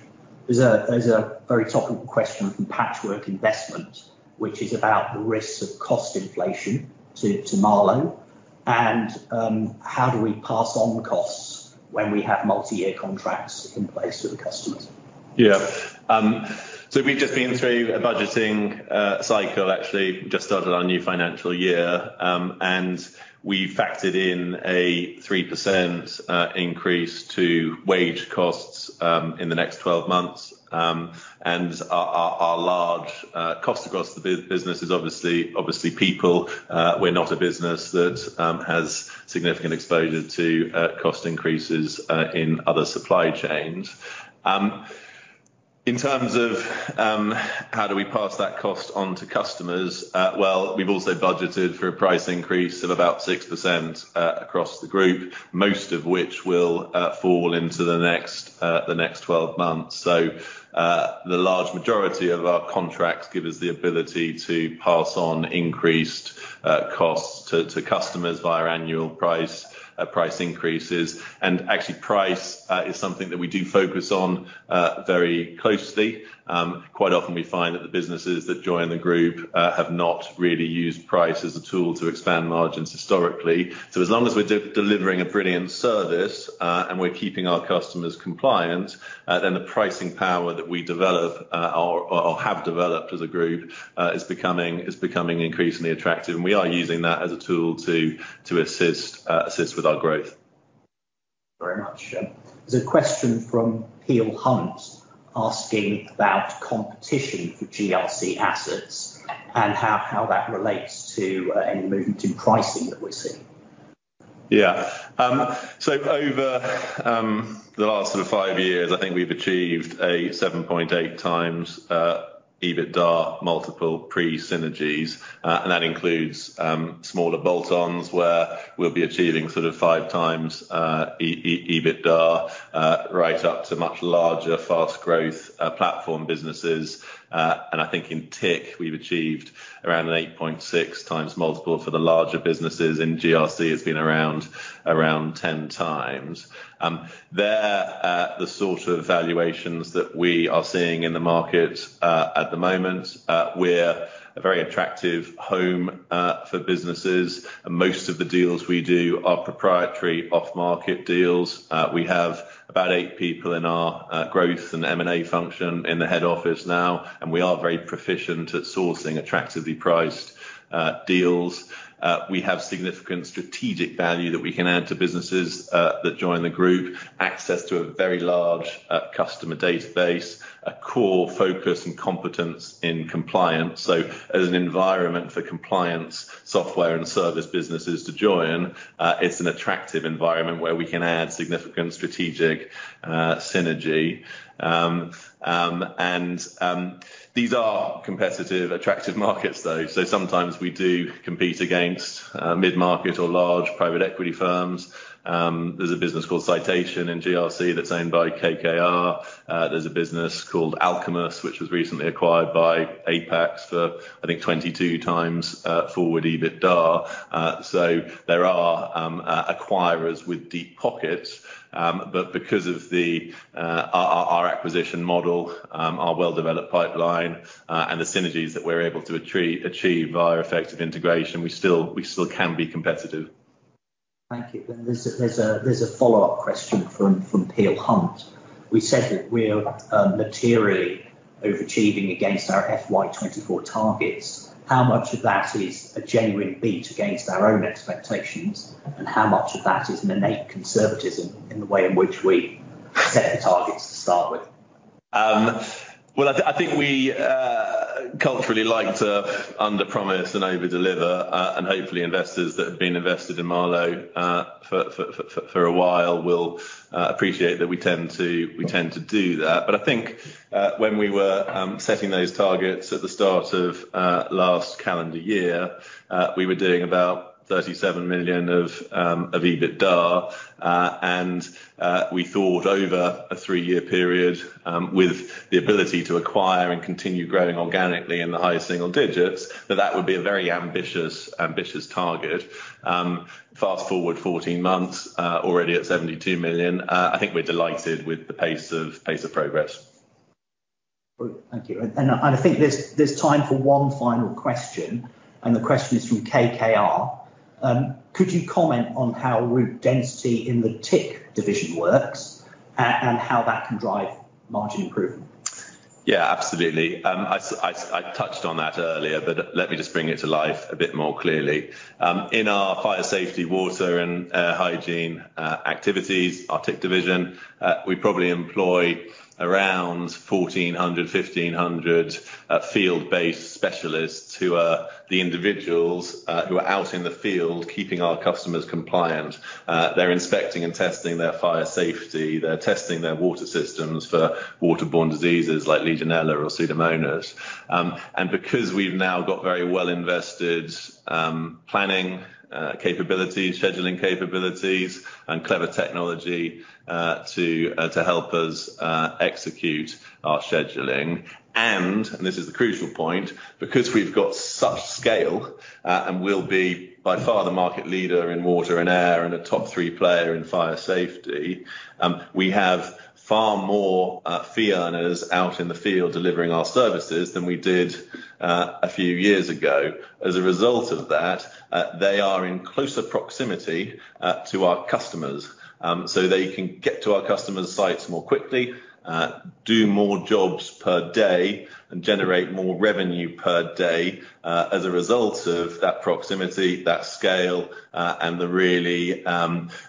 There's a very topical question from Patchwork Investment, which is about the risks of cost inflation to Marlowe and how do we pass on the costs when we have multi-year contracts in place with the customers? Yeah. We've just been through a budgeting cycle, actually. We've just started our new financial year, and we factored in a 3% increase to wage costs in the next 12 months. Our large cost across the business is obviously people. We're not a business that has significant exposure to cost increases in other supply chains. In terms of how do we pass that cost on to customers, well, we've also budgeted for a price increase of about 6% across the group, most of which will fall into the next 12 months. The large majority of our contracts give us the ability to pass on increased costs to customers via annual price increases. Actually price is something that we do focus on very closely. Quite often we find that the businesses that join the group have not really used price as a tool to expand margins historically. As long as we're delivering a brilliant service and we're keeping our customers compliant, then the pricing power that we develop or have developed as a group is becoming increasingly attractive. We are using that as a tool to assist with our growth. Very much. There's a question from Peel Hunt asking about competition for GRC assets and how that relates to any movement in pricing that we're seeing. Over the last sort of 5 years, I think we've achieved a 7.8x EBITDA multiple pre synergies. That includes smaller bolt-ons where we'll be achieving sort of 5x EBITDA right up to much larger fast growth platform businesses. I think in TIC we've achieved around an 8.6x multiple for the larger businesses. In GRC it's been around 10x. They're the sort of valuations that we are seeing in the market at the moment. We're a very attractive home for businesses, and most of the deals we do are proprietary off-market deals. We have about eight people in our growth and M&A function in the head office now, and we are very proficient at sourcing attractively priced deals. We have significant strategic value that we can add to businesses that join the group. Access to a very large customer database, a core focus and competence in compliance. As an environment for compliance, software and service businesses to join, it's an attractive environment where we can add significant strategic synergy. These are competitive, attractive markets though. Sometimes we do compete against mid-market or large private equity firms. There's a business called Citation in GRC that's owned by KKR. There's a business called Alcumus which was recently acquired by Apax for, I think, 22x forward EBITDA. There are acquirers with deep pockets. Because of our acquisition model, our well-developed pipeline, and the synergies that we're able to achieve via effective integration, we still can be competitive. There's a follow-up question from Peel Hunt. We said that we're materially overachieving against our FY 2024 targets. How much of that is a genuine beat against our own expectations, and how much of that is an innate conservatism in the way in which we set the targets to start with? I think we culturally like to underpromise and overdeliver, and hopefully investors that have been invested in Marlowe for a while will appreciate that we tend to do that. I think when we were setting those targets at the start of last calendar year, we were doing about 37 million of EBITDA. We thought over a three-year period, with the ability to acquire and continue growing organically in the highest single digits, that would be a very ambitious target. Fast-forward 14 months, already at 72 million, I think we're delighted with the pace of progress. Brill. Thank you. I think there's time for one final question, and the question is from KKR. Could you comment on how route density in the TIC division works and how that can drive margin improvement? Yeah, absolutely. I touched on that earlier, but let me just bring it to life a bit more clearly. In our fire safety water and hygiene activities, our TIC division, we probably employ around 1,400-1,500 field-based specialists who are the individuals who are out in the field keeping our customers compliant. They're inspecting and testing their fire safety. They're testing their water systems for waterborne diseases like Legionella or Pseudomonas. Because we've now got very well invested planning capabilities, scheduling capabilities, and clever technology to help us execute our scheduling, and this is the crucial point, because we've got such scale, and we'll be by far the market leader in water and air and a top three player in fire safety, we have far more fee earners out in the field delivering our services than we did a few years ago. As a result of that, they are in closer proximity to our customers. They can get to our customers' sites more quickly, do more jobs per day and generate more revenue per day, as a result of that proximity, that scale, and the really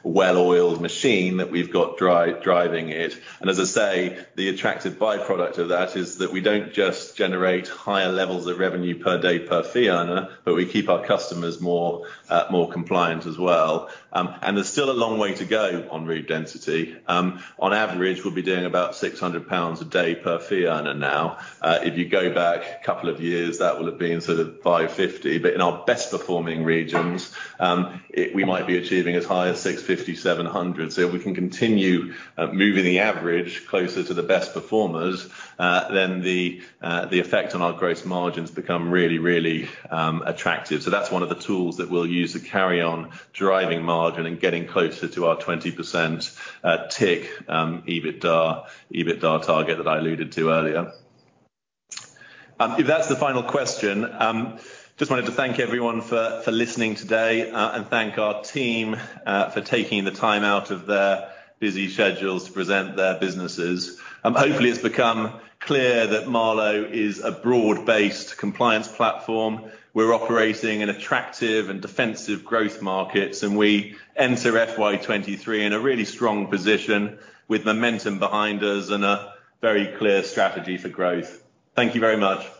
well-oiled machine that we've got driving it. As I say, the attractive by-product of that is that we don't just generate higher levels of revenue per day per fee earner, but we keep our customers more compliant as well. There's still a long way to go on route density. On average, we'll be doing about 600 pounds a day per fee earner now. If you go back a couple of years, that will have been sort of 550. In our best performing regions, we might be achieving as high as 650, 700. If we can continue moving the average closer to the best performers, then the effect on our gross margins become really, really attractive. That's one of the tools that we'll use to carry on driving margin and getting closer to our 20% TIC EBITDA target that I alluded to earlier. If that's the final question, just wanted to thank everyone for listening today and thank our team for taking the time out of their busy schedules to present their businesses. Hopefully it's become clear that Marlowe is a broad-based compliance platform. We're operating in attractive and defensive growth markets, and we enter FY 2023 in a really strong position with momentum behind us and a very clear strategy for growth. Thank you very much.